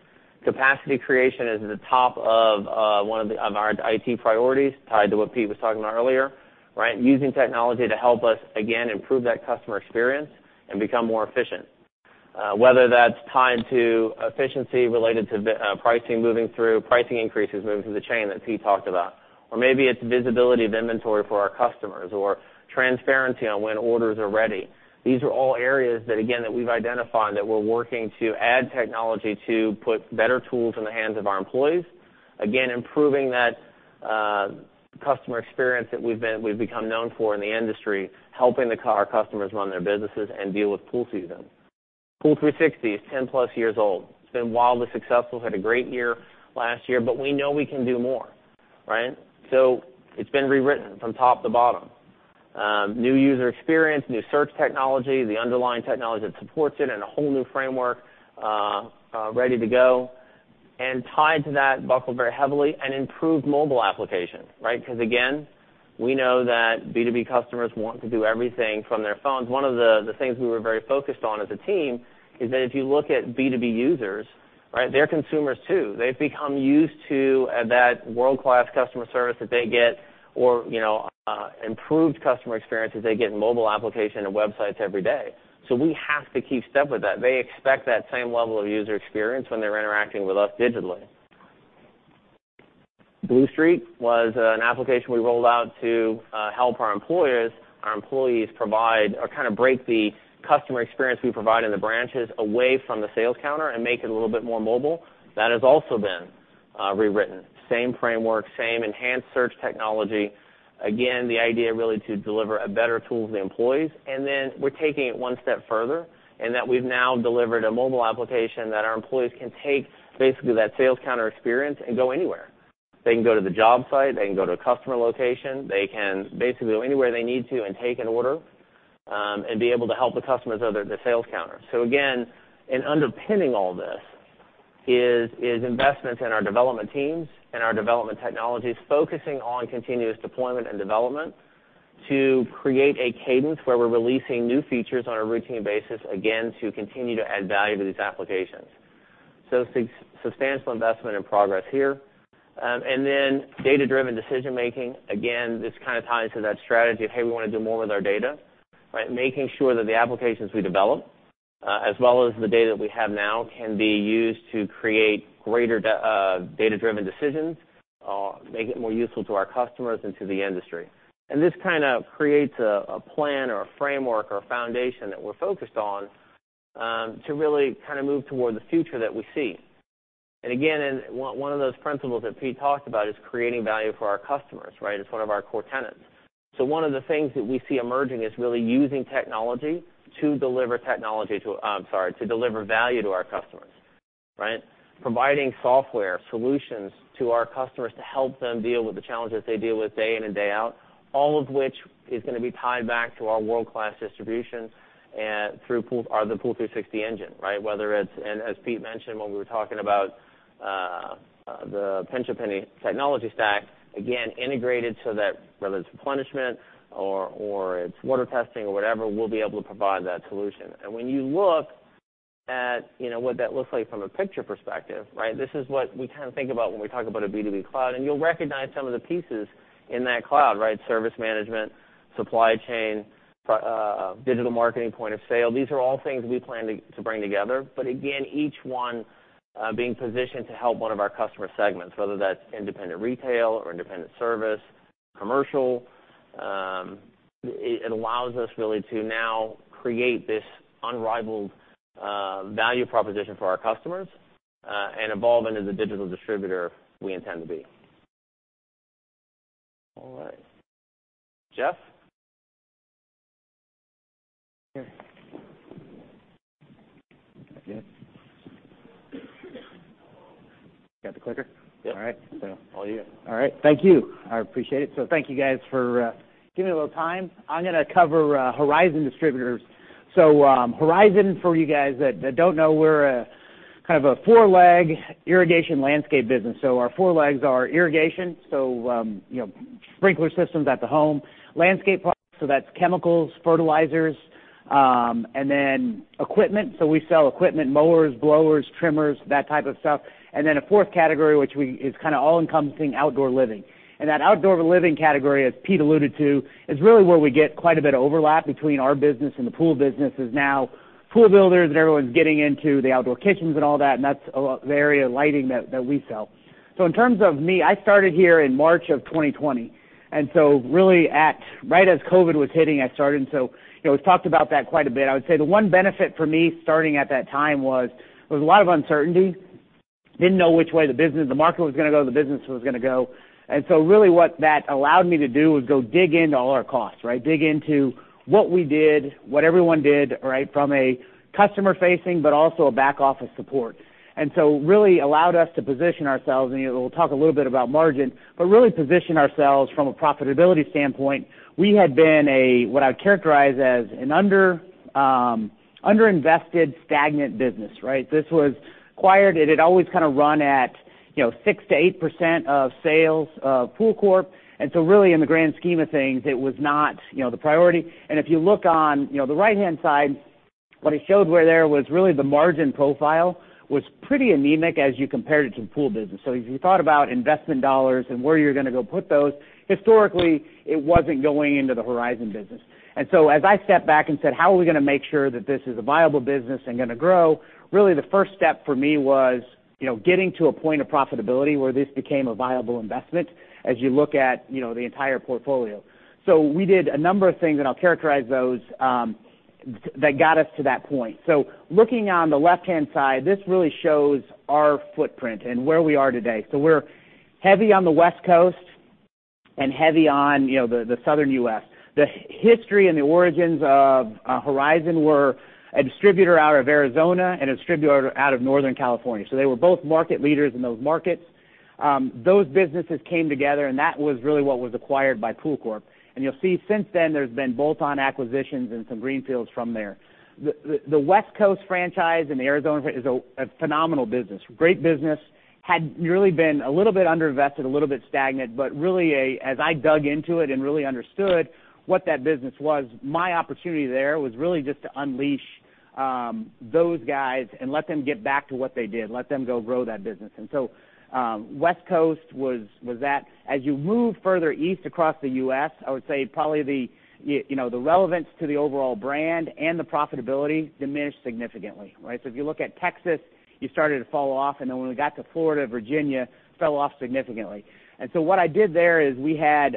Speaker 4: Capacity creation is at the top of one of our IT priorities, tied to what Pete was talking about earlier, right? Using technology to help us again improve that customer experience and become more efficient. Whether that's tied to efficiency related to the pricing increases moving through the chain that Pete talked about, or maybe it's visibility of inventory for our customers, or transparency on when orders are ready. These are all areas that we've identified that we're working to add technology to put better tools in the hands of our employees, again, improving that customer experience that we've become known for in the industry, helping our customers run their businesses and deal with pool season. POOL360 is 10+ years old. It's been wildly successful, had a great year last year, but we know we can do more, right? It's been rewritten from top to bottom. New user experience, new search technology, the underlying technology that supports it and a whole new framework ready to go. Tied to that, coupled very heavily, an improved mobile application, right? 'Cause again, we know that B2B customers want to do everything from their phones. One of the things we were very focused on as a team is that if you look at B2B users, right, they're consumers too. They've become used to that world-class customer service that they get or improved customer experience that they get in mobile applications and websites every day. We have to keep step with that. They expect that same level of user experience when they're interacting with us digitally. Bluestreak was an application we rolled out to help our employees provide or kind of break the customer experience we provide in the branches away from the sales counter and make it a little bit more mobile. That has also been rewritten. Same framework, same enhanced search technology. Again, the idea really to deliver a better tool to the employees. We're taking it one step further in that we've now delivered a mobile application that our employees can take basically that sales counter experience and go anywhere. They can go to the job site, they can go to a customer location, they can basically go anywhere they need to and take an order, and be able to help the customers other than the sales counter. Again, underpinning all this is investments in our development teams and our development technologies, focusing on continuous deployment and development to create a cadence where we're releasing new features on a routine basis, again, to continue to add value to these applications. Substantial investment and progress here. Data-driven decision making. Again, this kind of ties to that strategy of, hey, we wanna do more with our data, right? Making sure that the applications we develop, as well as the data we have now, can be used to create greater data-driven decisions, make it more useful to our customers and to the industry. This kind of creates a plan or a framework or a foundation that we're focused on, to really kind of move toward the future that we see. Again, one of those principles that Pete talked about is creating value for our customers, right? It's one of our core tenets. One of the things that we see emerging is really using technology to deliver technology to, I'm sorry, to deliver value to our customers, right? Providing software solutions to our customers to help them deal with the challenges they deal with day in and day out, all of which is gonna be tied back to our world-class distribution through Pool, or the POOL360 engine, right? Whether it's, and as Pete mentioned when we were talking about the Pinch A Penny technology stack, again, integrated so that whether it's replenishment or it's water testing or whatever, we'll be able to provide that solution. When you look at, you know, what that looks like from a picture perspective, right? This is what we kind of think about when we talk about a B2B cloud, and you'll recognize some of the pieces in that cloud, right? Service management, supply chain, digital marketing, point of sale. These are all things we plan to bring together, but again, each one being positioned to help one of our customer segments, whether that's independent retail or independent service, commercial. It allows us really to now create this unrivaled value proposition for our customers and evolve into the digital distributor we intend to be. All right. Jeff?
Speaker 5: Here. Is that good? Got the clicker?
Speaker 4: Yep.
Speaker 5: All right.
Speaker 4: All you.
Speaker 5: All right. Thank you. I appreciate it. Thank you guys for giving me a little time. I'm gonna cover Horizon Distributors. Horizon, for you guys that don't know, we're a kind of a four-leg irrigation landscape business. Our four legs are irrigation, you know, sprinkler systems at the home. Landscape products, so that's chemicals, fertilizers, and then equipment. We sell equipment, mowers, blowers, trimmers, that type of stuff. And then a fourth category, which is kinda all-encompassing outdoor living. That outdoor living category, as Pete alluded to, is really where we get quite a bit of overlap between our business and the pool business. Now pool builders and everyone's getting into the outdoor kitchens and all that, and that's the area of lighting that we sell. In terms of me, I started here in March 2020. Really right as COVID was hitting, I started. You know, it was talked about that quite a bit. I would say the one benefit for me starting at that time was, there was a lot of uncertainty. Didn't know which way the business, the market was gonna go, the business was gonna go. Really what that allowed me to do was go dig into all our costs, right? Dig into what we did, what everyone did, right, from a customer-facing, but also a back office support. Really allowed us to position ourselves, and you know, we'll talk a little bit about margin, but really position ourselves from a profitability standpoint. We had been a, what I'd characterize as an underinvested, stagnant business, right? This was acquired. It had always kinda run at, you know, 6%-8% of sales of POOLCORP. Really in the grand scheme of things, it was not, you know, the priority. If you look on, you know, the right-hand side, what it showed where there was really the margin profile was pretty anemic as you compared it to the pool business. If you thought about investment dollars and where you're gonna go put those, historically, it wasn't going into the Horizon business. As I stepped back and said, "How are we gonna make sure that this is a viable business and gonna grow?" Really the first step for me was, you know, getting to a point of profitability where this became a viable investment as you look at, you know, the entire portfolio. We did a number of things, and I'll characterize those that got us to that point. Looking on the left-hand side, this really shows our footprint and where we are today. We're heavy on the West Coast and heavy on, you know, the Southern U.S. The history and the origins of Horizon were a distributor out of Arizona and a distributor out of Northern California. They were both market leaders in those markets. Those businesses came together, and that was really what was acquired by POOLCORP. You'll see since then there's been bolt-on acquisitions and some greenfields from there. The West Coast franchise and the Arizona is a phenomenal business. Great business. had really been a little bit underinvested, a little bit stagnant, but really, as I dug into it and really understood what that business was, my opportunity there was really just to unleash those guys and let them get back to what they did, let them go grow that business. West Coast was that. As you move further east across the U.S., I would say probably you know, the relevance to the overall brand and the profitability diminished significantly, right? If you look at Texas, you started to fall off, and then when we got to Florida, Virginia, fell off significantly. What I did there is we had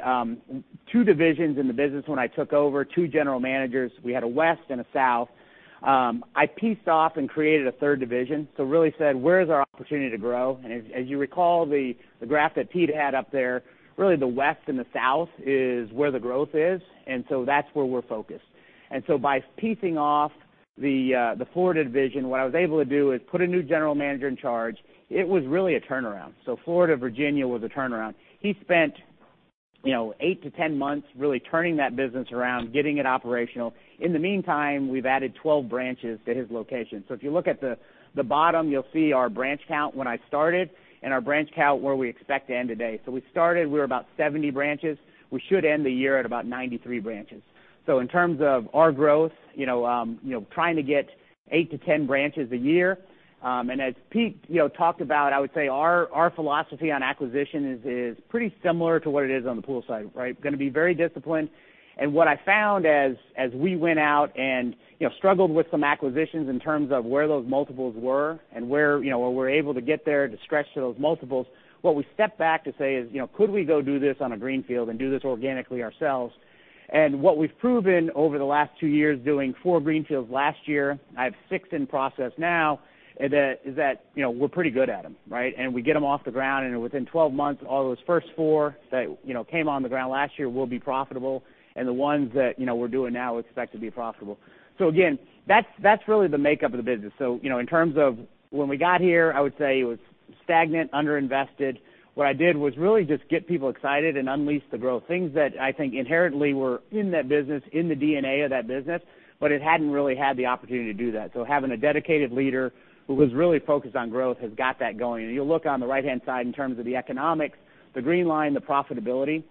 Speaker 5: two divisions in the business when I took over, two general managers. We had a West and a South. I pieced off and created a third division, so really said, "Where's our opportunity to grow?" As you recall, the graph that Pete had up there, really the West and the South is where the growth is, and that's where we're focused. By piecing off the Florida division, what I was able to do is put a new general manager in charge. It was really a turnaround. Florida/Virginia was a turnaround. He spent, you know, 8-10 months really turning that business around, getting it operational. In the meantime, we've added 12 branches to his location. If you look at the bottom, you'll see our branch count when I started and our branch count where we expect to end today. We started, we were about 70 branches. We should end the year at about 93 branches. In terms of our growth, you know, trying to get 8-10 branches a year. As Pete, you know, talked about, I would say our philosophy on acquisition is pretty similar to what it is on the pool side, right? Gonna be very disciplined. What I found as we went out and, you know, struggled with some acquisitions in terms of where those multiples were and where, you know, were we able to get there to stretch to those multiples, what we stepped back to say is, you know, "Could we go do this on a greenfield and do this organically ourselves?" What we've proven over the last two years doing four greenfields last year, I have six in process now, is that, you know, we're pretty good at them, right? We get them off the ground, and within 12 months, all those first four that, you know, came on the ground last year will be profitable, and the ones that, you know, we're doing now we expect to be profitable. Again, that's really the makeup of the business. You know, in terms of when we got here, I would say it was stagnant, underinvested. What I did was really just get people excited and unleash the growth, things that I think inherently were in that business, in the DNA of that business, but it hadn't really had the opportunity to do that. Having a dedicated leader who was really focused on growth has got that going. You'll look on the right-hand side in terms of the economics, the green line, the profitability,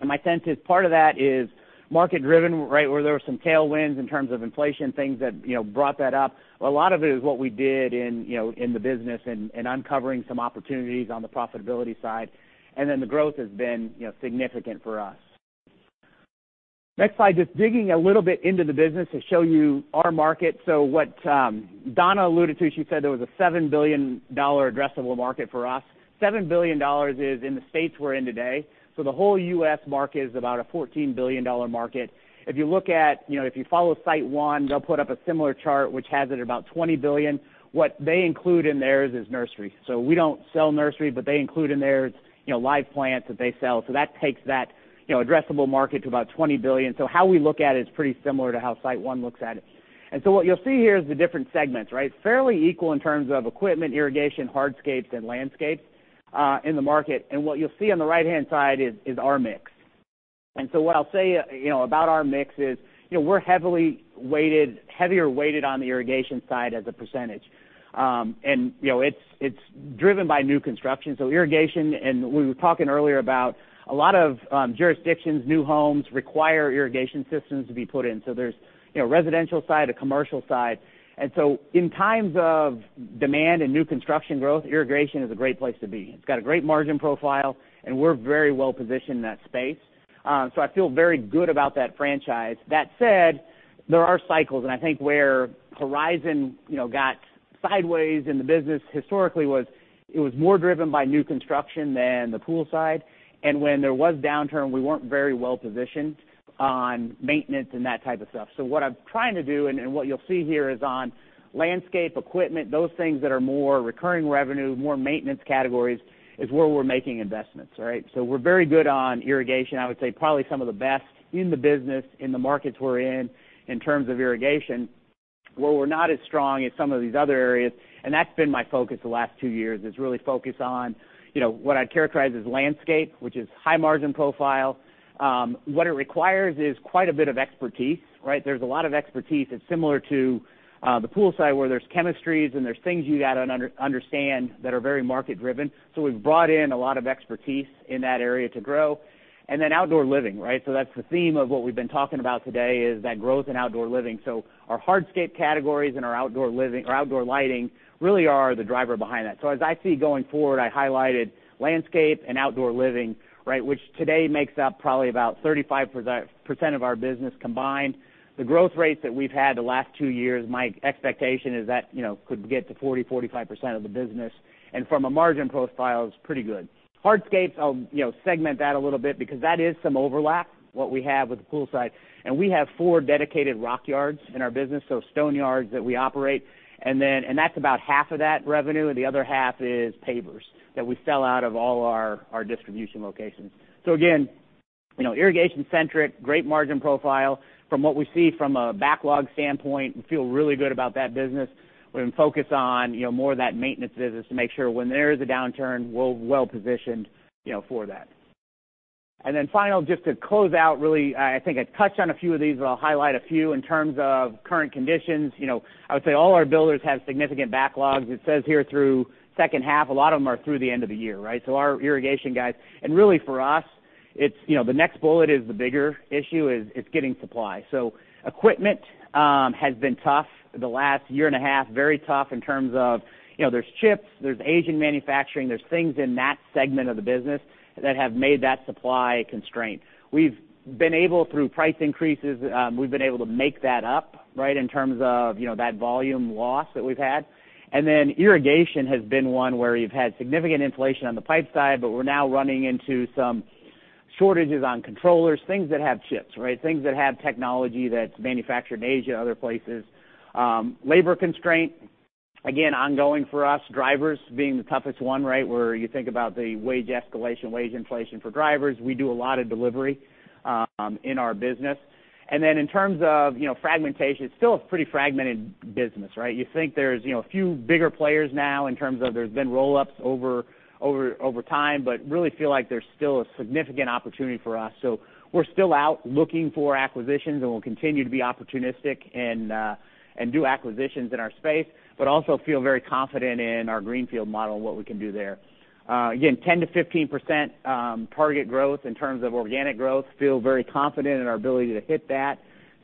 Speaker 5: and my sense is part of that is market-driven, right, where there were some tailwinds in terms of inflation, things that, you know, brought that up. A lot of it is what we did in, you know, in the business and uncovering some opportunities on the profitability side. The growth has been, you know, significant for us. Next slide, just digging a little bit into the business to show you our market. So what Donna alluded to, she said there was a $7 billion addressable market for us. $7 billion is in the states we're in today. So the whole U.S. market is about a $14 billion market. If you look at, you know, if you follow SiteOne, they'll put up a similar chart, which has it at about $20 billion. What they include in theirs is nursery. We don't sell nursery, but they include in theirs, you know, live plants that they sell. That takes that, you know, addressable market to about $20 billion. How we look at it is pretty similar to how SiteOne looks at it. What you'll see here is the different segments, right? Fairly equal in terms of equipment, irrigation, hardscapes, and landscape in the market. What you'll see on the right-hand side is our mix. What I'll say, you know, about our mix is, you know, we're heavily weighted, heavier weighted on the irrigation side as a percentage. You know, it's driven by new construction. Irrigation, and we were talking earlier about a lot of jurisdictions. New homes require irrigation systems to be put in. There's, you know, a residential side, a commercial side. In times of demand and new construction growth, irrigation is a great place to be. It's got a great margin profile, and we're very well positioned in that space. I feel very good about that franchise. That said, there are cycles, and I think where Horizon, you know, got sideways in the business historically was it was more driven by new construction than the pool side. When there was downturn, we weren't very well positioned on maintenance and that type of stuff. What I'm trying to do and what you'll see here is on landscape, equipment, those things that are more recurring revenue, more maintenance categories, is where we're making investments, right? We're very good on irrigation. I would say probably some of the best in the business, in the markets we're in terms of irrigation. Where we're not as strong is some of these other areas, and that's been my focus the last two years, is really focus on, you know, what I'd characterize as landscape, which is high margin profile. What it requires is quite a bit of expertise, right? There's a lot of expertise. It's similar to the pool side, where there's chemistries and there's things you gotta understand that are very market driven. We've brought in a lot of expertise in that area to grow. Then outdoor living, right? That's the theme of what we've been talking about today, is that growth in outdoor living. Our hardscape categories and our outdoor living, or outdoor lighting really are the driver behind that. As I see going forward, I highlighted landscape and outdoor living, right? Which today makes up probably about 35% of our business combined. The growth rates that we've had the last two years, my expectation is that, you know, could get to 40%-45% of the business, and from a margin profile is pretty good. Hardscapes, I'll, you know, segment that a little bit because that is some overlap, what we have with the pool side, and we have four dedicated rock yards in our business, so stone yards that we operate. And that's about half of that revenue, the other half is pavers that we sell out of all our distribution locations. Again, you know, irrigation centric, great margin profile. From what we see from a backlog standpoint, we feel really good about that business. We're gonna focus on, you know, more of that maintenance business to make sure when there is a downturn, we're well positioned, you know, for that. Then finally, just to close out, really, I think I touched on a few of these, but I'll highlight a few in terms of current conditions. You know, I would say all our builders have significant backlogs. It says here through second half, a lot of them are through the end of the year, right? Our irrigation guys. Really for us, it's, you know, the next bullet is the bigger issue, is getting supply. Equipment has been tough the last year and a half, very tough in terms of, you know, there's chips, there's Asian manufacturing, there's things in that segment of the business that have made that supply constrained. We've been able, through price increases, we've been able to make that up, right? In terms of, you know, that volume loss that we've had. Irrigation has been one where you've had significant inflation on the pipe side, but we're now running into some shortages on controllers, things that have chips, right? Things that have technology that's manufactured in Asia and other places. Labor constraint, again, ongoing for us, drivers being the toughest one, right? Where you think about the wage escalation, wage inflation for drivers. We do a lot of delivery in our business. In terms of, you know, fragmentation, it's still a pretty fragmented business, right? You think there's, you know, a few bigger players now in terms of there's been roll-ups over time, but really feel like there's still a significant opportunity for us. We're still out looking for acquisitions, and we'll continue to be opportunistic and do acquisitions in our space, but also feel very confident in our greenfield model and what we can do there. Again, 10%-15% target growth in terms of organic growth. Feel very confident in our ability to hit that.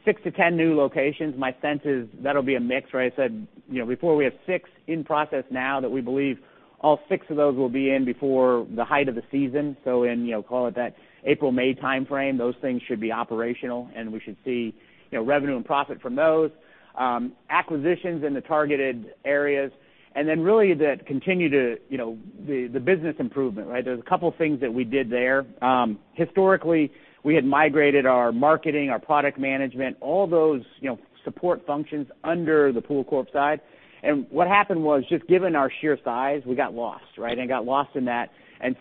Speaker 5: 6-10 new locations. My sense is that'll be a mix, right? I said, you know, before we have six in process now that we believe all six of those will be in before the height of the season. In, you know, call it that April-May timeframe, those things should be operational, and we should see, you know, revenue and profit from those. Acquisitions in the targeted areas, and then really the continued business improvement, right? There's a couple things that we did there. Historically, we had migrated our marketing, our product management, all those, you know, support functions under the POOLCORP side. What happened was, just given our sheer size, we got lost, right? Got lost in that.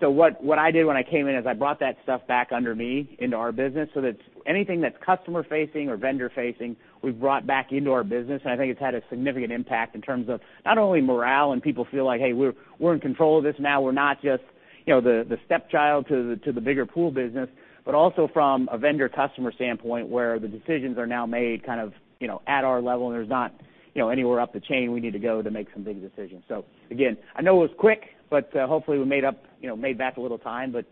Speaker 5: What I did when I came in is I brought that stuff back under me into our business so that anything that's customer facing or vendor facing, we've brought back into our business. I think it's had a significant impact in terms of not only morale and people feel like, hey, we're in control of this now. We're not just, you know, the stepchild to the bigger pool business. But also from a vendor-customer standpoint, where the decisions are now made kind of, you know, at our level, and there's not, you know, anywhere up the chain we need to go to make some big decisions. So again, I know it was quick, but hopefully we made up, you know, made back a little time, but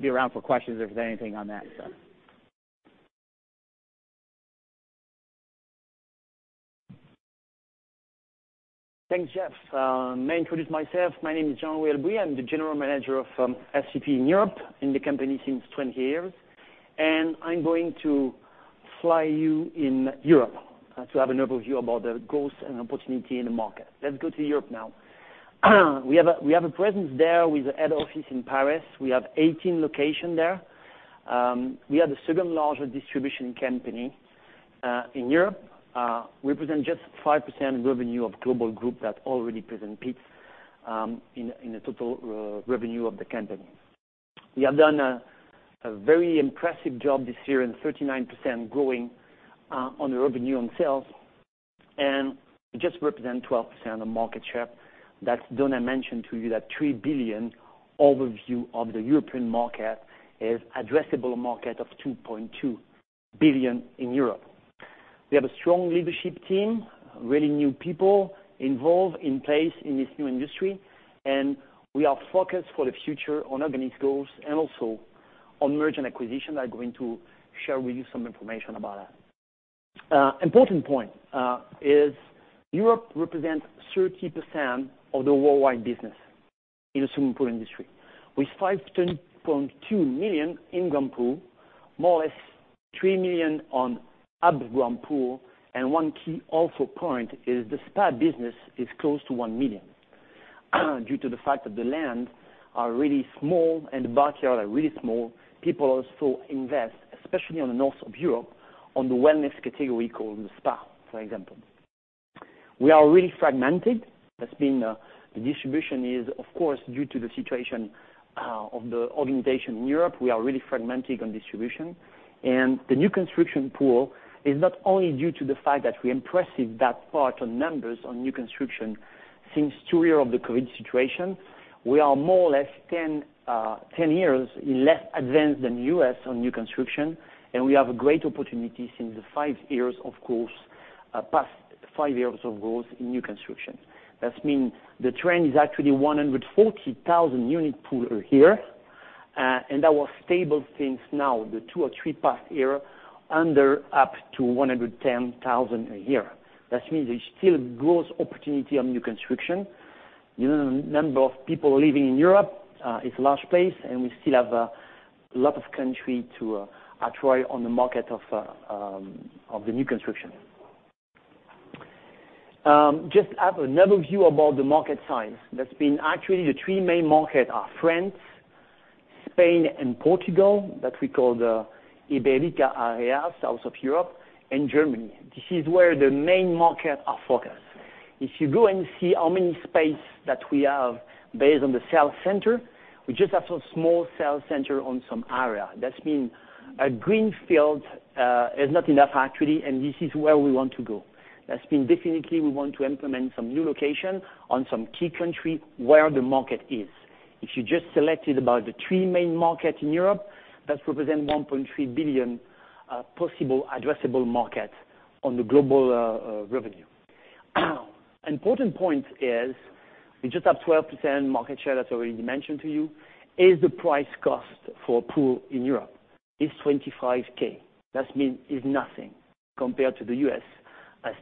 Speaker 5: be around for questions if there's anything on that.
Speaker 6: Thanks, Jeff. May I introduce myself. My name is Jean-Louis Albouy. I'm the General Manager of SCP in Europe, in the company since 20 years. I'm going to fly you in Europe to have an overview about the growth and opportunity in the market. Let's go to Europe now. We have a presence there with a head office in Paris. We have 18 locations there. We are the second-largest distribution company in Europe. We represent just 5% revenue of global group that already represents 5% in the total revenue of the company. We have done a very impressive job this year in 39% growing on the revenue on sales, and it just represents 12% of market share. As Donna mentioned to you that $3 billion overview of the European market is addressable market of $2.2 billion in Europe. We have a strong leadership team, really new people involved in place in this new industry, and we are focused for the future on organic growth and also on merger and acquisition. I'm going to share with you some information about that. Important point is Europe represents 30% of the worldwide business in the swimming pool industry. With 5.2 million in-ground pools, more or less 3 million above-ground pools, and one key point also is the spa business is close to 1 million. Due to the fact that the lands are really small and the backyards are really small, people also invest, especially in the north of Europe, in the wellness category called the spa, for example. We are really fragmented. That's been the distribution is, of course, due to the situation of the orientation in Europe, we are really fragmented on distribution. The new construction pool is not only due to the fact that we've missed that part on numbers on new construction since two years of the COVID situation. We are more or less 10 years less advanced than U.S. on new construction, and we have great opportunities in the past five years of growth in new construction. That means the trend is actually 140,000 unit pool a year, and that's been stable, the past two or three years, down to 110,000 a year. That means there's still growth opportunity on new construction. You know, the number of people living in Europe, it's a large place, and we still have a lot of countries to try the market of the new construction. Just add another view about the market size. That's actually the three main markets are France, Spain, and Portugal, that we call the Iberian area, south of Europe, and Germany. This is where the main markets are focused. If you go and see how many spaces that we have based on the sales centers, we just have a small sales center in some areas. That means a greenfield is not enough actually, and this is where we want to go. That's definitely we want to implement some new locations in some key countries where the market is. If you just selected about the three main market in Europe, that represent $1.3 billion possible addressable market on the global revenue. Important point is we just have 12% market share, that's already mentioned to you. The price cost for a pool in Europe is $25,000. That means it's nothing compared to the U.S.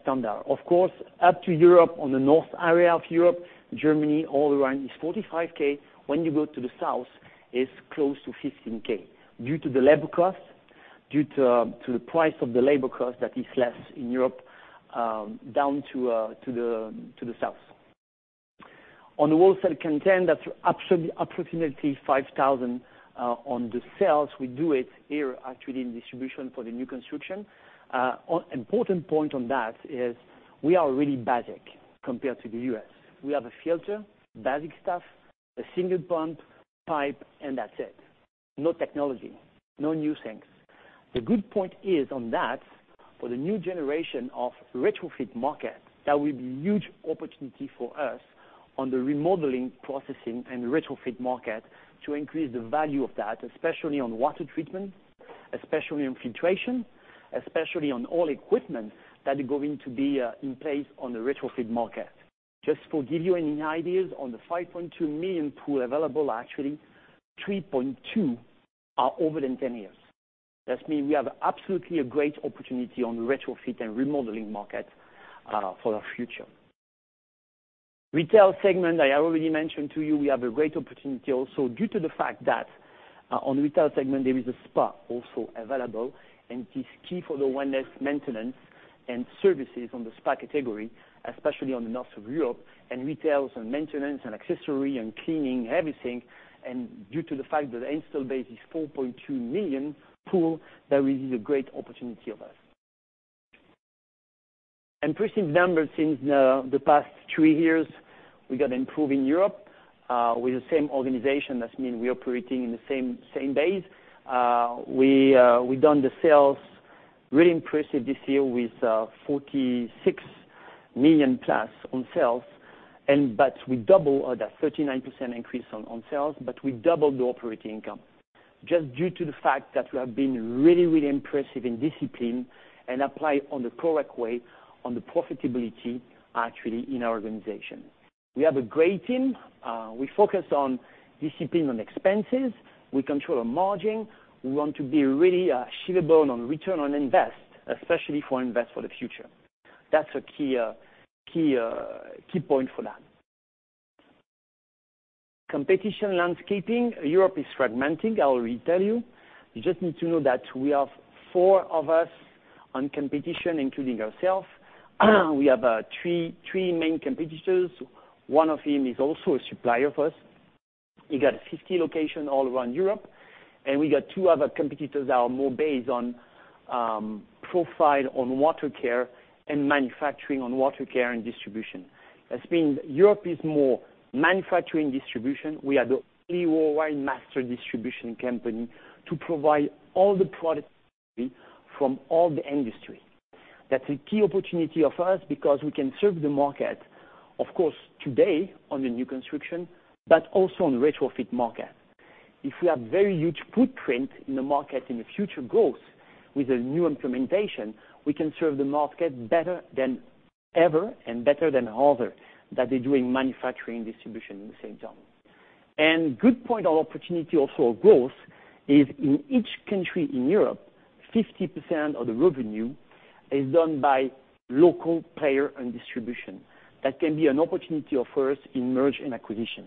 Speaker 6: standard. Of course, up to Europe, on the north area of Europe, Germany, all around is $45,000. When you go to the south, it's close to $15,000 due to the labor cost, the price of the labor cost that is less in Europe, down to the south. On the wholesale content, that's approximately $5,000 on the sales. We do it here actually in distribution for the new construction. One important point on that is we are really basic compared to the U.S. We have a filter, basic stuff, a single pump, pipe, and that's it. No technology, no new things. The good point is on that, for the new generation of retrofit market, that will be huge opportunity for us on the remodeling, processing, and retrofit market to increase the value of that, especially on water treatment, especially on filtration, especially on all equipment that are going to be in place on the retrofit market. Just to give you any ideas on the 5.2 million pools available, actually 3.2 million pools are older than 10 years. That means we have absolutely a great opportunity on retrofit and remodeling market for the future. Retail segment, I already mentioned to you, we have a great opportunity also due to the fact that, on the retail segment, there is a spa also available, and it is key for the wellness maintenance and services on the spa category, especially on the north of Europe and retails and maintenance and accessory and cleaning everything. Due to the fact that the install base is 4.2 million pools, that is a great opportunity for us. Impressive numbers since the past three years, we improved in Europe, with the same organization. That means we're operating in the same base. Our sales have been really impressive this year with $46 million+ in sales and a 39% increase in sales, but we doubled the operating income just due to the fact that we have been really disciplined in applying in the correct way to profitability actually in our organization. We have a great team. We focus on discipline on expenses. We control our margin. We want to be really sustainable on return on investment, especially for investments for the future. That's a key point for that. The competitive landscape in Europe is fragmented, I already told you. You just need to know that we have four of us in competition, including ourselves. We have three main competitors, one of whom is also a supplier for us. We got 50 locations all around Europe, and we got two other competitors that are more based on profile on water care and manufacturing on water care and distribution. That's because Europe is more manufacturing distribution. We are the only worldwide master distribution company to provide all the products from all the industry. That's a key opportunity of us because we can serve the market, of course, today on the new construction, but also on retrofit market. If we have very huge footprint in the market in the future growth with a new implementation, we can serve the market better than ever and better than others that they're doing manufacturing distribution in the same time. Good point of opportunity also of growth is in each country in Europe, 50% of the revenue is done by local player and distribution. That can be an opportunity for first in merger and acquisition.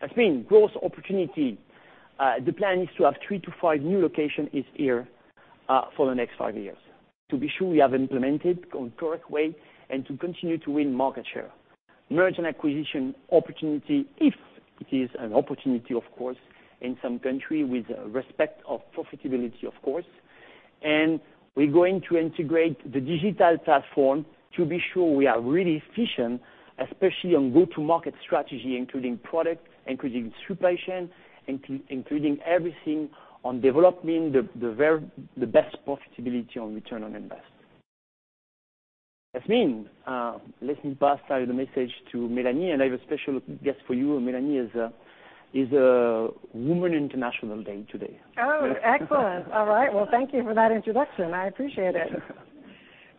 Speaker 6: That's a growth opportunity. The plan is to have three to five new locations here for the next five years. To be sure we have implemented in correct way and to continue to win market share. Merger and acquisition opportunity, if it is an opportunity, of course, in some country with respect to profitability, of course. We're going to integrate the digital platform to be sure we are really efficient, especially on go-to-market strategy, including product, including supply chain, including everything on developing the best profitability on return on investment. That means, let me pass now the message to Melanie, and I have a special guest for you. Today is International Women's Day.
Speaker 7: Oh, excellent. All right. Well, thank you for that introduction. I appreciate it.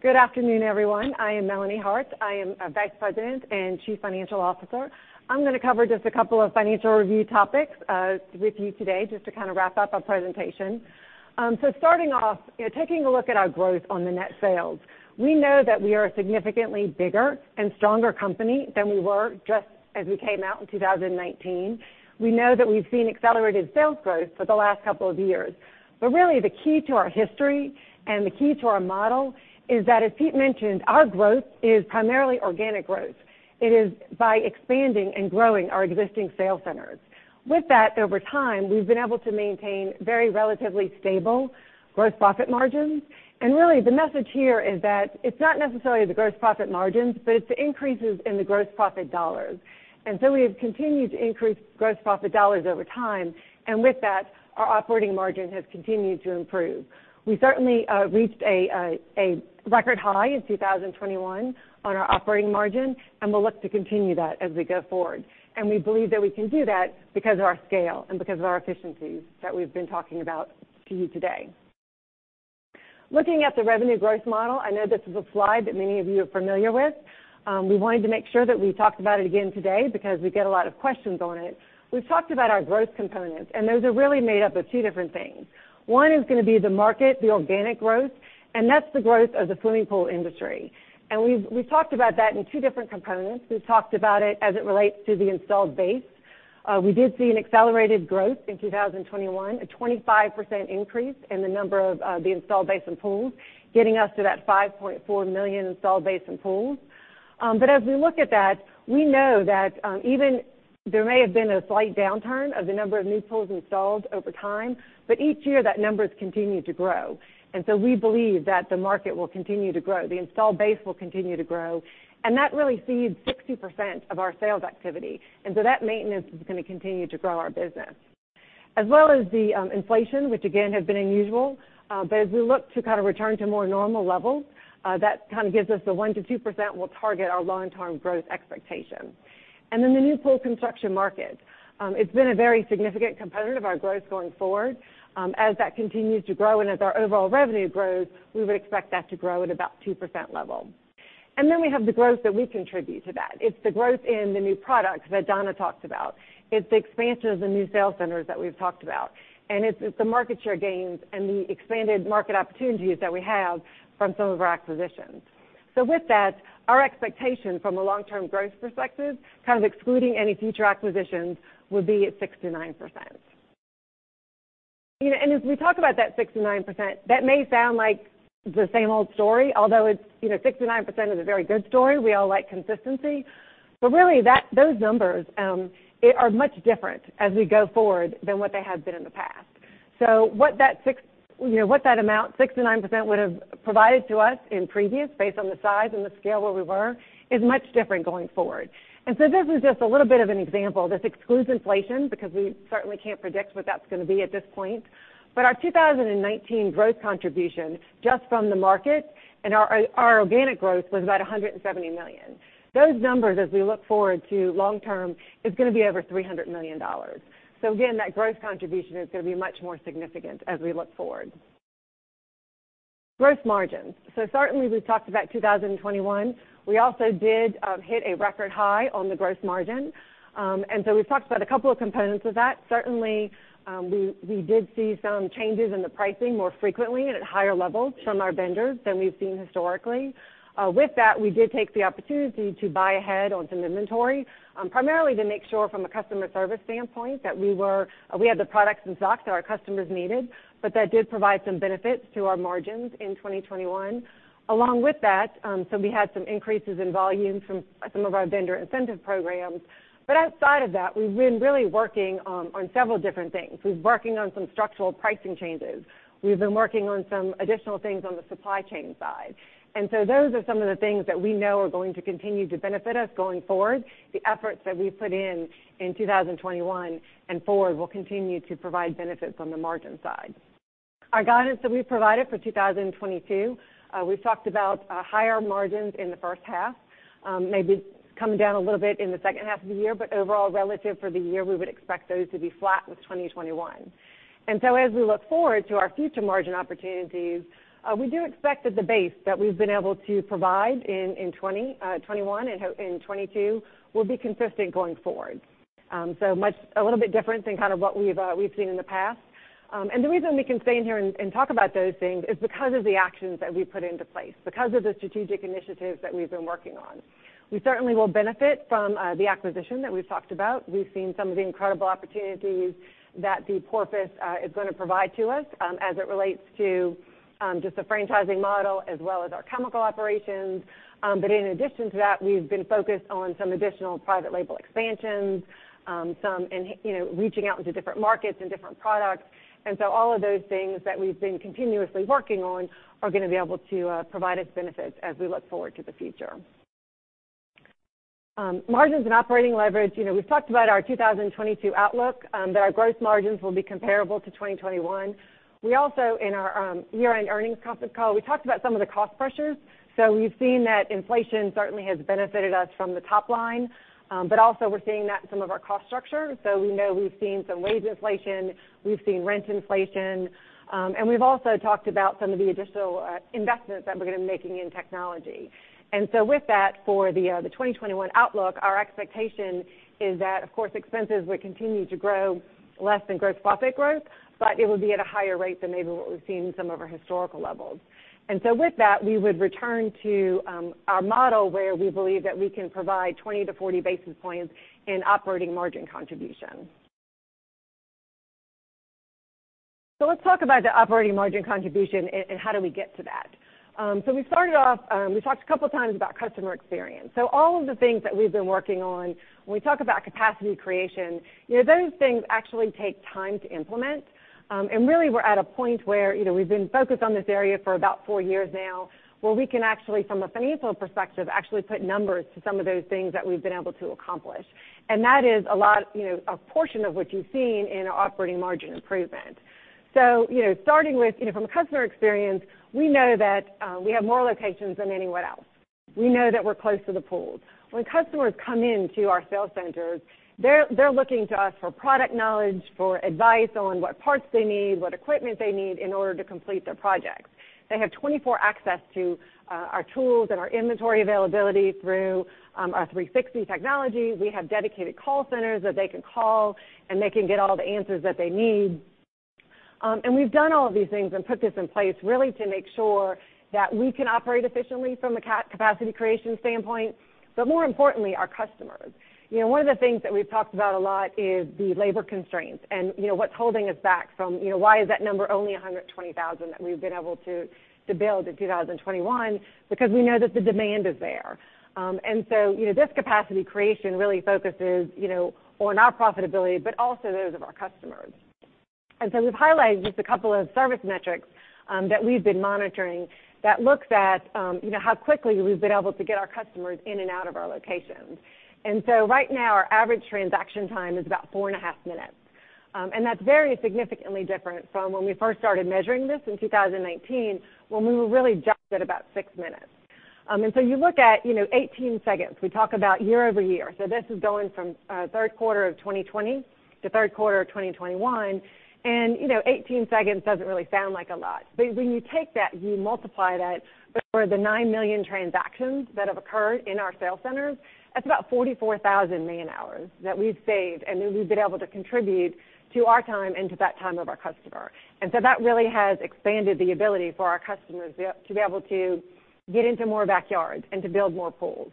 Speaker 7: Good afternoon, everyone. I am Melanie Hart. I am a Vice President and Chief Financial Officer. I'm gonna cover just a couple of financial review topics with you today just to kind of wrap up our presentation. Starting off, taking a look at our growth on the net sales. We know that we are a significantly bigger and stronger company than we were just as we came out in 2019. We know that we've seen accelerated sales growth for the last couple of years. Really, the key to our history and the key to our model is that, as Pete mentioned, our growth is primarily organic growth. It is by expanding and growing our existing sales centers. With that, over time, we've been able to maintain very relatively stable gross profit margins. Really, the message here is that it's not necessarily the gross profit margins, but it's the increases in the gross profit dollars. We have continued to increase gross profit dollars over time, and with that, our operating margin has continued to improve. We certainly reached a record high in 2021 on our operating margin, and we'll look to continue that as we go forward. We believe that we can do that because of our scale and because of our efficiencies that we've been talking about to you today. Looking at the revenue growth model, I know this is a slide that many of you are familiar with. We wanted to make sure that we talked about it again today because we get a lot of questions on it. We've talked about our growth components, and those are really made up of two different things. One is gonna be the market, the organic growth, and that's the growth of the swimming pool industry. We've talked about that in two different components. We've talked about it as it relates to the installed base. We did see an accelerated growth in 2021, a 25% increase in the number of the installed base in pools, getting us to that 5.4 million installed base in pools. As we look at that, we know that, even there may have been a slight downturn of the number of new pools installed over time, but each year, that number has continued to grow. We believe that the market will continue to grow, the installed base will continue to grow, and that really feeds 60% of our sales activity. That maintenance is gonna continue to grow our business. As well as the inflation, which again has been unusual, but as we look to kind of return to more normal levels, that kind of gives us the 1%-2% we'll target our long-term growth expectation. The new pool construction market, it's been a very significant component of our growth going forward. As that continues to grow and as our overall revenue grows, we would expect that to grow at about 2% level. Then we have the growth that we contribute to that. It's the growth in the new products that Donna talked about. It's the expansion of the new sales centers that we've talked about, and it's the market share gains and the expanded market opportunities that we have from some of our acquisitions. With that, our expectation from a long-term growth perspective, kind of excluding any future acquisitions, would be at 6%-9%. You know, as we talk about that 6%-9%, that may sound like the same old story, although it's, you know, 6%-9% is a very good story. We all like consistency. Really, those numbers are much different as we go forward than what they have been in the past. What that amount, 6%-9%, would have provided to us in previous based on the size and the scale where we were is much different going forward. This is just a little bit of an example. This excludes inflation because we certainly can't predict what that's gonna be at this point. Our 2019 growth contribution just from the market and our organic growth was about $170 million. Those numbers, as we look forward to long term, is gonna be over $300 million. Again, that growth contribution is gonna be much more significant as we look forward. Gross margins. Certainly we've talked about 2021. We also did hit a record high on the gross margin. We've talked about a couple of components of that. Certainly, we did see some changes in the pricing more frequently and at higher levels from our vendors than we've seen historically. With that, we did take the opportunity to buy ahead on some inventory, primarily to make sure from a customer service standpoint that we had the products in stock that our customers needed, but that did provide some benefits to our margins in 2021. Along with that, we had some increases in volume from some of our vendor incentive programs. Outside of that, we've been really working on several different things. We've been working on some structural pricing changes. We've been working on some additional things on the supply chain side. Those are some of the things that we know are going to continue to benefit us going forward. The efforts that we've put in in 2021 and forward will continue to provide benefits on the margin side. Our guidance that we've provided for 2022, we've talked about, higher margins in the first half, maybe coming down a little bit in the second half of the year, but overall, relative for the year, we would expect those to be flat with 2021. As we look forward to our future margin opportunities, we do expect that the base that we've been able to provide in 2021 and 2022 will be consistent going forward. A little bit different than kind of what we've seen in the past. The reason we can stand here and talk about those things is because of the actions that we put into place, because of the strategic initiatives that we've been working on. We certainly will benefit from the acquisition that we've talked about. We've seen some of the incredible opportunities that the Porpoise is gonna provide to us, as it relates to just the franchising model as well as our chemical operations. In addition to that, we've been focused on some additional private label expansions, you know, reaching out into different markets and different products. All of those things that we've been continuously working on are gonna be able to provide us benefits as we look forward to the future. Margins and operating leverage. You know, we've talked about our 2022 outlook, that our gross margins will be comparable to 2021. We also, in our year-end earnings conference call, we talked about some of the cost pressures. We've seen that inflation certainly has benefited us from the top line, but also we're seeing that in some of our cost structure. We know we've seen some wage inflation, we've seen rent inflation, and we've also talked about some of the additional investments that we're gonna be making in technology. With that, for the 2021 outlook, our expectation is that, of course, expenses would continue to grow less than gross profit growth, but it would be at a higher rate than maybe what we've seen in some of our historical levels. With that, we would return to our model where we believe that we can provide 20 basis points-40 basis points in operating margin contribution. Let's talk about the operating margin contribution and how do we get to that. We started off, we talked a couple times about customer experience. All of the things that we've been working on, when we talk about capacity creation, you know, those things actually take time to implement. Really we're at a point where, you know, we've been focused on this area for about four years now, where we can actually, from a financial perspective, actually put numbers to some of those things that we've been able to accomplish. That is a lot, you know, a portion of what you've seen in our operating margin improvement. You know, starting with, you know, from a customer experience, we know that we have more locations than anyone else. We know that we're close to the pools. When customers come into our sales centers, they're looking to us for product knowledge, for advice on what parts they need, what equipment they need in order to complete their projects. They have 24/7 access to our tools and our inventory availability through our 360 technology. We have dedicated call centers that they can call, and they can get all the answers that they need. We've done all of these things and put this in place really to make sure that we can operate efficiently from a capacity creation standpoint, but more importantly, our customers. You know, one of the things that we've talked about a lot is the labor constraints and, you know, what's holding us back from, you know, why is that number only 120,000 that we've been able to build in 2021, because we know that the demand is there. You know, this capacity creation really focuses, you know, on our profitability, but also those of our customers. We've highlighted just a couple of service metrics that we've been monitoring that looks at, you know, how quickly we've been able to get our customers in and out of our locations. Right now, our average transaction time is about 4.5 minutes. That's very significantly different from when we first started measuring this in 2019, when we were really just at about six minutes. You look at, you know, 18 seconds. We talk about year over year. This is going from third quarter of 2020 to Q3 of 2021, and, you know, 18 seconds doesn't really sound like a lot. When you take that and you multiply that for the 9 million transactions that have occurred in our sales centers, that's about 44,000 man-hours that we've saved, and that we've been able to contribute to our time and to that time of our customer. That really has expanded the ability for our customers to be able to get into more backyards and to build more pools.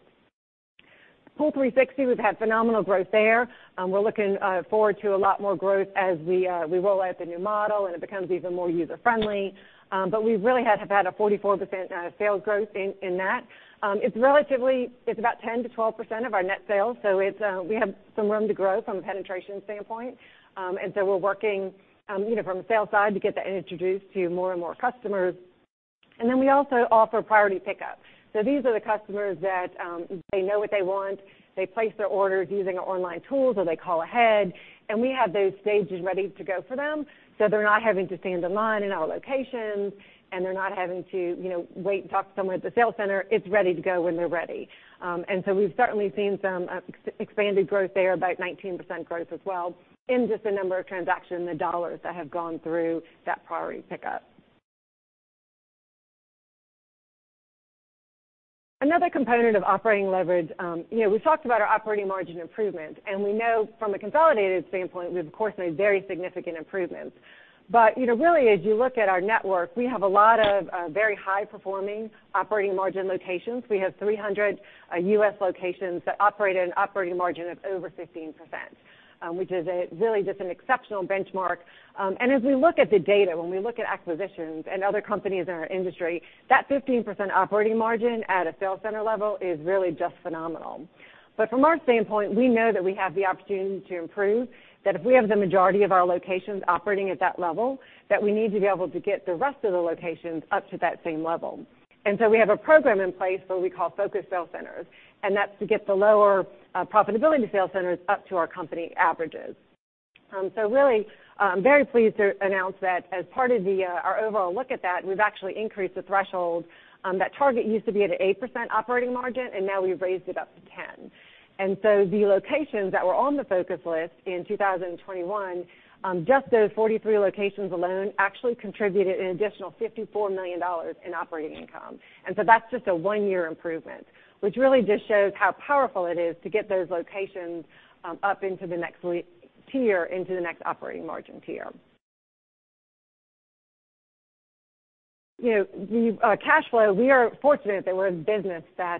Speaker 7: POOL360, we've had phenomenal growth there. We're looking forward to a lot more growth as we roll out the new model, and it becomes even more user-friendly. We really have had a 44% sales growth in that. It's relatively about 10%-12% of our net sales, so we have some room to grow from a penetration standpoint. We're working, you know, from a sales side to get that introduced to more and more customers. We also offer priority pickup. These are the customers that, they know what they want, they place their orders using our online tools, or they call ahead, and we have those stages ready to go for them, so they're not having to stand in line in our locations, and they're not having to, you know, wait and talk to someone at the sales center. It's ready to go when they're ready. We've certainly seen some expanded growth there, about 19% growth as well in just the number of transactions and the dollars that have gone through that priority pickup. Another component of operating leverage, you know, we've talked about our operating margin improvement, and we know from a consolidated standpoint we've of course made very significant improvements. You know, really, as you look at our network, we have a lot of very high performing operating margin locations. We have 300 U.S. locations that operate at an operating margin of over 15%, which is a really just an exceptional benchmark. As we look at the data, when we look at acquisitions and other companies in our industry, that 15% operating margin at a sales center level is really just phenomenal. From our standpoint, we know that we have the opportunity to improve, that if we have the majority of our locations operating at that level, that we need to be able to get the rest of the locations up to that same level. We have a program in place where we call focus sales centers, and that's to get the lower profitability sales centers up to our company averages. Really, very pleased to announce that as part of our overall look at that, we've actually increased the threshold. That target used to be at an 8% operating margin, and now we've raised it up to 10%. The locations that were on the focus list in 2021, just those 43 locations alone actually contributed an additional $54 million in operating income. That's just a one-year improvement, which really just shows how powerful it is to get those locations up into the next tier, into the next operating margin tier. You know, we've. Cash flow, we are fortunate that we're a business that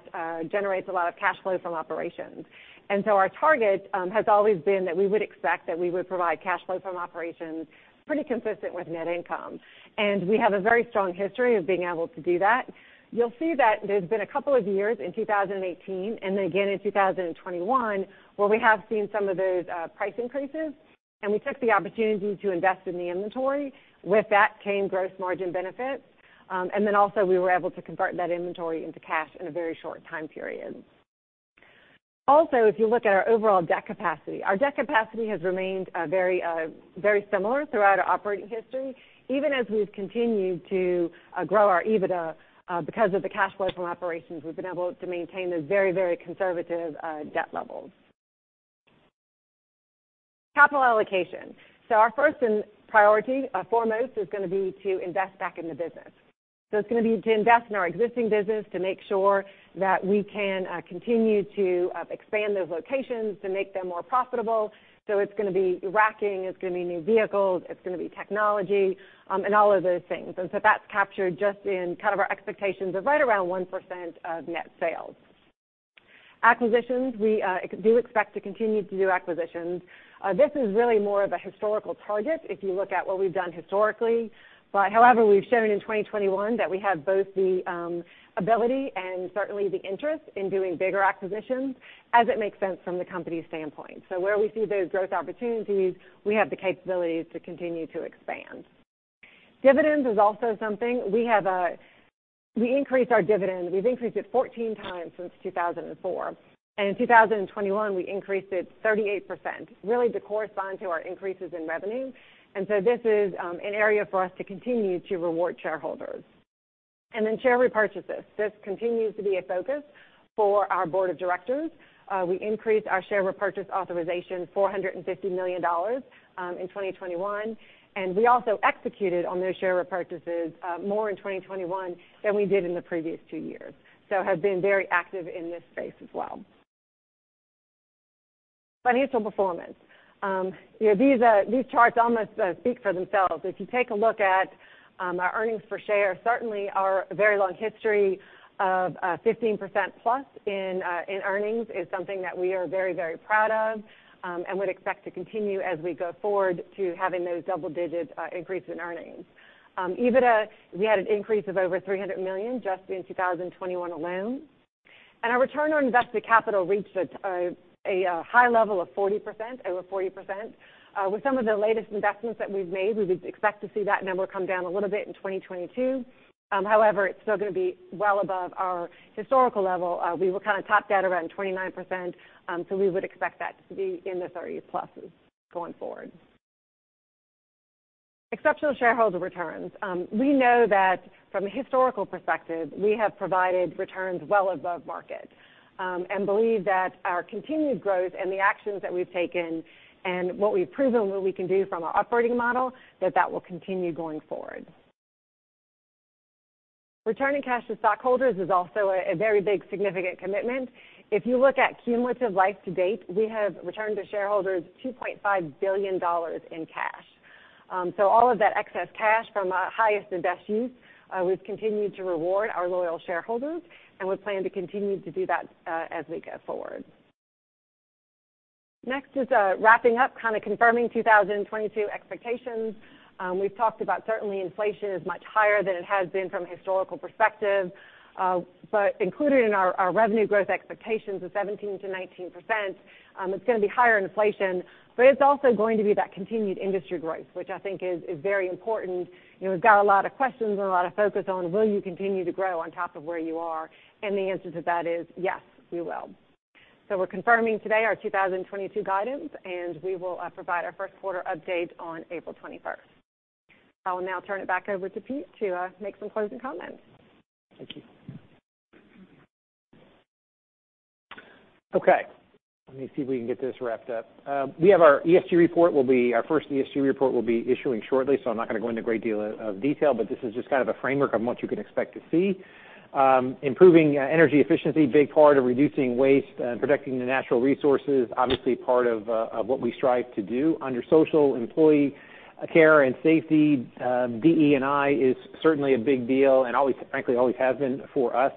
Speaker 7: generates a lot of cash flow from operations, and so our target has always been that we would expect that we would provide cash flow from operations pretty consistent with net income. We have a very strong history of being able to do that. You'll see that there's been a couple of years in 2018 and again in 2021 where we have seen some of those price increases, and we took the opportunity to invest in the inventory. With that came gross margin benefits. We were able to convert that inventory into cash in a very short time period. Also, if you look at our overall debt capacity, our debt capacity has remained very similar throughout our operating history. Even as we've continued to grow our EBITDA, because of the cash flow from operations, we've been able to maintain those very, very conservative debt levels. Capital allocation. Our first and priority, foremost is gonna be to invest back in the business. It's gonna be to invest in our existing business to make sure that we can continue to expand those locations to make them more profitable. It's gonna be racking, it's gonna be new vehicles, it's gonna be technology, and all of those things. That's captured just in kind of our expectations of right around 1% of net sales. Acquisitions, we do expect to continue to do acquisitions. This is really more of a historical target if you look at what we've done historically. However, we've shown in 2021 that we have both the ability and certainly the interest in doing bigger acquisitions as it makes sense from the company's standpoint. Where we see those growth opportunities, we have the capabilities to continue to expand. Dividends is also something. We increased our dividend. We've increased it 14 times since 2004, and in 2021, we increased it 38%, really to correspond to our increases in revenue. This is an area for us to continue to reward shareholders. Then share repurchases. This continues to be a focus for our board of directors. We increased our share repurchase authorization $450 million in 2021, and we also executed on those share repurchases more in 2021 than we did in the previous two years. We have been very active in this space as well. Financial performance. You know, these charts almost speak for themselves. If you take a look at our earnings per share, certainly our very long history of 15%+ in earnings is something that we are very, very proud of, and would expect to continue as we go forward to having those double-digit increases in earnings. EBITDA, we had an increase of over $300 million just in 2021 alone. Our return on invested capital reached a high level of 40%, over 40%. With some of the latest investments that we've made, we would expect to see that number come down a little bit in 2022. However, it's still gonna be well above our historical level. We were kinda topped at around 29%, so we would expect that to be in the 30s%+ going forward. Exceptional shareholder returns. We know that from a historical perspective, we have provided returns well above market, and believe that our continued growth and the actions that we've taken and what we've proven we can do from our operating model, that will continue going forward. Returning cash to stockholders is also a very big significant commitment. If you look at cumulative life to date, we have returned to shareholders $2.5 billion in cash. All of that excess cash from our highest and best use, we've continued to reward our loyal shareholders, and we plan to continue to do that as we go forward. Next is wrapping up, kinda confirming 2022 expectations. We've talked about certainly inflation is much higher than it has been from a historical perspective. But included in our revenue growth expectations of 17%-19%, it's gonna be higher inflation, but it's also going to be that continued industry growth, which I think is very important. You know, we've got a lot of questions and a lot of focus on will you continue to grow on top of where you are? The answer to that is yes, we will. We're confirming today our 2022 guidance, and we will provide our Q1 update on April 21. I will now turn it back over to Pete to make some closing comments.
Speaker 2: Thank you. Okay, let me see if we can get this wrapped up. Our first ESG report will be issuing shortly, so I'm not going to go into a great deal of detail, but this is just kind of a framework of what you can expect to see. Improving energy efficiency, big part of reducing waste and protecting the natural resources, obviously part of what we strive to do. Under social employee care and safety, DE&I is certainly a big deal and, frankly, always has been for us.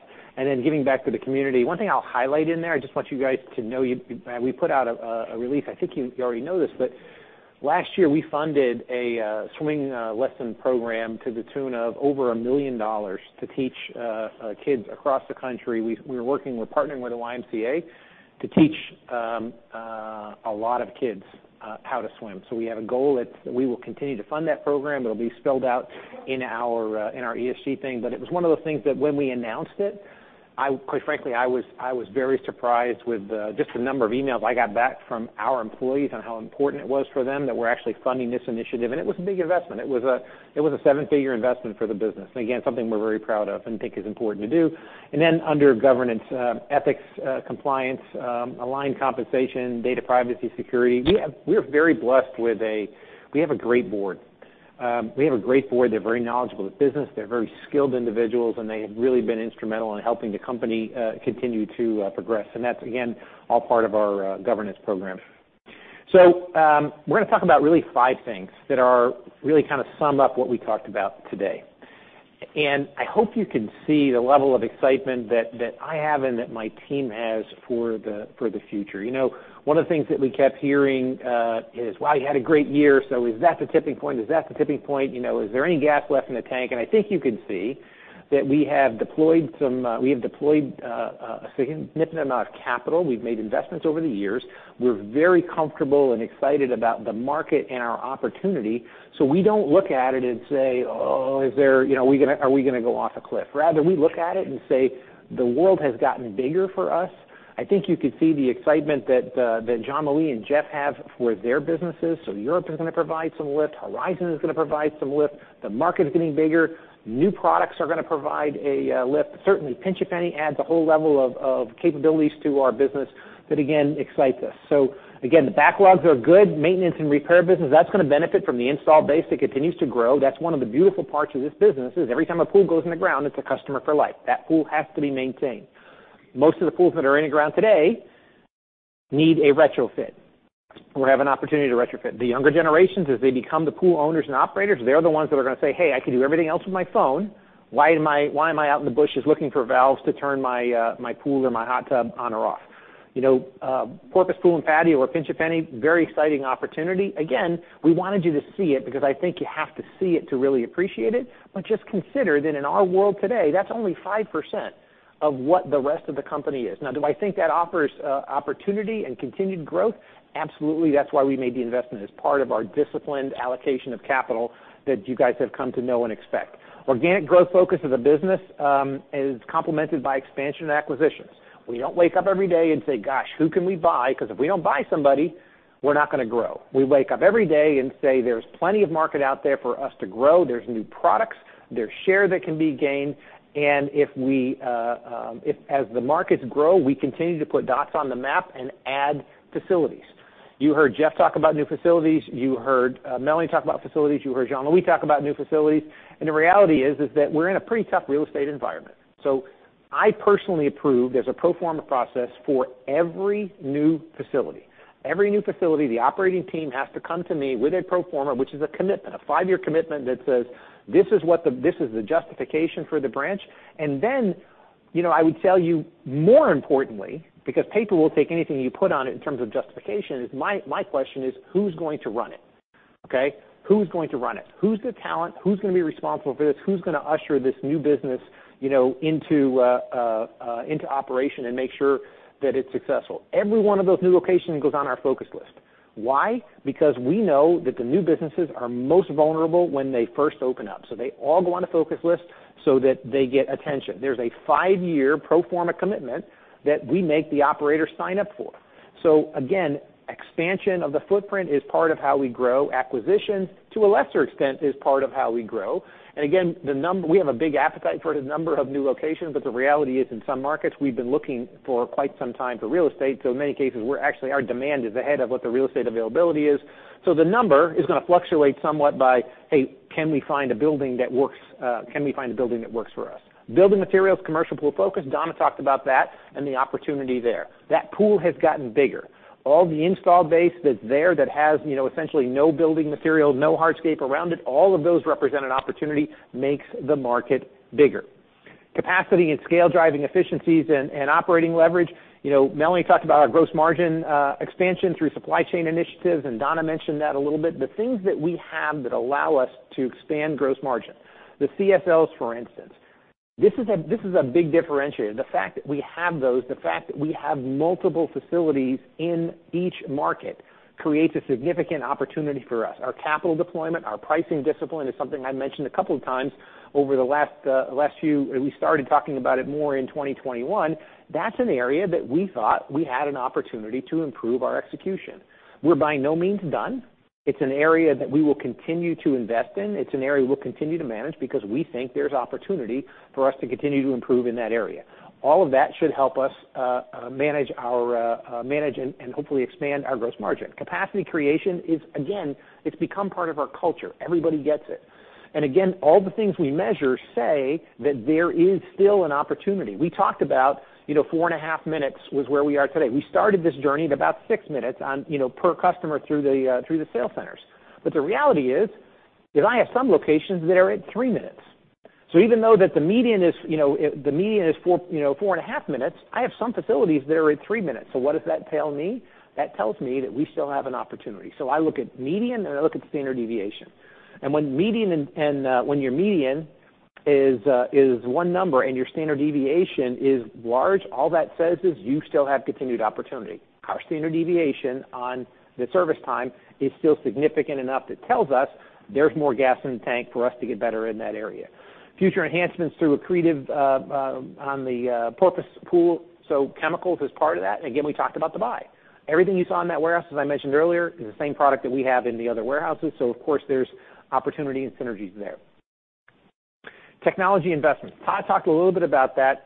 Speaker 2: Giving back to the community. One thing I'll highlight in there, I just want you guys to know, we put out a release. I think you already know this, but last year, we funded a swimming lesson program to the tune of over $1 million to teach kids across the country. We are partnering with the YMCA to teach a lot of kids how to swim. We have a goal that we will continue to fund that program. It'll be spelled out in our ESG thing. It was one of those things that when we announced it, I quite frankly was very surprised with just the number of emails I got back from our employees on how important it was for them that we're actually funding this initiative. It was a big investment. It was a seven-figure investment for the business. Again, something we're very proud of and think is important to do. Then under governance, ethics, compliance, aligned compensation, data privacy, security. We're very blessed with a great board. They're very knowledgeable of the business. They're very skilled individuals, and they have really been instrumental in helping the company continue to progress. That's again all part of our governance program. We're gonna talk about really five things that really kind of sum up what we talked about today. I hope you can see the level of excitement that I have and that my team has for the future. You know, one of the things that we kept hearing is why you had a great year. Is that the tipping point? Is that the tipping point? You know, is there any gas left in the tank? I think you can see that we have deployed a significant amount of capital. We've made investments over the years. We're very comfortable and excited about the market and our opportunity. We don't look at it and say, "Oh, is there, you know, are we gonna go off a cliff?" Rather, we look at it and say, the world has gotten bigger for us. I think you could see the excitement that Jean-Louis and Jeff have for their businesses. Europe is gonna provide some lift. Horizon is gonna provide some lift. The market is getting bigger. New products are gonna provide a lift. Certainly, Pinch A Penny adds a whole level of capabilities to our business that again excites us. Again, the backlogs are good. Maintenance and repair business, that's gonna benefit from the install base that continues to grow. That's one of the beautiful parts of this business, is every time a pool goes in the ground, it's a customer for life. That pool has to be maintained. Most of the pools that are in the ground today need a retrofit. We have an opportunity to retrofit. The younger generations, as they become the pool owners and operators, they're the ones that are gonna say, "Hey, I can do everything else with my phone. Why am I out in the bushes looking for valves to turn my pool or my hot tub on or off?" You know, Porpoise Pool & Patio or Pinch A Penny, very exciting opportunity. Again, we wanted you to see it because I think you have to see it to really appreciate it. Just consider that in our world today, that's only 5% of what the rest of the company is. Now, do I think that offers opportunity and continued growth? Absolutely. That's why we made the investment as part of our disciplined allocation of capital that you guys have come to know and expect. Organic growth focus of the business is complemented by expansion and acquisitions. We don't wake up every day and say, "Gosh, who can we buy? Because if we don't buy somebody, we're not gonna grow." We wake up every day and say, "There's plenty of market out there for us to grow. There's new products, there's share that can be gained." If, as the markets grow, we continue to put dots on the map and add facilities. You heard Jeff talk about new facilities. You heard Melanie talk about facilities. You heard Jean-Louis talk about new facilities. The reality is that we're in a pretty tough real estate environment. I personally approved, as a pro forma process, for every new facility. Every new facility, the operating team has to come to me with a pro forma, which is a commitment, a five-year commitment that says, this is the justification for the branch. You know, I would tell you more importantly, because paper will take anything you put on it in terms of justification. My question is, who's going to run it, okay? Who's going to run it? Who's the talent? Who's gonna be responsible for this? Who's gonna usher this new business, you know, into operation and make sure that it's successful? Every one of those new locations goes on our focus list. Why? Because we know that the new businesses are most vulnerable when they first open up. They all go on a focus list so that they get attention. There's a five-year pro forma commitment that we make the operator sign up for. Again, expansion of the footprint is part of how we grow. Acquisition, to a lesser extent, is part of how we grow. Again, we have a big appetite for the number of new locations, but the reality is in some markets, we've been looking for quite some time for real estate. In many cases, we're actually our demand is ahead of what the real estate availability is. The number is gonna fluctuate somewhat by, hey, can we find a building that works for us? Building materials, commercial pool focus, Donna talked about that and the opportunity there. That pool has gotten bigger. All the install base that's there that has, you know, essentially no building materials, no hardscape around it, all of those represent an opportunity makes the market bigger. Capacity and scale driving efficiencies and operating leverage. You know, Melanie talked about our gross margin expansion through supply chain initiatives, and Donna mentioned that a little bit. The things that we have that allow us to expand gross margin. The CSLs, for instance. This is a big differentiator. The fact that we have those multiple facilities in each market creates a significant opportunity for us. Our capital deployment, our pricing discipline is something I mentioned a couple of times over the last. We started talking about it more in 2021. That's an area that we thought we had an opportunity to improve our execution. We're by no means done. It's an area that we will continue to invest in. It's an area we'll continue to manage because we think there's opportunity for us to continue to improve in that area. All of that should help us manage and hopefully expand our gross margin. Capacity creation is, again, it's become part of our culture. Everybody gets it. Again, all the things we measure say that there is still an opportunity. We talked about, you know, 4.5 minutes was where we are today. We started this journey at about six minutes on, you know, per customer through the sales centers. The reality is I have some locations that are at three minutes. Even though the median is, you know, the median is four, you know, 4.5 minutes, I have some facilities that are at three minutes. What does that tell me? That tells me that we still have an opportunity. I look at median, and I look at standard deviation. When your median is one number and your standard deviation is large, all that says is you still have continued opportunity. Our standard deviation on the service time is still significant enough that tells us there's more gas in the tank for us to get better in that area. Future enhancements through accretive on the Porpoise Pool. Chemicals is part of that. Again, we talked about the buy. Everything you saw in that warehouse, as I mentioned earlier, is the same product that we have in the other warehouses. Of course, there's opportunity and synergies there. Technology investment. Todd talked a little bit about that.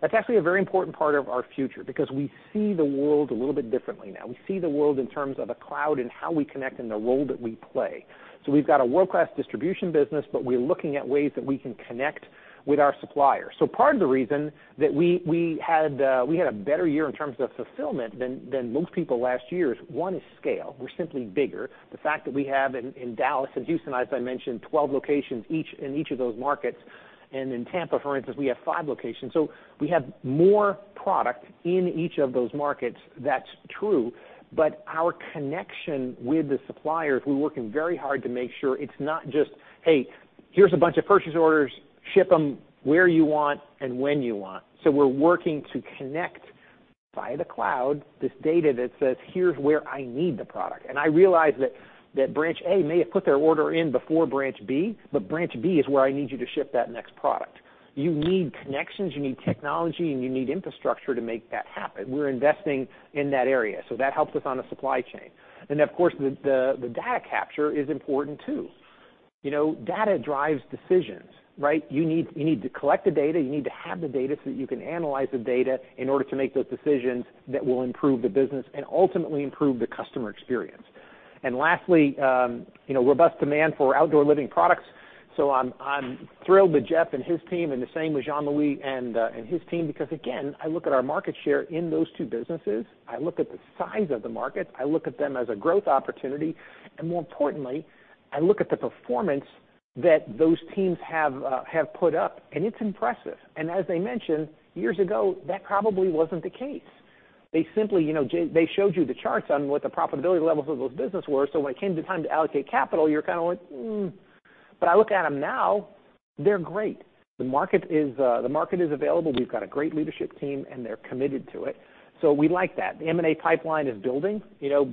Speaker 2: That's actually a very important part of our future because we see the world a little bit differently now. We see the world in terms of a cloud and how we connect and the role that we play. We've got a world-class distribution business, but we're looking at ways that we can connect with our suppliers. Part of the reason that we had a better year in terms of fulfillment than most people last year is, one, is scale. We're simply bigger. The fact that we have in Dallas and Houston, as I mentioned, 12 locations each in each of those markets, and in Tampa, for instance, we have five locations. We have more product in each of those markets, that's true. But our connection with the suppliers, we're working very hard to make sure it's not just, "Hey, here's a bunch of purchase orders. Ship them where you want and when you want." We're working to connect via the cloud, this data that says, "Here's where I need the product." I realize that branch A may have put their order in before branch B, but branch B is where I need you to ship that next product. You need connections, you need technology, and you need infrastructure to make that happen. We're investing in that area, so that helps us on the supply chain. Of course, the data capture is important, too. You know, data drives decisions, right? You need to collect the data, you need to have the data so that you can analyze the data in order to make those decisions that will improve the business and ultimately improve the customer experience. Lastly, you know, robust demand for outdoor living products. I'm thrilled with Jeff and his team, and the same with Jean-Louis and his team because, again, I look at our market share in those two businesses. I look at the size of the market. I look at them as a growth opportunity. More importantly, I look at the performance that those teams have put up, and it's impressive. As they mentioned, years ago, that probably wasn't the case. They simply, you know, they showed you the charts on what the profitability levels of those businesses were, so when it came to time to allocate capital, you're kind of like, "Hmm." I look at them now, they're great. The market is available. We've got a great leadership team, and they're committed to it. We like that. The M&A pipeline is building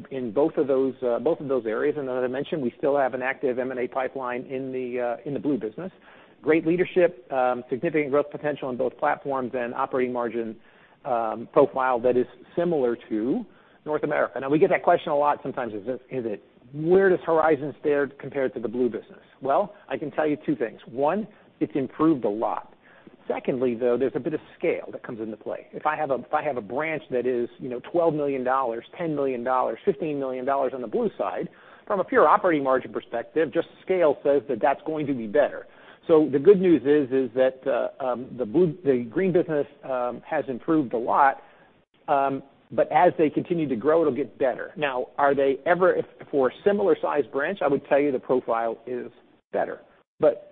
Speaker 2: in both of those areas. As I mentioned, we still have an active M&A pipeline in the pool business. Great leadership, significant growth potential on both platforms and operating margin profile that is similar to North America. Now we get that question a lot, where does Horizon fare compared to the pool business? Well, I can tell you two things. One, it's improved a lot. Secondly, though, there's a bit of scale that comes into play. If I have a branch that is $12 million, $10 million, $15 million on the pool side, from a pure operating margin perspective, just scale says that that's going to be better. The good news is that the green business has improved a lot, but as they continue to grow, it'll get better. Now, for a similar size branch, I would tell you the profile is better.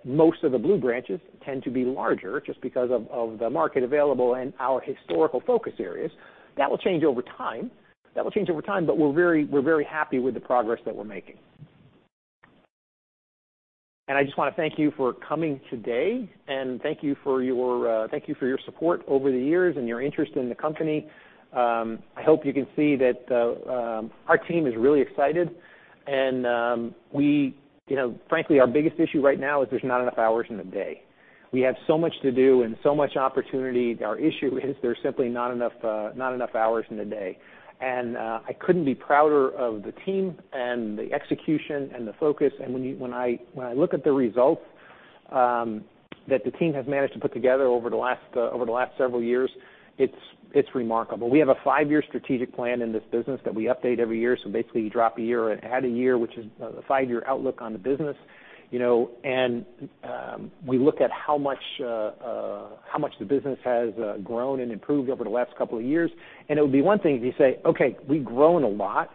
Speaker 2: Most of the blue branches tend to be larger just because of the market available and our historical focus areas. That will change over time. We're very happy with the progress that we're making. I just wanna thank you for coming today, and thank you for your support over the years and your interest in the company. I hope you can see that our team is really excited, and we, you know, frankly, our biggest issue right now is there's not enough hours in the day. We have so much to do and so much opportunity. Our issue is there's simply not enough hours in the day. I couldn't be prouder of the team and the execution and the focus. When I look at the results that the team has managed to put together over the last several years, it's remarkable. We have a five-year strategic plan in this business that we update every year, so basically you drop a year and add a year, which is the five-year outlook on the business. You know, we look at how much the business has grown and improved over the last couple of years. It would be one thing if you say, "Okay, we've grown a lot,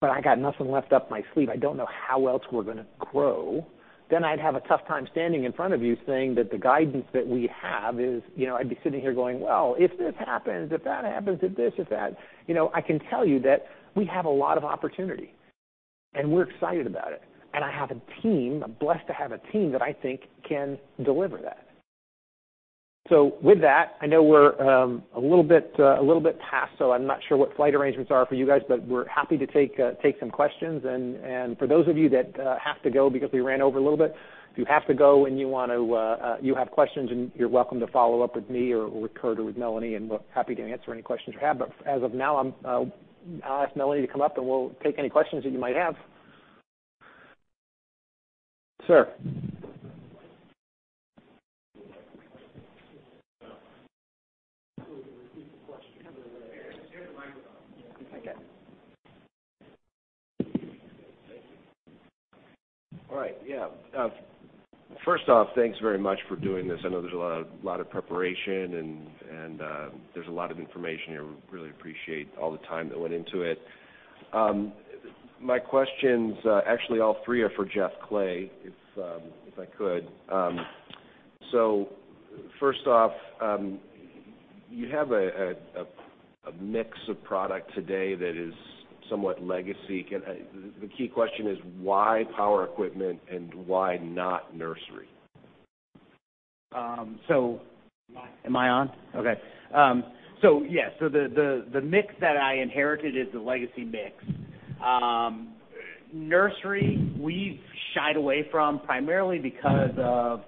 Speaker 2: but I got nothing left up my sleeve. I don't know how else we're gonna grow." I'd have a tough time standing in front of you saying that the guidance that we have is, you know, I'd be sitting here going, "Well, if this happens, if that happens, if this, if that." You know, I can tell you that we have a lot of opportunity, and we're excited about it. I have a team, I'm blessed to have a team that I think can deliver that. With that, I know we're a little bit past, so I'm not sure what flight arrangements are for you guys, but we're happy to take some questions. For those of you that have to go because we ran over a little bit, if you have to go and you want to, you have questions and you're welcome to follow up with me or with Curt or with Melanie, and we're happy to answer any questions you have. As of now, I'll ask Melanie to come up, and we'll take any questions that you might have.
Speaker 8: Sir. All right. Yeah. First off, thanks very much for doing this. I know there's a lot of preparation and there's a lot of information here. Really appreciate all the time that went into it. My questions actually all three are for Jeffrey Clay, if I could. So first off, you have a mix of product today that is somewhat legacy. The key question is why power equipment and why not nursery?
Speaker 5: The mix that I inherited is the legacy mix. Nursery, we've shied away from primarily because of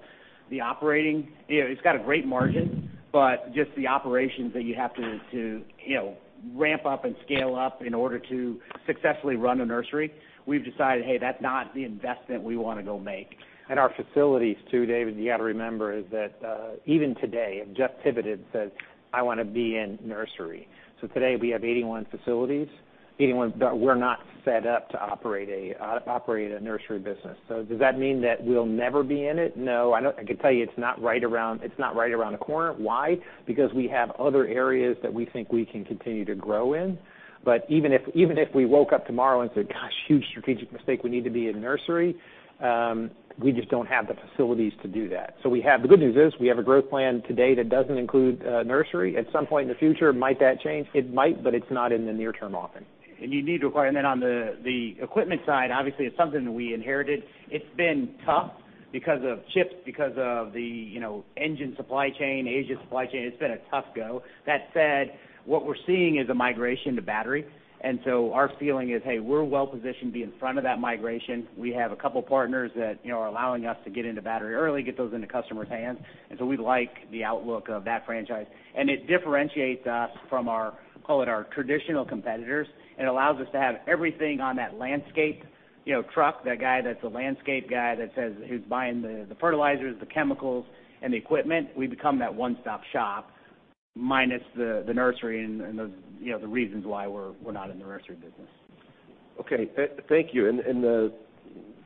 Speaker 5: the operating. You know, it's got a great margin, but just the operations that you have to, you know, ramp up and scale up in order to successfully run a nursery, we've decided, hey, that's not the investment we wanna go make. Our facilities too, Garik. You gotta remember is that even today, if Jeff pivoted and says, "I wanna be in nursery." Today we have 81 facilities. 81, but we're not set up to operate a nursery business. Does that mean that we'll never be in it? No. I can tell you it's not right around the corner. Why? Because we have other areas that we think we can continue to grow in. Even if we woke up tomorrow and said, "Gosh, huge strategic mistake, we need to be in nursery," we just don't have the facilities to do that. We have a growth plan today that doesn't include nursery. At some point in the future, might that change? It might, but it's not in the near-term offering. On the equipment side, obviously it's something that we inherited. It's been tough because of chips, because of you know, engine supply chain, Asia supply chain. It's been a tough go. That said, what we're seeing is a migration to battery. Our feeling is, hey, we're well positioned to be in front of that migration. We have a couple partners that, you know, are allowing us to get into battery early, get those into customers' hands, and so we like the outlook of that franchise. It differentiates us from our, call it our traditional competitors, and allows us to have everything on that landscape, you know, truck. That guy that's a landscape guy that says he's buying the fertilizers, the chemicals, and the equipment. We become that one-stop shop minus the nursery and you know the reasons why we're not in the nursery business.
Speaker 8: Okay. Thank you. The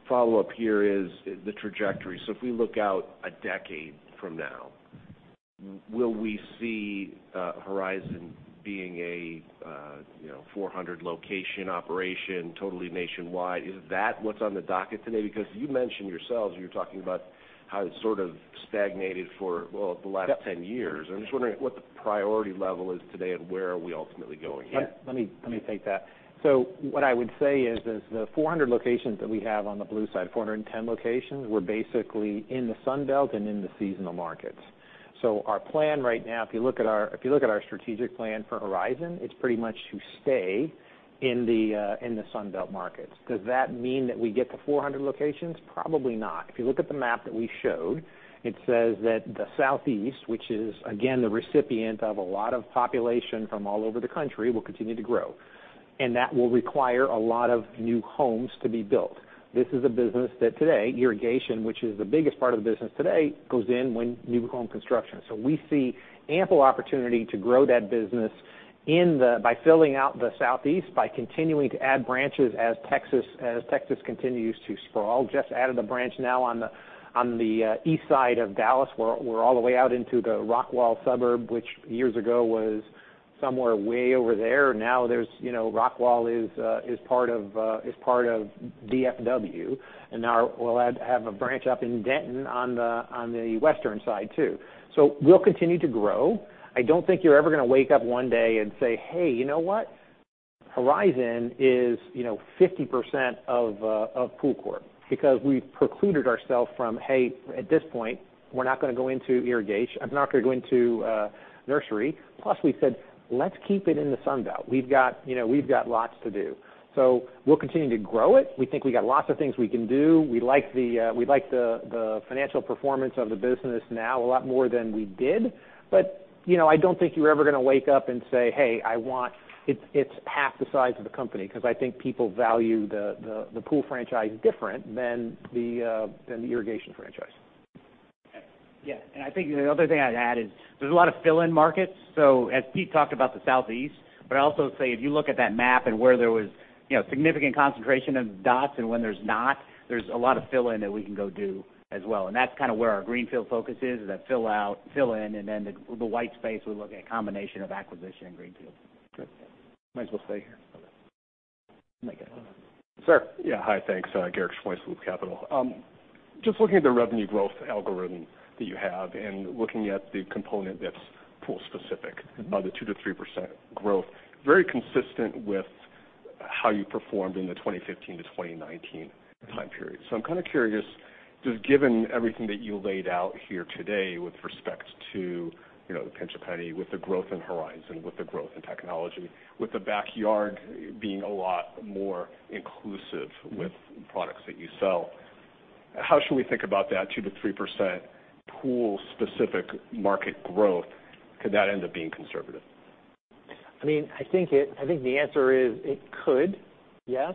Speaker 8: follow-up here is the trajectory. If we look out a decade from now, will we see Horizon being a 400 location operation, totally nationwide? Is that what's on the docket today? Because you mentioned yourselves, you were talking about how it sort of stagnated for the last 10 years. I'm just wondering what the priority level is today and where are we ultimately going here.
Speaker 2: Let me take that. What I would say is the 400 locations that we have on the blue side, 410 locations, we're basically in the Sun Belt and in the seasonal markets. Our plan right now, if you look at our strategic plan for Horizon, it's pretty much to stay in the Sun Belt markets. Does that mean that we get to 400 locations? Probably not. If you look at the map that we showed, it says that the Southeast, which is again, the recipient of a lot of population from all over the country, will continue to grow, and that will require a lot of new homes to be built. This is a business that today, irrigation, which is the biggest part of the business today, goes in when new home construction. We see ample opportunity to grow that business by filling out the Southeast, by continuing to add branches as Texas continues to sprawl. Just added a branch now on the east side of Dallas. We're all the way out into the Rockwall suburb, which years ago was somewhere way over there. Now there's, you know, Rockwall is part of D.F.W., and now we'll add a branch up in Denton on the western side too. We'll continue to grow. I don't think you're ever gonna wake up one day and say, "Hey, you know what? Horizon is, you know, 50% of POOLCORP because we've precluded ourselves from, at this point, we're not gonna go into irrigation. I'm not gonna go into nursery. Plus we said, "Let's keep it in the Sun Belt. We've got, you know, lots to do." We'll continue to grow it. We think we got lots of things we can do. We like the financial performance of the business now a lot more than we did. You know, I don't think you're ever gonna wake up and say, "Hey, I want..." It's half the size of the company, 'cause I think people value the pool franchise different than the irrigation franchise.
Speaker 5: I think the other thing I'd add is there's a lot of fill-in markets. As Pete talked about the Southeast, but I'd also say if you look at that map and where there was, you know, significant concentration of dots and when there's not, there's a lot of fill-in that we can go do as well. That's kinda where our greenfield focus is, that fill out, fill in, and then the white space, we look at combination of acquisition and greenfield.
Speaker 2: Good. Might as well stay here.
Speaker 8: Okay.
Speaker 2: You might get another.
Speaker 8: Garik Shmois with Loop Capital. Just looking at the revenue growth algorithm that you have and looking at the component that's pool specific, the 2%-3% growth, very consistent with how you performed in the 2015-2019 time period. I'm kinda curious, just given everything that you laid out here today with respect to, you know, the Pinch A Penny with the growth in Horizon, with the growth in technology, with the backyard being a lot more inclusive with products that you sell, how should we think about that 2%-3% pool specific market growth? Could that end up being conservative?
Speaker 2: I mean, I think the answer is it could, yes,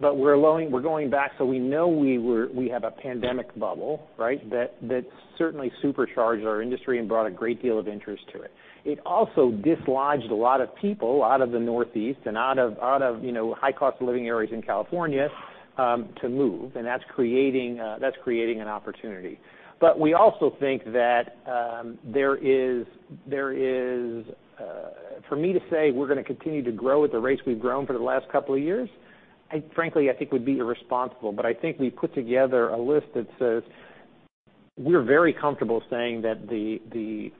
Speaker 2: but we're going back, so we know we have a pandemic bubble, right? That certainly supercharged our industry and brought a great deal of interest to it. It also dislodged a lot of people out of the Northeast and out of you know, high-cost living areas in California to move, and that's creating an opportunity. We also think that there is. For me to say we're gonna continue to grow at the rates we've grown for the last couple of years, I frankly think would be irresponsible. I think we put together a list that says we're very comfortable saying that the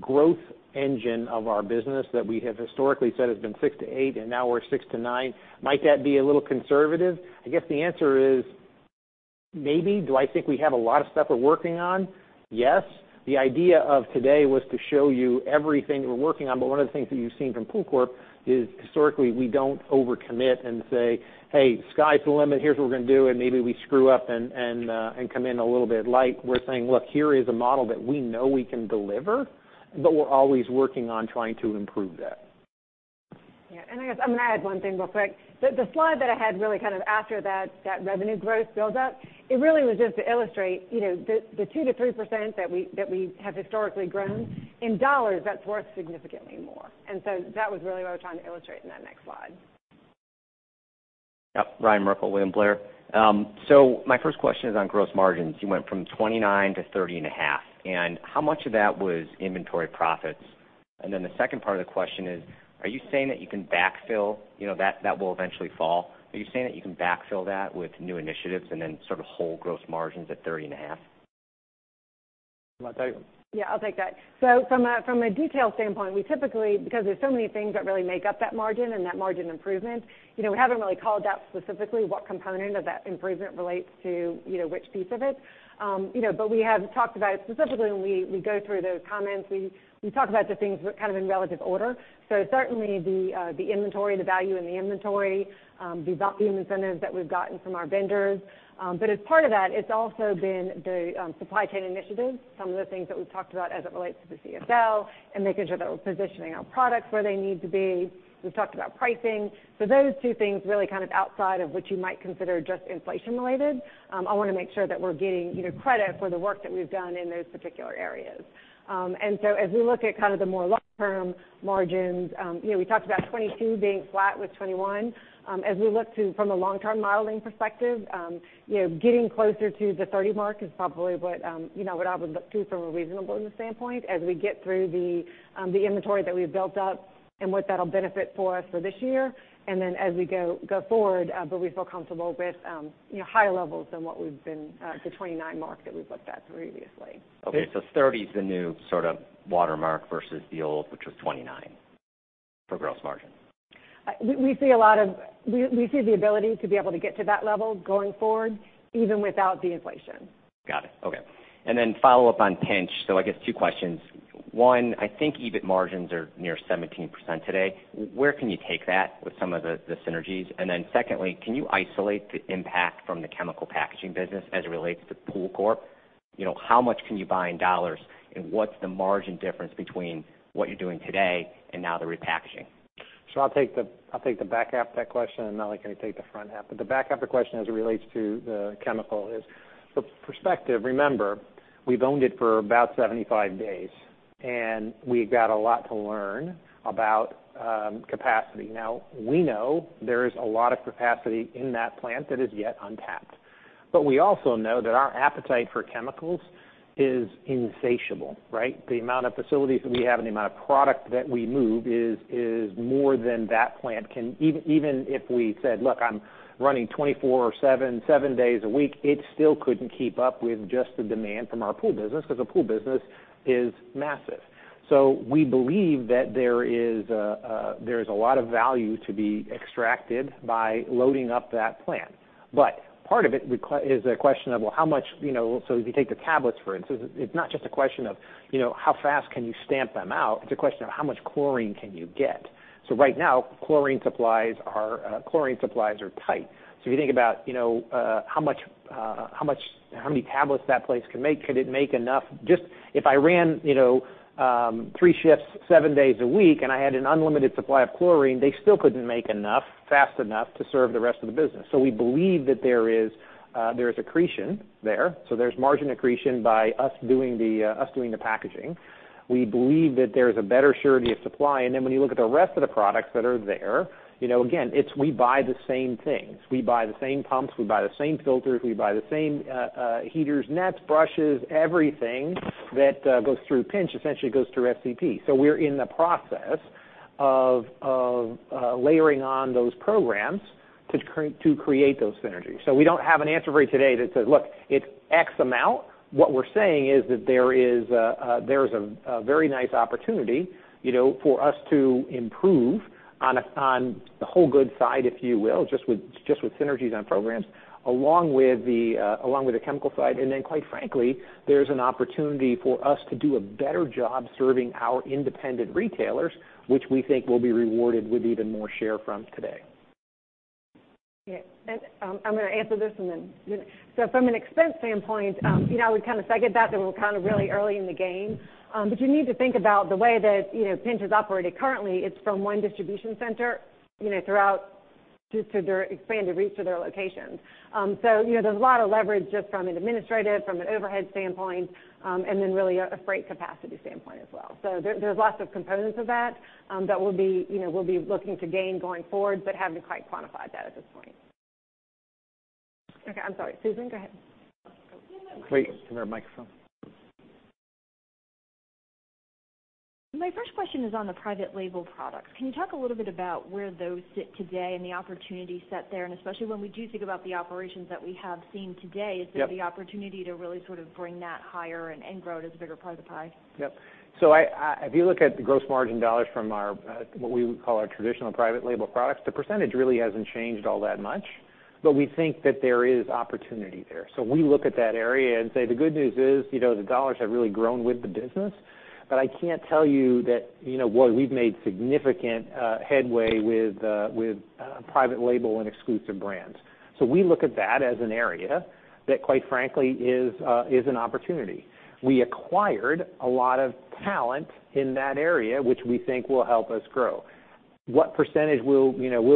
Speaker 2: growth engine of our business that we have historically said has been 6%-8%, and now we're 6%-9%. Might that be a little conservative? I guess the answer is maybe. Do I think we have a lot of stuff we're working on? Yes. The idea of today was to show you everything we're working on, but one of the things that you've seen from POOLCORP is historically, we don't over-commit and say, "Hey, sky's the limit. Here's what we're gonna do." And maybe we screw up and come in a little bit light. We're saying, "Look, here is a model that we know we can deliver, but we're always working on trying to improve that.
Speaker 7: Yeah. I guess I'm gonna add one thing real quick. The slide that I had really kind of after that revenue growth build up, it really was just to illustrate, you know, the 2%-3% that we have historically grown in dollars that's worth significantly more. That was really what we're trying to illustrate in that next slide.
Speaker 9: Yep. Ryan Merkel, William Blair. My first question is on gross margins. You went from 29%-30.5%, and how much of that was inventory profits? The second part of the question is, are you saying that you can backfill, you know, that will eventually fall? Are you saying that you can backfill that with new initiatives and then sort of hold gross margins at 30.5%?
Speaker 2: You wanna take them?
Speaker 7: Yeah, I'll take that. From a detail standpoint, we typically, because there's so many things that really make up that margin and that margin improvement, you know, we haven't really called out specifically what component of that improvement relates to, you know, which piece of it. You know, we have talked about it specifically when we go through those comments. We talk about the things kind of in relative order. Certainly the inventory, the value in the inventory, the volume incentives that we've gotten from our vendors. As part of that, it's also been the supply chain initiatives, some of the things that we've talked about as it relates to the CSL and making sure that we're positioning our products where they need to be. We've talked about pricing. Those two things really kind of outside of what you might consider just inflation-related. I wanna make sure that we're getting, you know, credit for the work that we've done in those particular areas. As we look at kind of the more long-term margins, you know, we talked about 2022 being flat with 2021. As we look to from a long-term modeling perspective, you know, getting closer to the 30% mark is probably what, you know, what I would look to from a reasonableness standpoint as we get through the inventory that we've built up and what that'll benefit for us for this year. Then as we go forward, but we feel comfortable with, you know, higher levels than what we've been, the 29% mark that we've looked at previously.
Speaker 9: Okay, 30% is the new sort of watermark versus the old, which was 29% for gross margin.
Speaker 7: We see the ability to be able to get to that level going forward, even without the inflation.
Speaker 9: Got it. Okay. Follow up on Pinch. I guess two questions. One, I think EBIT margins are near 17% today. Where can you take that with some of the synergies? Secondly, can you isolate the impact from the chemical packaging business as it relates to POOLCORP? You know, how much can you buy in dollars, and what's the margin difference between what you're doing today and now the repackaging?
Speaker 2: I'll take the back half of that question, and Molly can take the front half. The back half of the question as it relates to the chemical is the perspective. Remember, we've owned it for about 75 days, and we've got a lot to learn about capacity. Now, we know there is a lot of capacity in that plant that is yet untapped. We also know that our appetite for chemicals is insatiable, right? The amount of facilities that we have and the amount of product that we move is more than that plant can even if we said, "Look, I'm running 24/7 days a week," it still couldn't keep up with just the demand from our pool business, 'cause the pool business is massive. We believe that there is a lot of value to be extracted by loading up that plant. Part of it is a question of, well, how much, you know. If you take the tablets, for instance, it's not just a question of, you know, how fast can you stamp them out? It's a question of how much chlorine can you get? Right now, chlorine supplies are tight. If you think about, you know, how many tablets that place can make, could it make enough? Just if I ran, you know, three shifts, seven days a week, and I had an unlimited supply of chlorine, they still couldn't make enough fast enough to serve the rest of the business. We believe that there is accretion there. There's margin accretion by us doing the packaging. We believe that there's a better surety of supply. Then when you look at the rest of the products that are there, you know, again, it's we buy the same things. We buy the same pumps, we buy the same filters, we buy the same heaters, nets, brushes, everything that goes through Pinch essentially goes through SCP. We're in the process of layering on those programs to create those synergies. We don't have an answer for you today that says, "Look, it's X amount." What we're saying is that there is a very nice opportunity, you know, for us to improve on the whole good side, if you will, just with synergies on programs, along with the chemical side. Quite frankly, there's an opportunity for us to do a better job serving our independent retailers, which we think will be rewarded with even more share from today.
Speaker 7: Yeah, I'm gonna answer this, and then. From an expense standpoint, you know, we kind of segued that we're kind of really early in the game. You need to think about the way that, you know, Pinch is operated currently. It's from one distribution center, you know, throughout just to their expanded reach to their locations. You know, there's a lot of leverage just from an administrative, from an overhead standpoint, and then really a freight capacity standpoint as well. There's lots of components of that we'll be looking to gain going forward, but haven't quite quantified that at this point. Okay. I'm sorry. Susan, go ahead.
Speaker 2: Wait. Is there a microphone?
Speaker 10: My first question is on the private label products. Can you talk a little bit about where those sit today and the opportunity set there? Especially when we do think about the operations that we have seen today.
Speaker 2: Yep.
Speaker 10: Is there the opportunity to really sort of bring that higher and grow it as a bigger part of the pie?
Speaker 2: Yep. If you look at the gross margin dollars from our what we would call our traditional private label products, the percentage really hasn't changed all that much, but we think that there is opportunity there. We look at that area and say, the good news is, you know, the dollars have really grown with the business. But I can't tell you that, you know, well, we've made significant headway with private label and exclusive brands. We look at that as an area that quite frankly is an opportunity. We acquired a lot of talent in that area, which we think will help us grow. What percentage will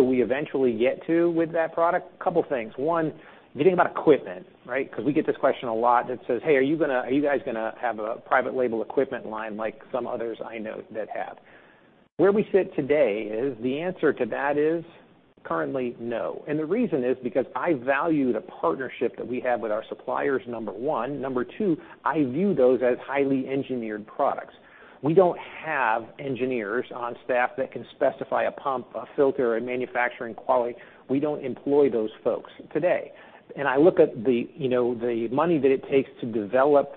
Speaker 2: we eventually get to with that product? Couple things. One, if you think about equipment, right? 'Cause we get this question a lot that says, "Hey, are you guys gonna have a private label equipment line like some others I know that have?" Where we sit today is the answer to that is currently no. The reason is because I value the partnership that we have with our suppliers, number one. Number two, I view those as highly engineered products. We don't have engineers on staff that can specify a pump, a filter, a manufacturing quality. We don't employ those folks today. I look at the, you know, the money that it takes to develop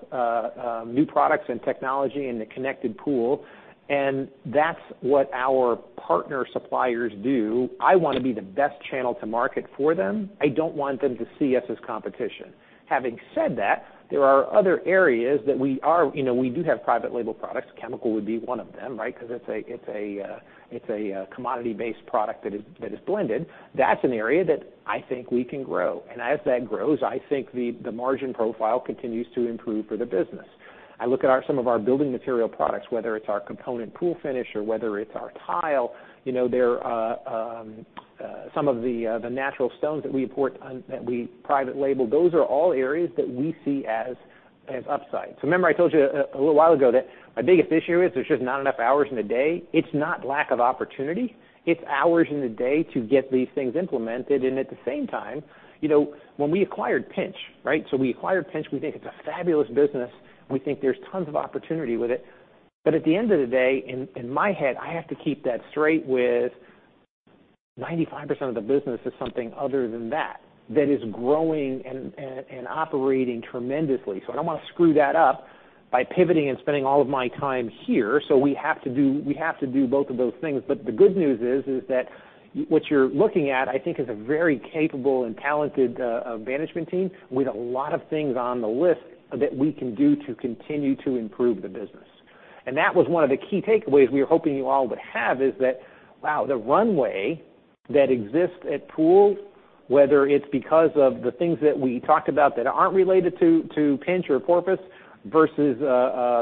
Speaker 2: new products and technology in the connected pool, and that's what our partner suppliers do. I wanna be the best channel to market for them. I don't want them to see us as competition. Having said that, there are other areas that we are, you know, we do have private label products. Chemical would be one of them, right? 'Cause it's a commodity-based product that is blended. That's an area that I think we can grow. As that grows, I think the margin profile continues to improve for the business. I look at some of our building material products, whether it's our component pool finish or whether it's our tile, you know, they're some of the natural stones that we import that we private label, those are all areas that we see as upside. Remember I told you a little while ago that my biggest issue is there's just not enough hours in the day. It's not lack of opportunity. It's hours in the day to get these things implemented. At the same time, you know, when we acquired Pinch, right? We acquired Pinch. We think it's a fabulous business. We think there's tons of opportunity with it. At the end of the day, in my head, I have to keep that straight with 95% of the business is something other than that is growing and operating tremendously. I don't wanna screw that up by pivoting and spending all of my time here. We have to do both of those things. The good news is that what you're looking at, I think is a very capable and talented management team with a lot of things on the list that we can do to continue to improve the business. That was one of the key takeaways we were hoping you all would have, is that, wow, the runway that exists at Pool, whether it's because of the things that we talked about that aren't related to Pinch or Porpoise versus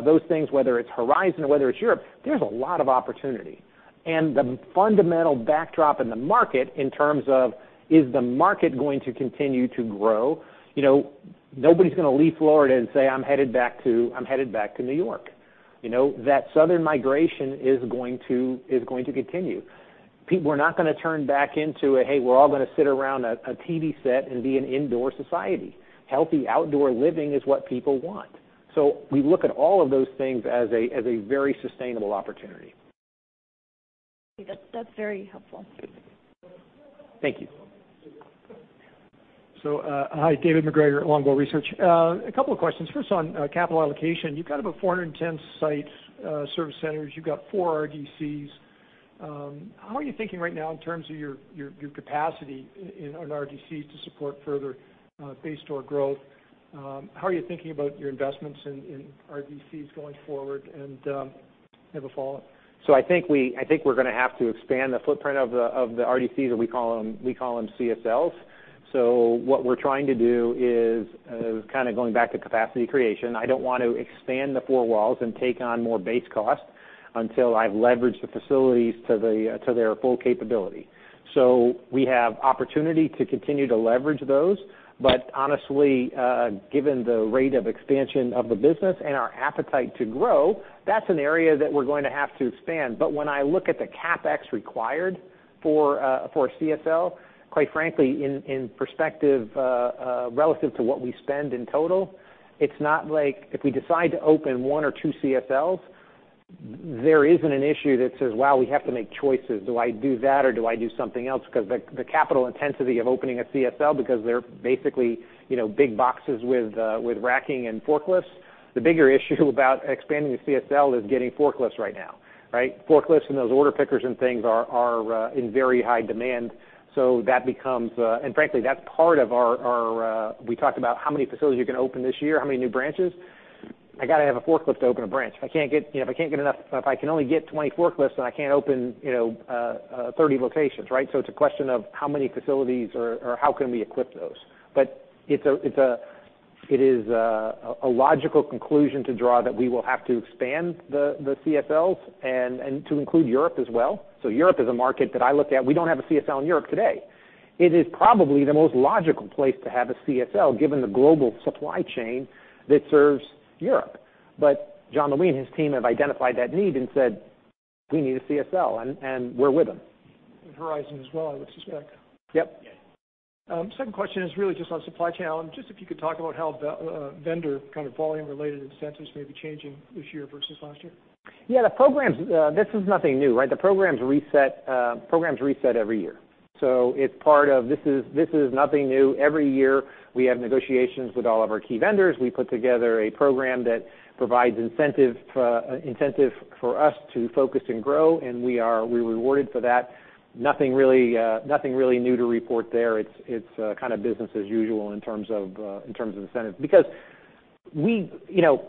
Speaker 2: those things, whether it's Horizon or whether it's Europe, there's a lot of opportunity. The fundamental backdrop in the market in terms of, is the market going to continue to grow? You know, nobody's gonna leave Florida and say, "I'm headed back to New York." You know? That southern migration is going to continue. People are not gonna turn back into a "Hey, we're all gonna sit around a TV set and be an indoor society." Healthy outdoor living is what people want. We look at all of those things as a very sustainable opportunity.
Speaker 10: That's very helpful.
Speaker 2: Thank you.
Speaker 11: Hi, David MacGregor at Longbow Research. A couple of questions. First on capital allocation. You've got about 410 sites, service centers. You've got four RDCs. How are you thinking right now in terms of your capacity in an RDC to support further base door growth? How are you thinking about your investments in RDCs going forward? I have a follow-up.
Speaker 2: I think we're gonna have to expand the footprint of the RDCs, or we call 'em CSLs. What we're trying to do is kind of going back to capacity creation. I don't want to expand the four walls and take on more base cost until I've leveraged the facilities to their full capability. We have opportunity to continue to leverage those, but honestly, given the rate of expansion of the business and our appetite to grow, that's an area that we're going to have to expand. When I look at the CapEx required for a CSL, quite frankly, in perspective, relative to what we spend in total, it's not like if we decide to open one or two CSLs, there isn't an issue that says, "Wow, we have to make choices. Do I do that or do I do something else?" 'Cause the capital intensity of opening a CSL, because they're basically, you know, big boxes with racking and forklifts, the bigger issue about expanding the CSL is getting forklifts right now, right? Forklifts and those order pickers and things are in very high demand. That becomes. Frankly, that's part of our we talked about how many facilities you're gonna open this year, how many new branches. I gotta have a forklift to open a branch. If I can't get enough—if I can only get 20 forklifts, then I can't open 30 locations, right? It's a question of how many facilities or how can we equip those. It's a logical conclusion to draw that we will have to expand the CSLs and to include Europe as well. Europe is a market that I look at. We don't have a CSL in Europe today. It is probably the most logical place to have a CSL, given the global supply chain that serves Europe. Jean-Louis and his team have identified that need and said, "We need a CSL," and we're with them.
Speaker 11: In Horizon as well, I would suspect.
Speaker 2: Yep.
Speaker 11: Yeah. Second question is really just on supply chain. Just if you could talk about how vendor kind of volume-related incentives may be changing this year versus last year.
Speaker 2: Yeah. The programs, this is nothing new, right? The programs reset every year. This is nothing new. Every year, we have negotiations with all of our key vendors. We put together a program that provides incentive for us to focus and grow, and we are rewarded for that. Nothing really new to report there. It's kinda business as usual in terms of incentives. Because we, you know,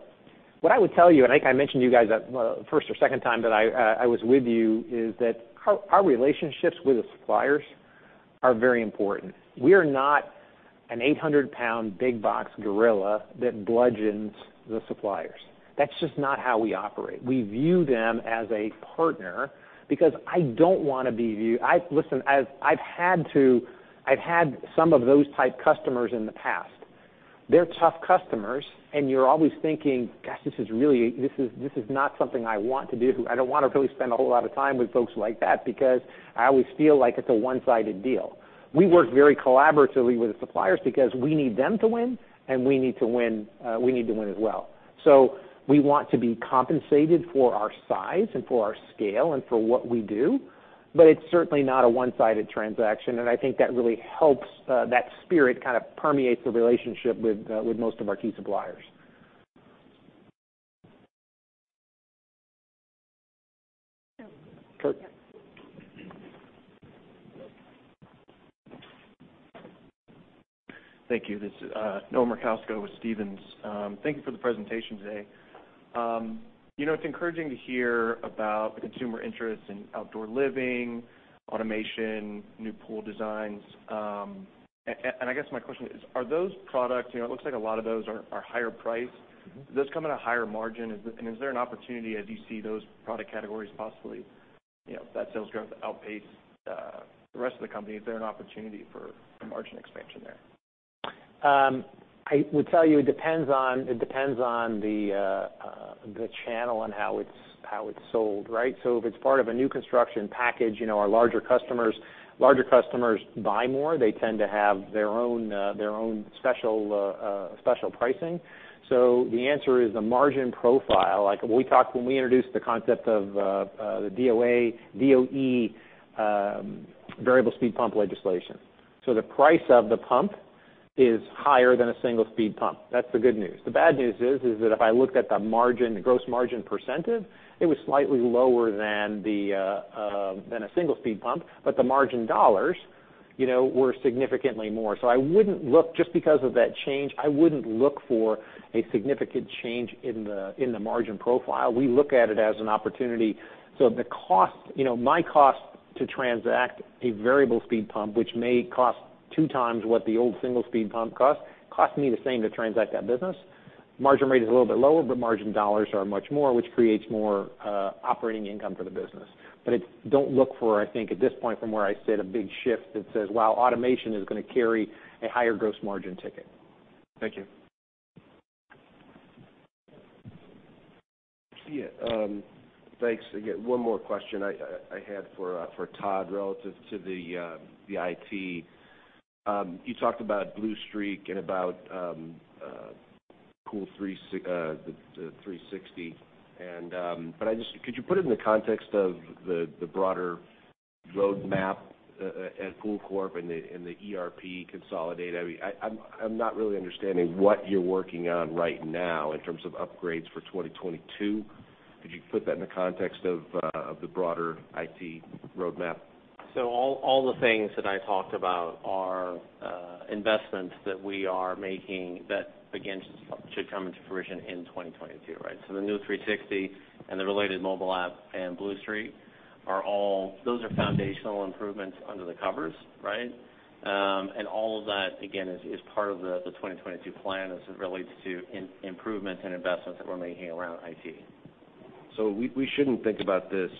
Speaker 2: what I would tell you, and I mentioned to you guys at the first or second time that I was with you, is that our relationships with the suppliers are very important. We are not an 800-pound big box gorilla that bludgeons the suppliers. That's just not how we operate. We view them as a partner because I don't wanna be viewed. Listen, I've had some of those type customers in the past. They're tough customers, and you're always thinking, "Gosh, this is really not something I want to do." I don't wanna really spend a whole lot of time with folks like that because I always feel like it's a one-sided deal. We work very collaboratively with the suppliers because we need them to win, and we need to win as well. We want to be compensated for our size and for our scale and for what we do, but it's certainly not a one-sided transaction, and I think that really helps that spirit kind of permeate the relationship with most of our key suppliers.
Speaker 11: Curt.
Speaker 2: Curt.
Speaker 12: Thank you. This is Noah Merkousko with Stephens. Thank you for the presentation today. You know, it's encouraging to hear about the consumer interest in outdoor living, automation, new pool designs. And I guess my question is, are those products. You know, it looks like a lot of those are higher priced.
Speaker 2: Mm-hmm.
Speaker 12: Do those come at a higher margin? Is there an opportunity as you see those product categories possibly, you know, that sales growth outpace the rest of the company? Is there an opportunity for margin expansion there?
Speaker 2: I would tell you it depends on the channel and how it's sold, right? So if it's part of a new construction package, you know, our larger customers buy more. They tend to have their own special pricing. So the answer is the margin profile. Like when we introduced the concept of the DOE variable speed pump legislation. So the price of the pump is higher than a single-speed pump. That's the good news. The bad news is that if I looked at the margin, the gross margin percentage, it was slightly lower than a single-speed pump, but the margin dollars, you know, were significantly more. Just because of that change, I wouldn't look for a significant change in the margin profile. We look at it as an opportunity. The cost, you know, my cost to transact a variable speed pump, which may cost 2x what the old single-speed pump cost, costs me the same to transact that business. Margin rate is a little bit lower, but margin dollars are much more, which creates more operating income for the business. It's. Don't look for, I think, at this point from where I sit, a big shift that says, "Wow, automation is gonna carry a higher gross margin ticket.
Speaker 12: Thank you.
Speaker 8: Yeah, thanks. Again, one more question I had for Todd relative to the IT. You talked about Bluestreak and about POOL360. But I just could you put it in the context of the broader roadmap at POOLCORP and the ERP consolidation? I mean, I'm not really understanding what you're working on right now in terms of upgrades for 2022. Could you put that in the context of the broader IT roadmap?
Speaker 4: All the things that I talked about are investments that we are making that again should come into fruition in 2022, right? The new POOL360 and the related mobile app and Blue Streak are all foundational improvements under the covers, right? All of that again is part of the 2022 plan as it relates to improvement and investments that we're making around IT.
Speaker 8: We shouldn't think about this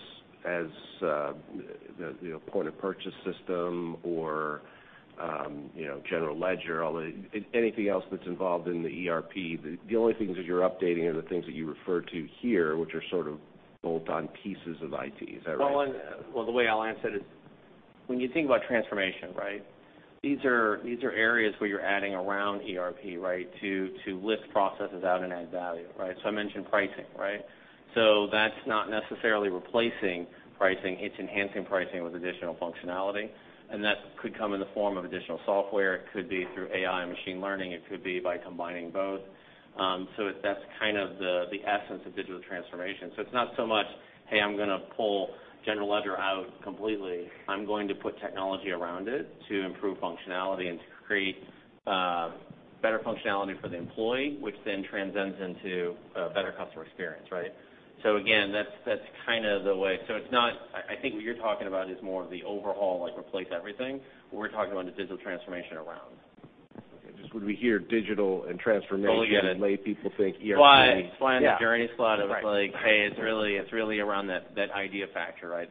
Speaker 8: as the, you know, point-of-purchase system or, you know, general ledger, anything else that's involved in the ERP. The only things that you're updating are the things that you refer to here, which are sort of bolt-on pieces of IT. Is that right?
Speaker 4: The way I'll answer it is when you think about transformation, right? These are areas where you're adding around ERP, right? To lift processes out and add value, right? So I mentioned pricing, right? So that's not necessarily replacing pricing. It's enhancing pricing with additional functionality, and that could come in the form of additional software. It could be through AI and machine learning. It could be by combining both. So that's kind of the essence of digital transformation. So it's not so much, "Hey, I'm gonna pull general ledger out completely." I'm going to put technology around it to improve functionality and to create better functionality for the employee, which then transcends into a better customer experience, right? So again, that's kind of the way. So it's not... I think what you're talking about is more of the overhaul, like replace everything, but we're talking about the digital transformation around.
Speaker 8: Okay. Just when we hear digital and transformation.
Speaker 4: Totally get it.
Speaker 8: Many people think ERP.
Speaker 4: But flying the journey slot-
Speaker 8: Yeah. Right
Speaker 4: Of like, hey, it's really around that idea factor, right?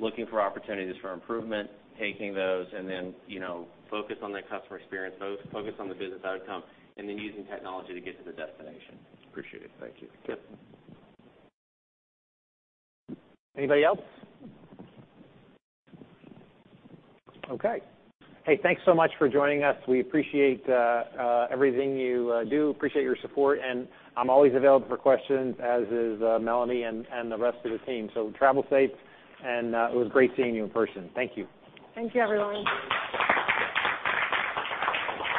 Speaker 4: Looking for opportunities for improvement, taking those, and then, you know, focus on the customer experience, focus on the business outcome, and then using technology to get to the destination.
Speaker 8: Appreciate it. Thank you.
Speaker 4: Yep.
Speaker 2: Anybody else? Okay. Hey, thanks so much for joining us. We appreciate everything you do, appreciate your support, and I'm always available for questions, as is Melanie and the rest of the team. Travel safe, and it was great seeing you in person. Thank you.
Speaker 7: Thank you, everyone.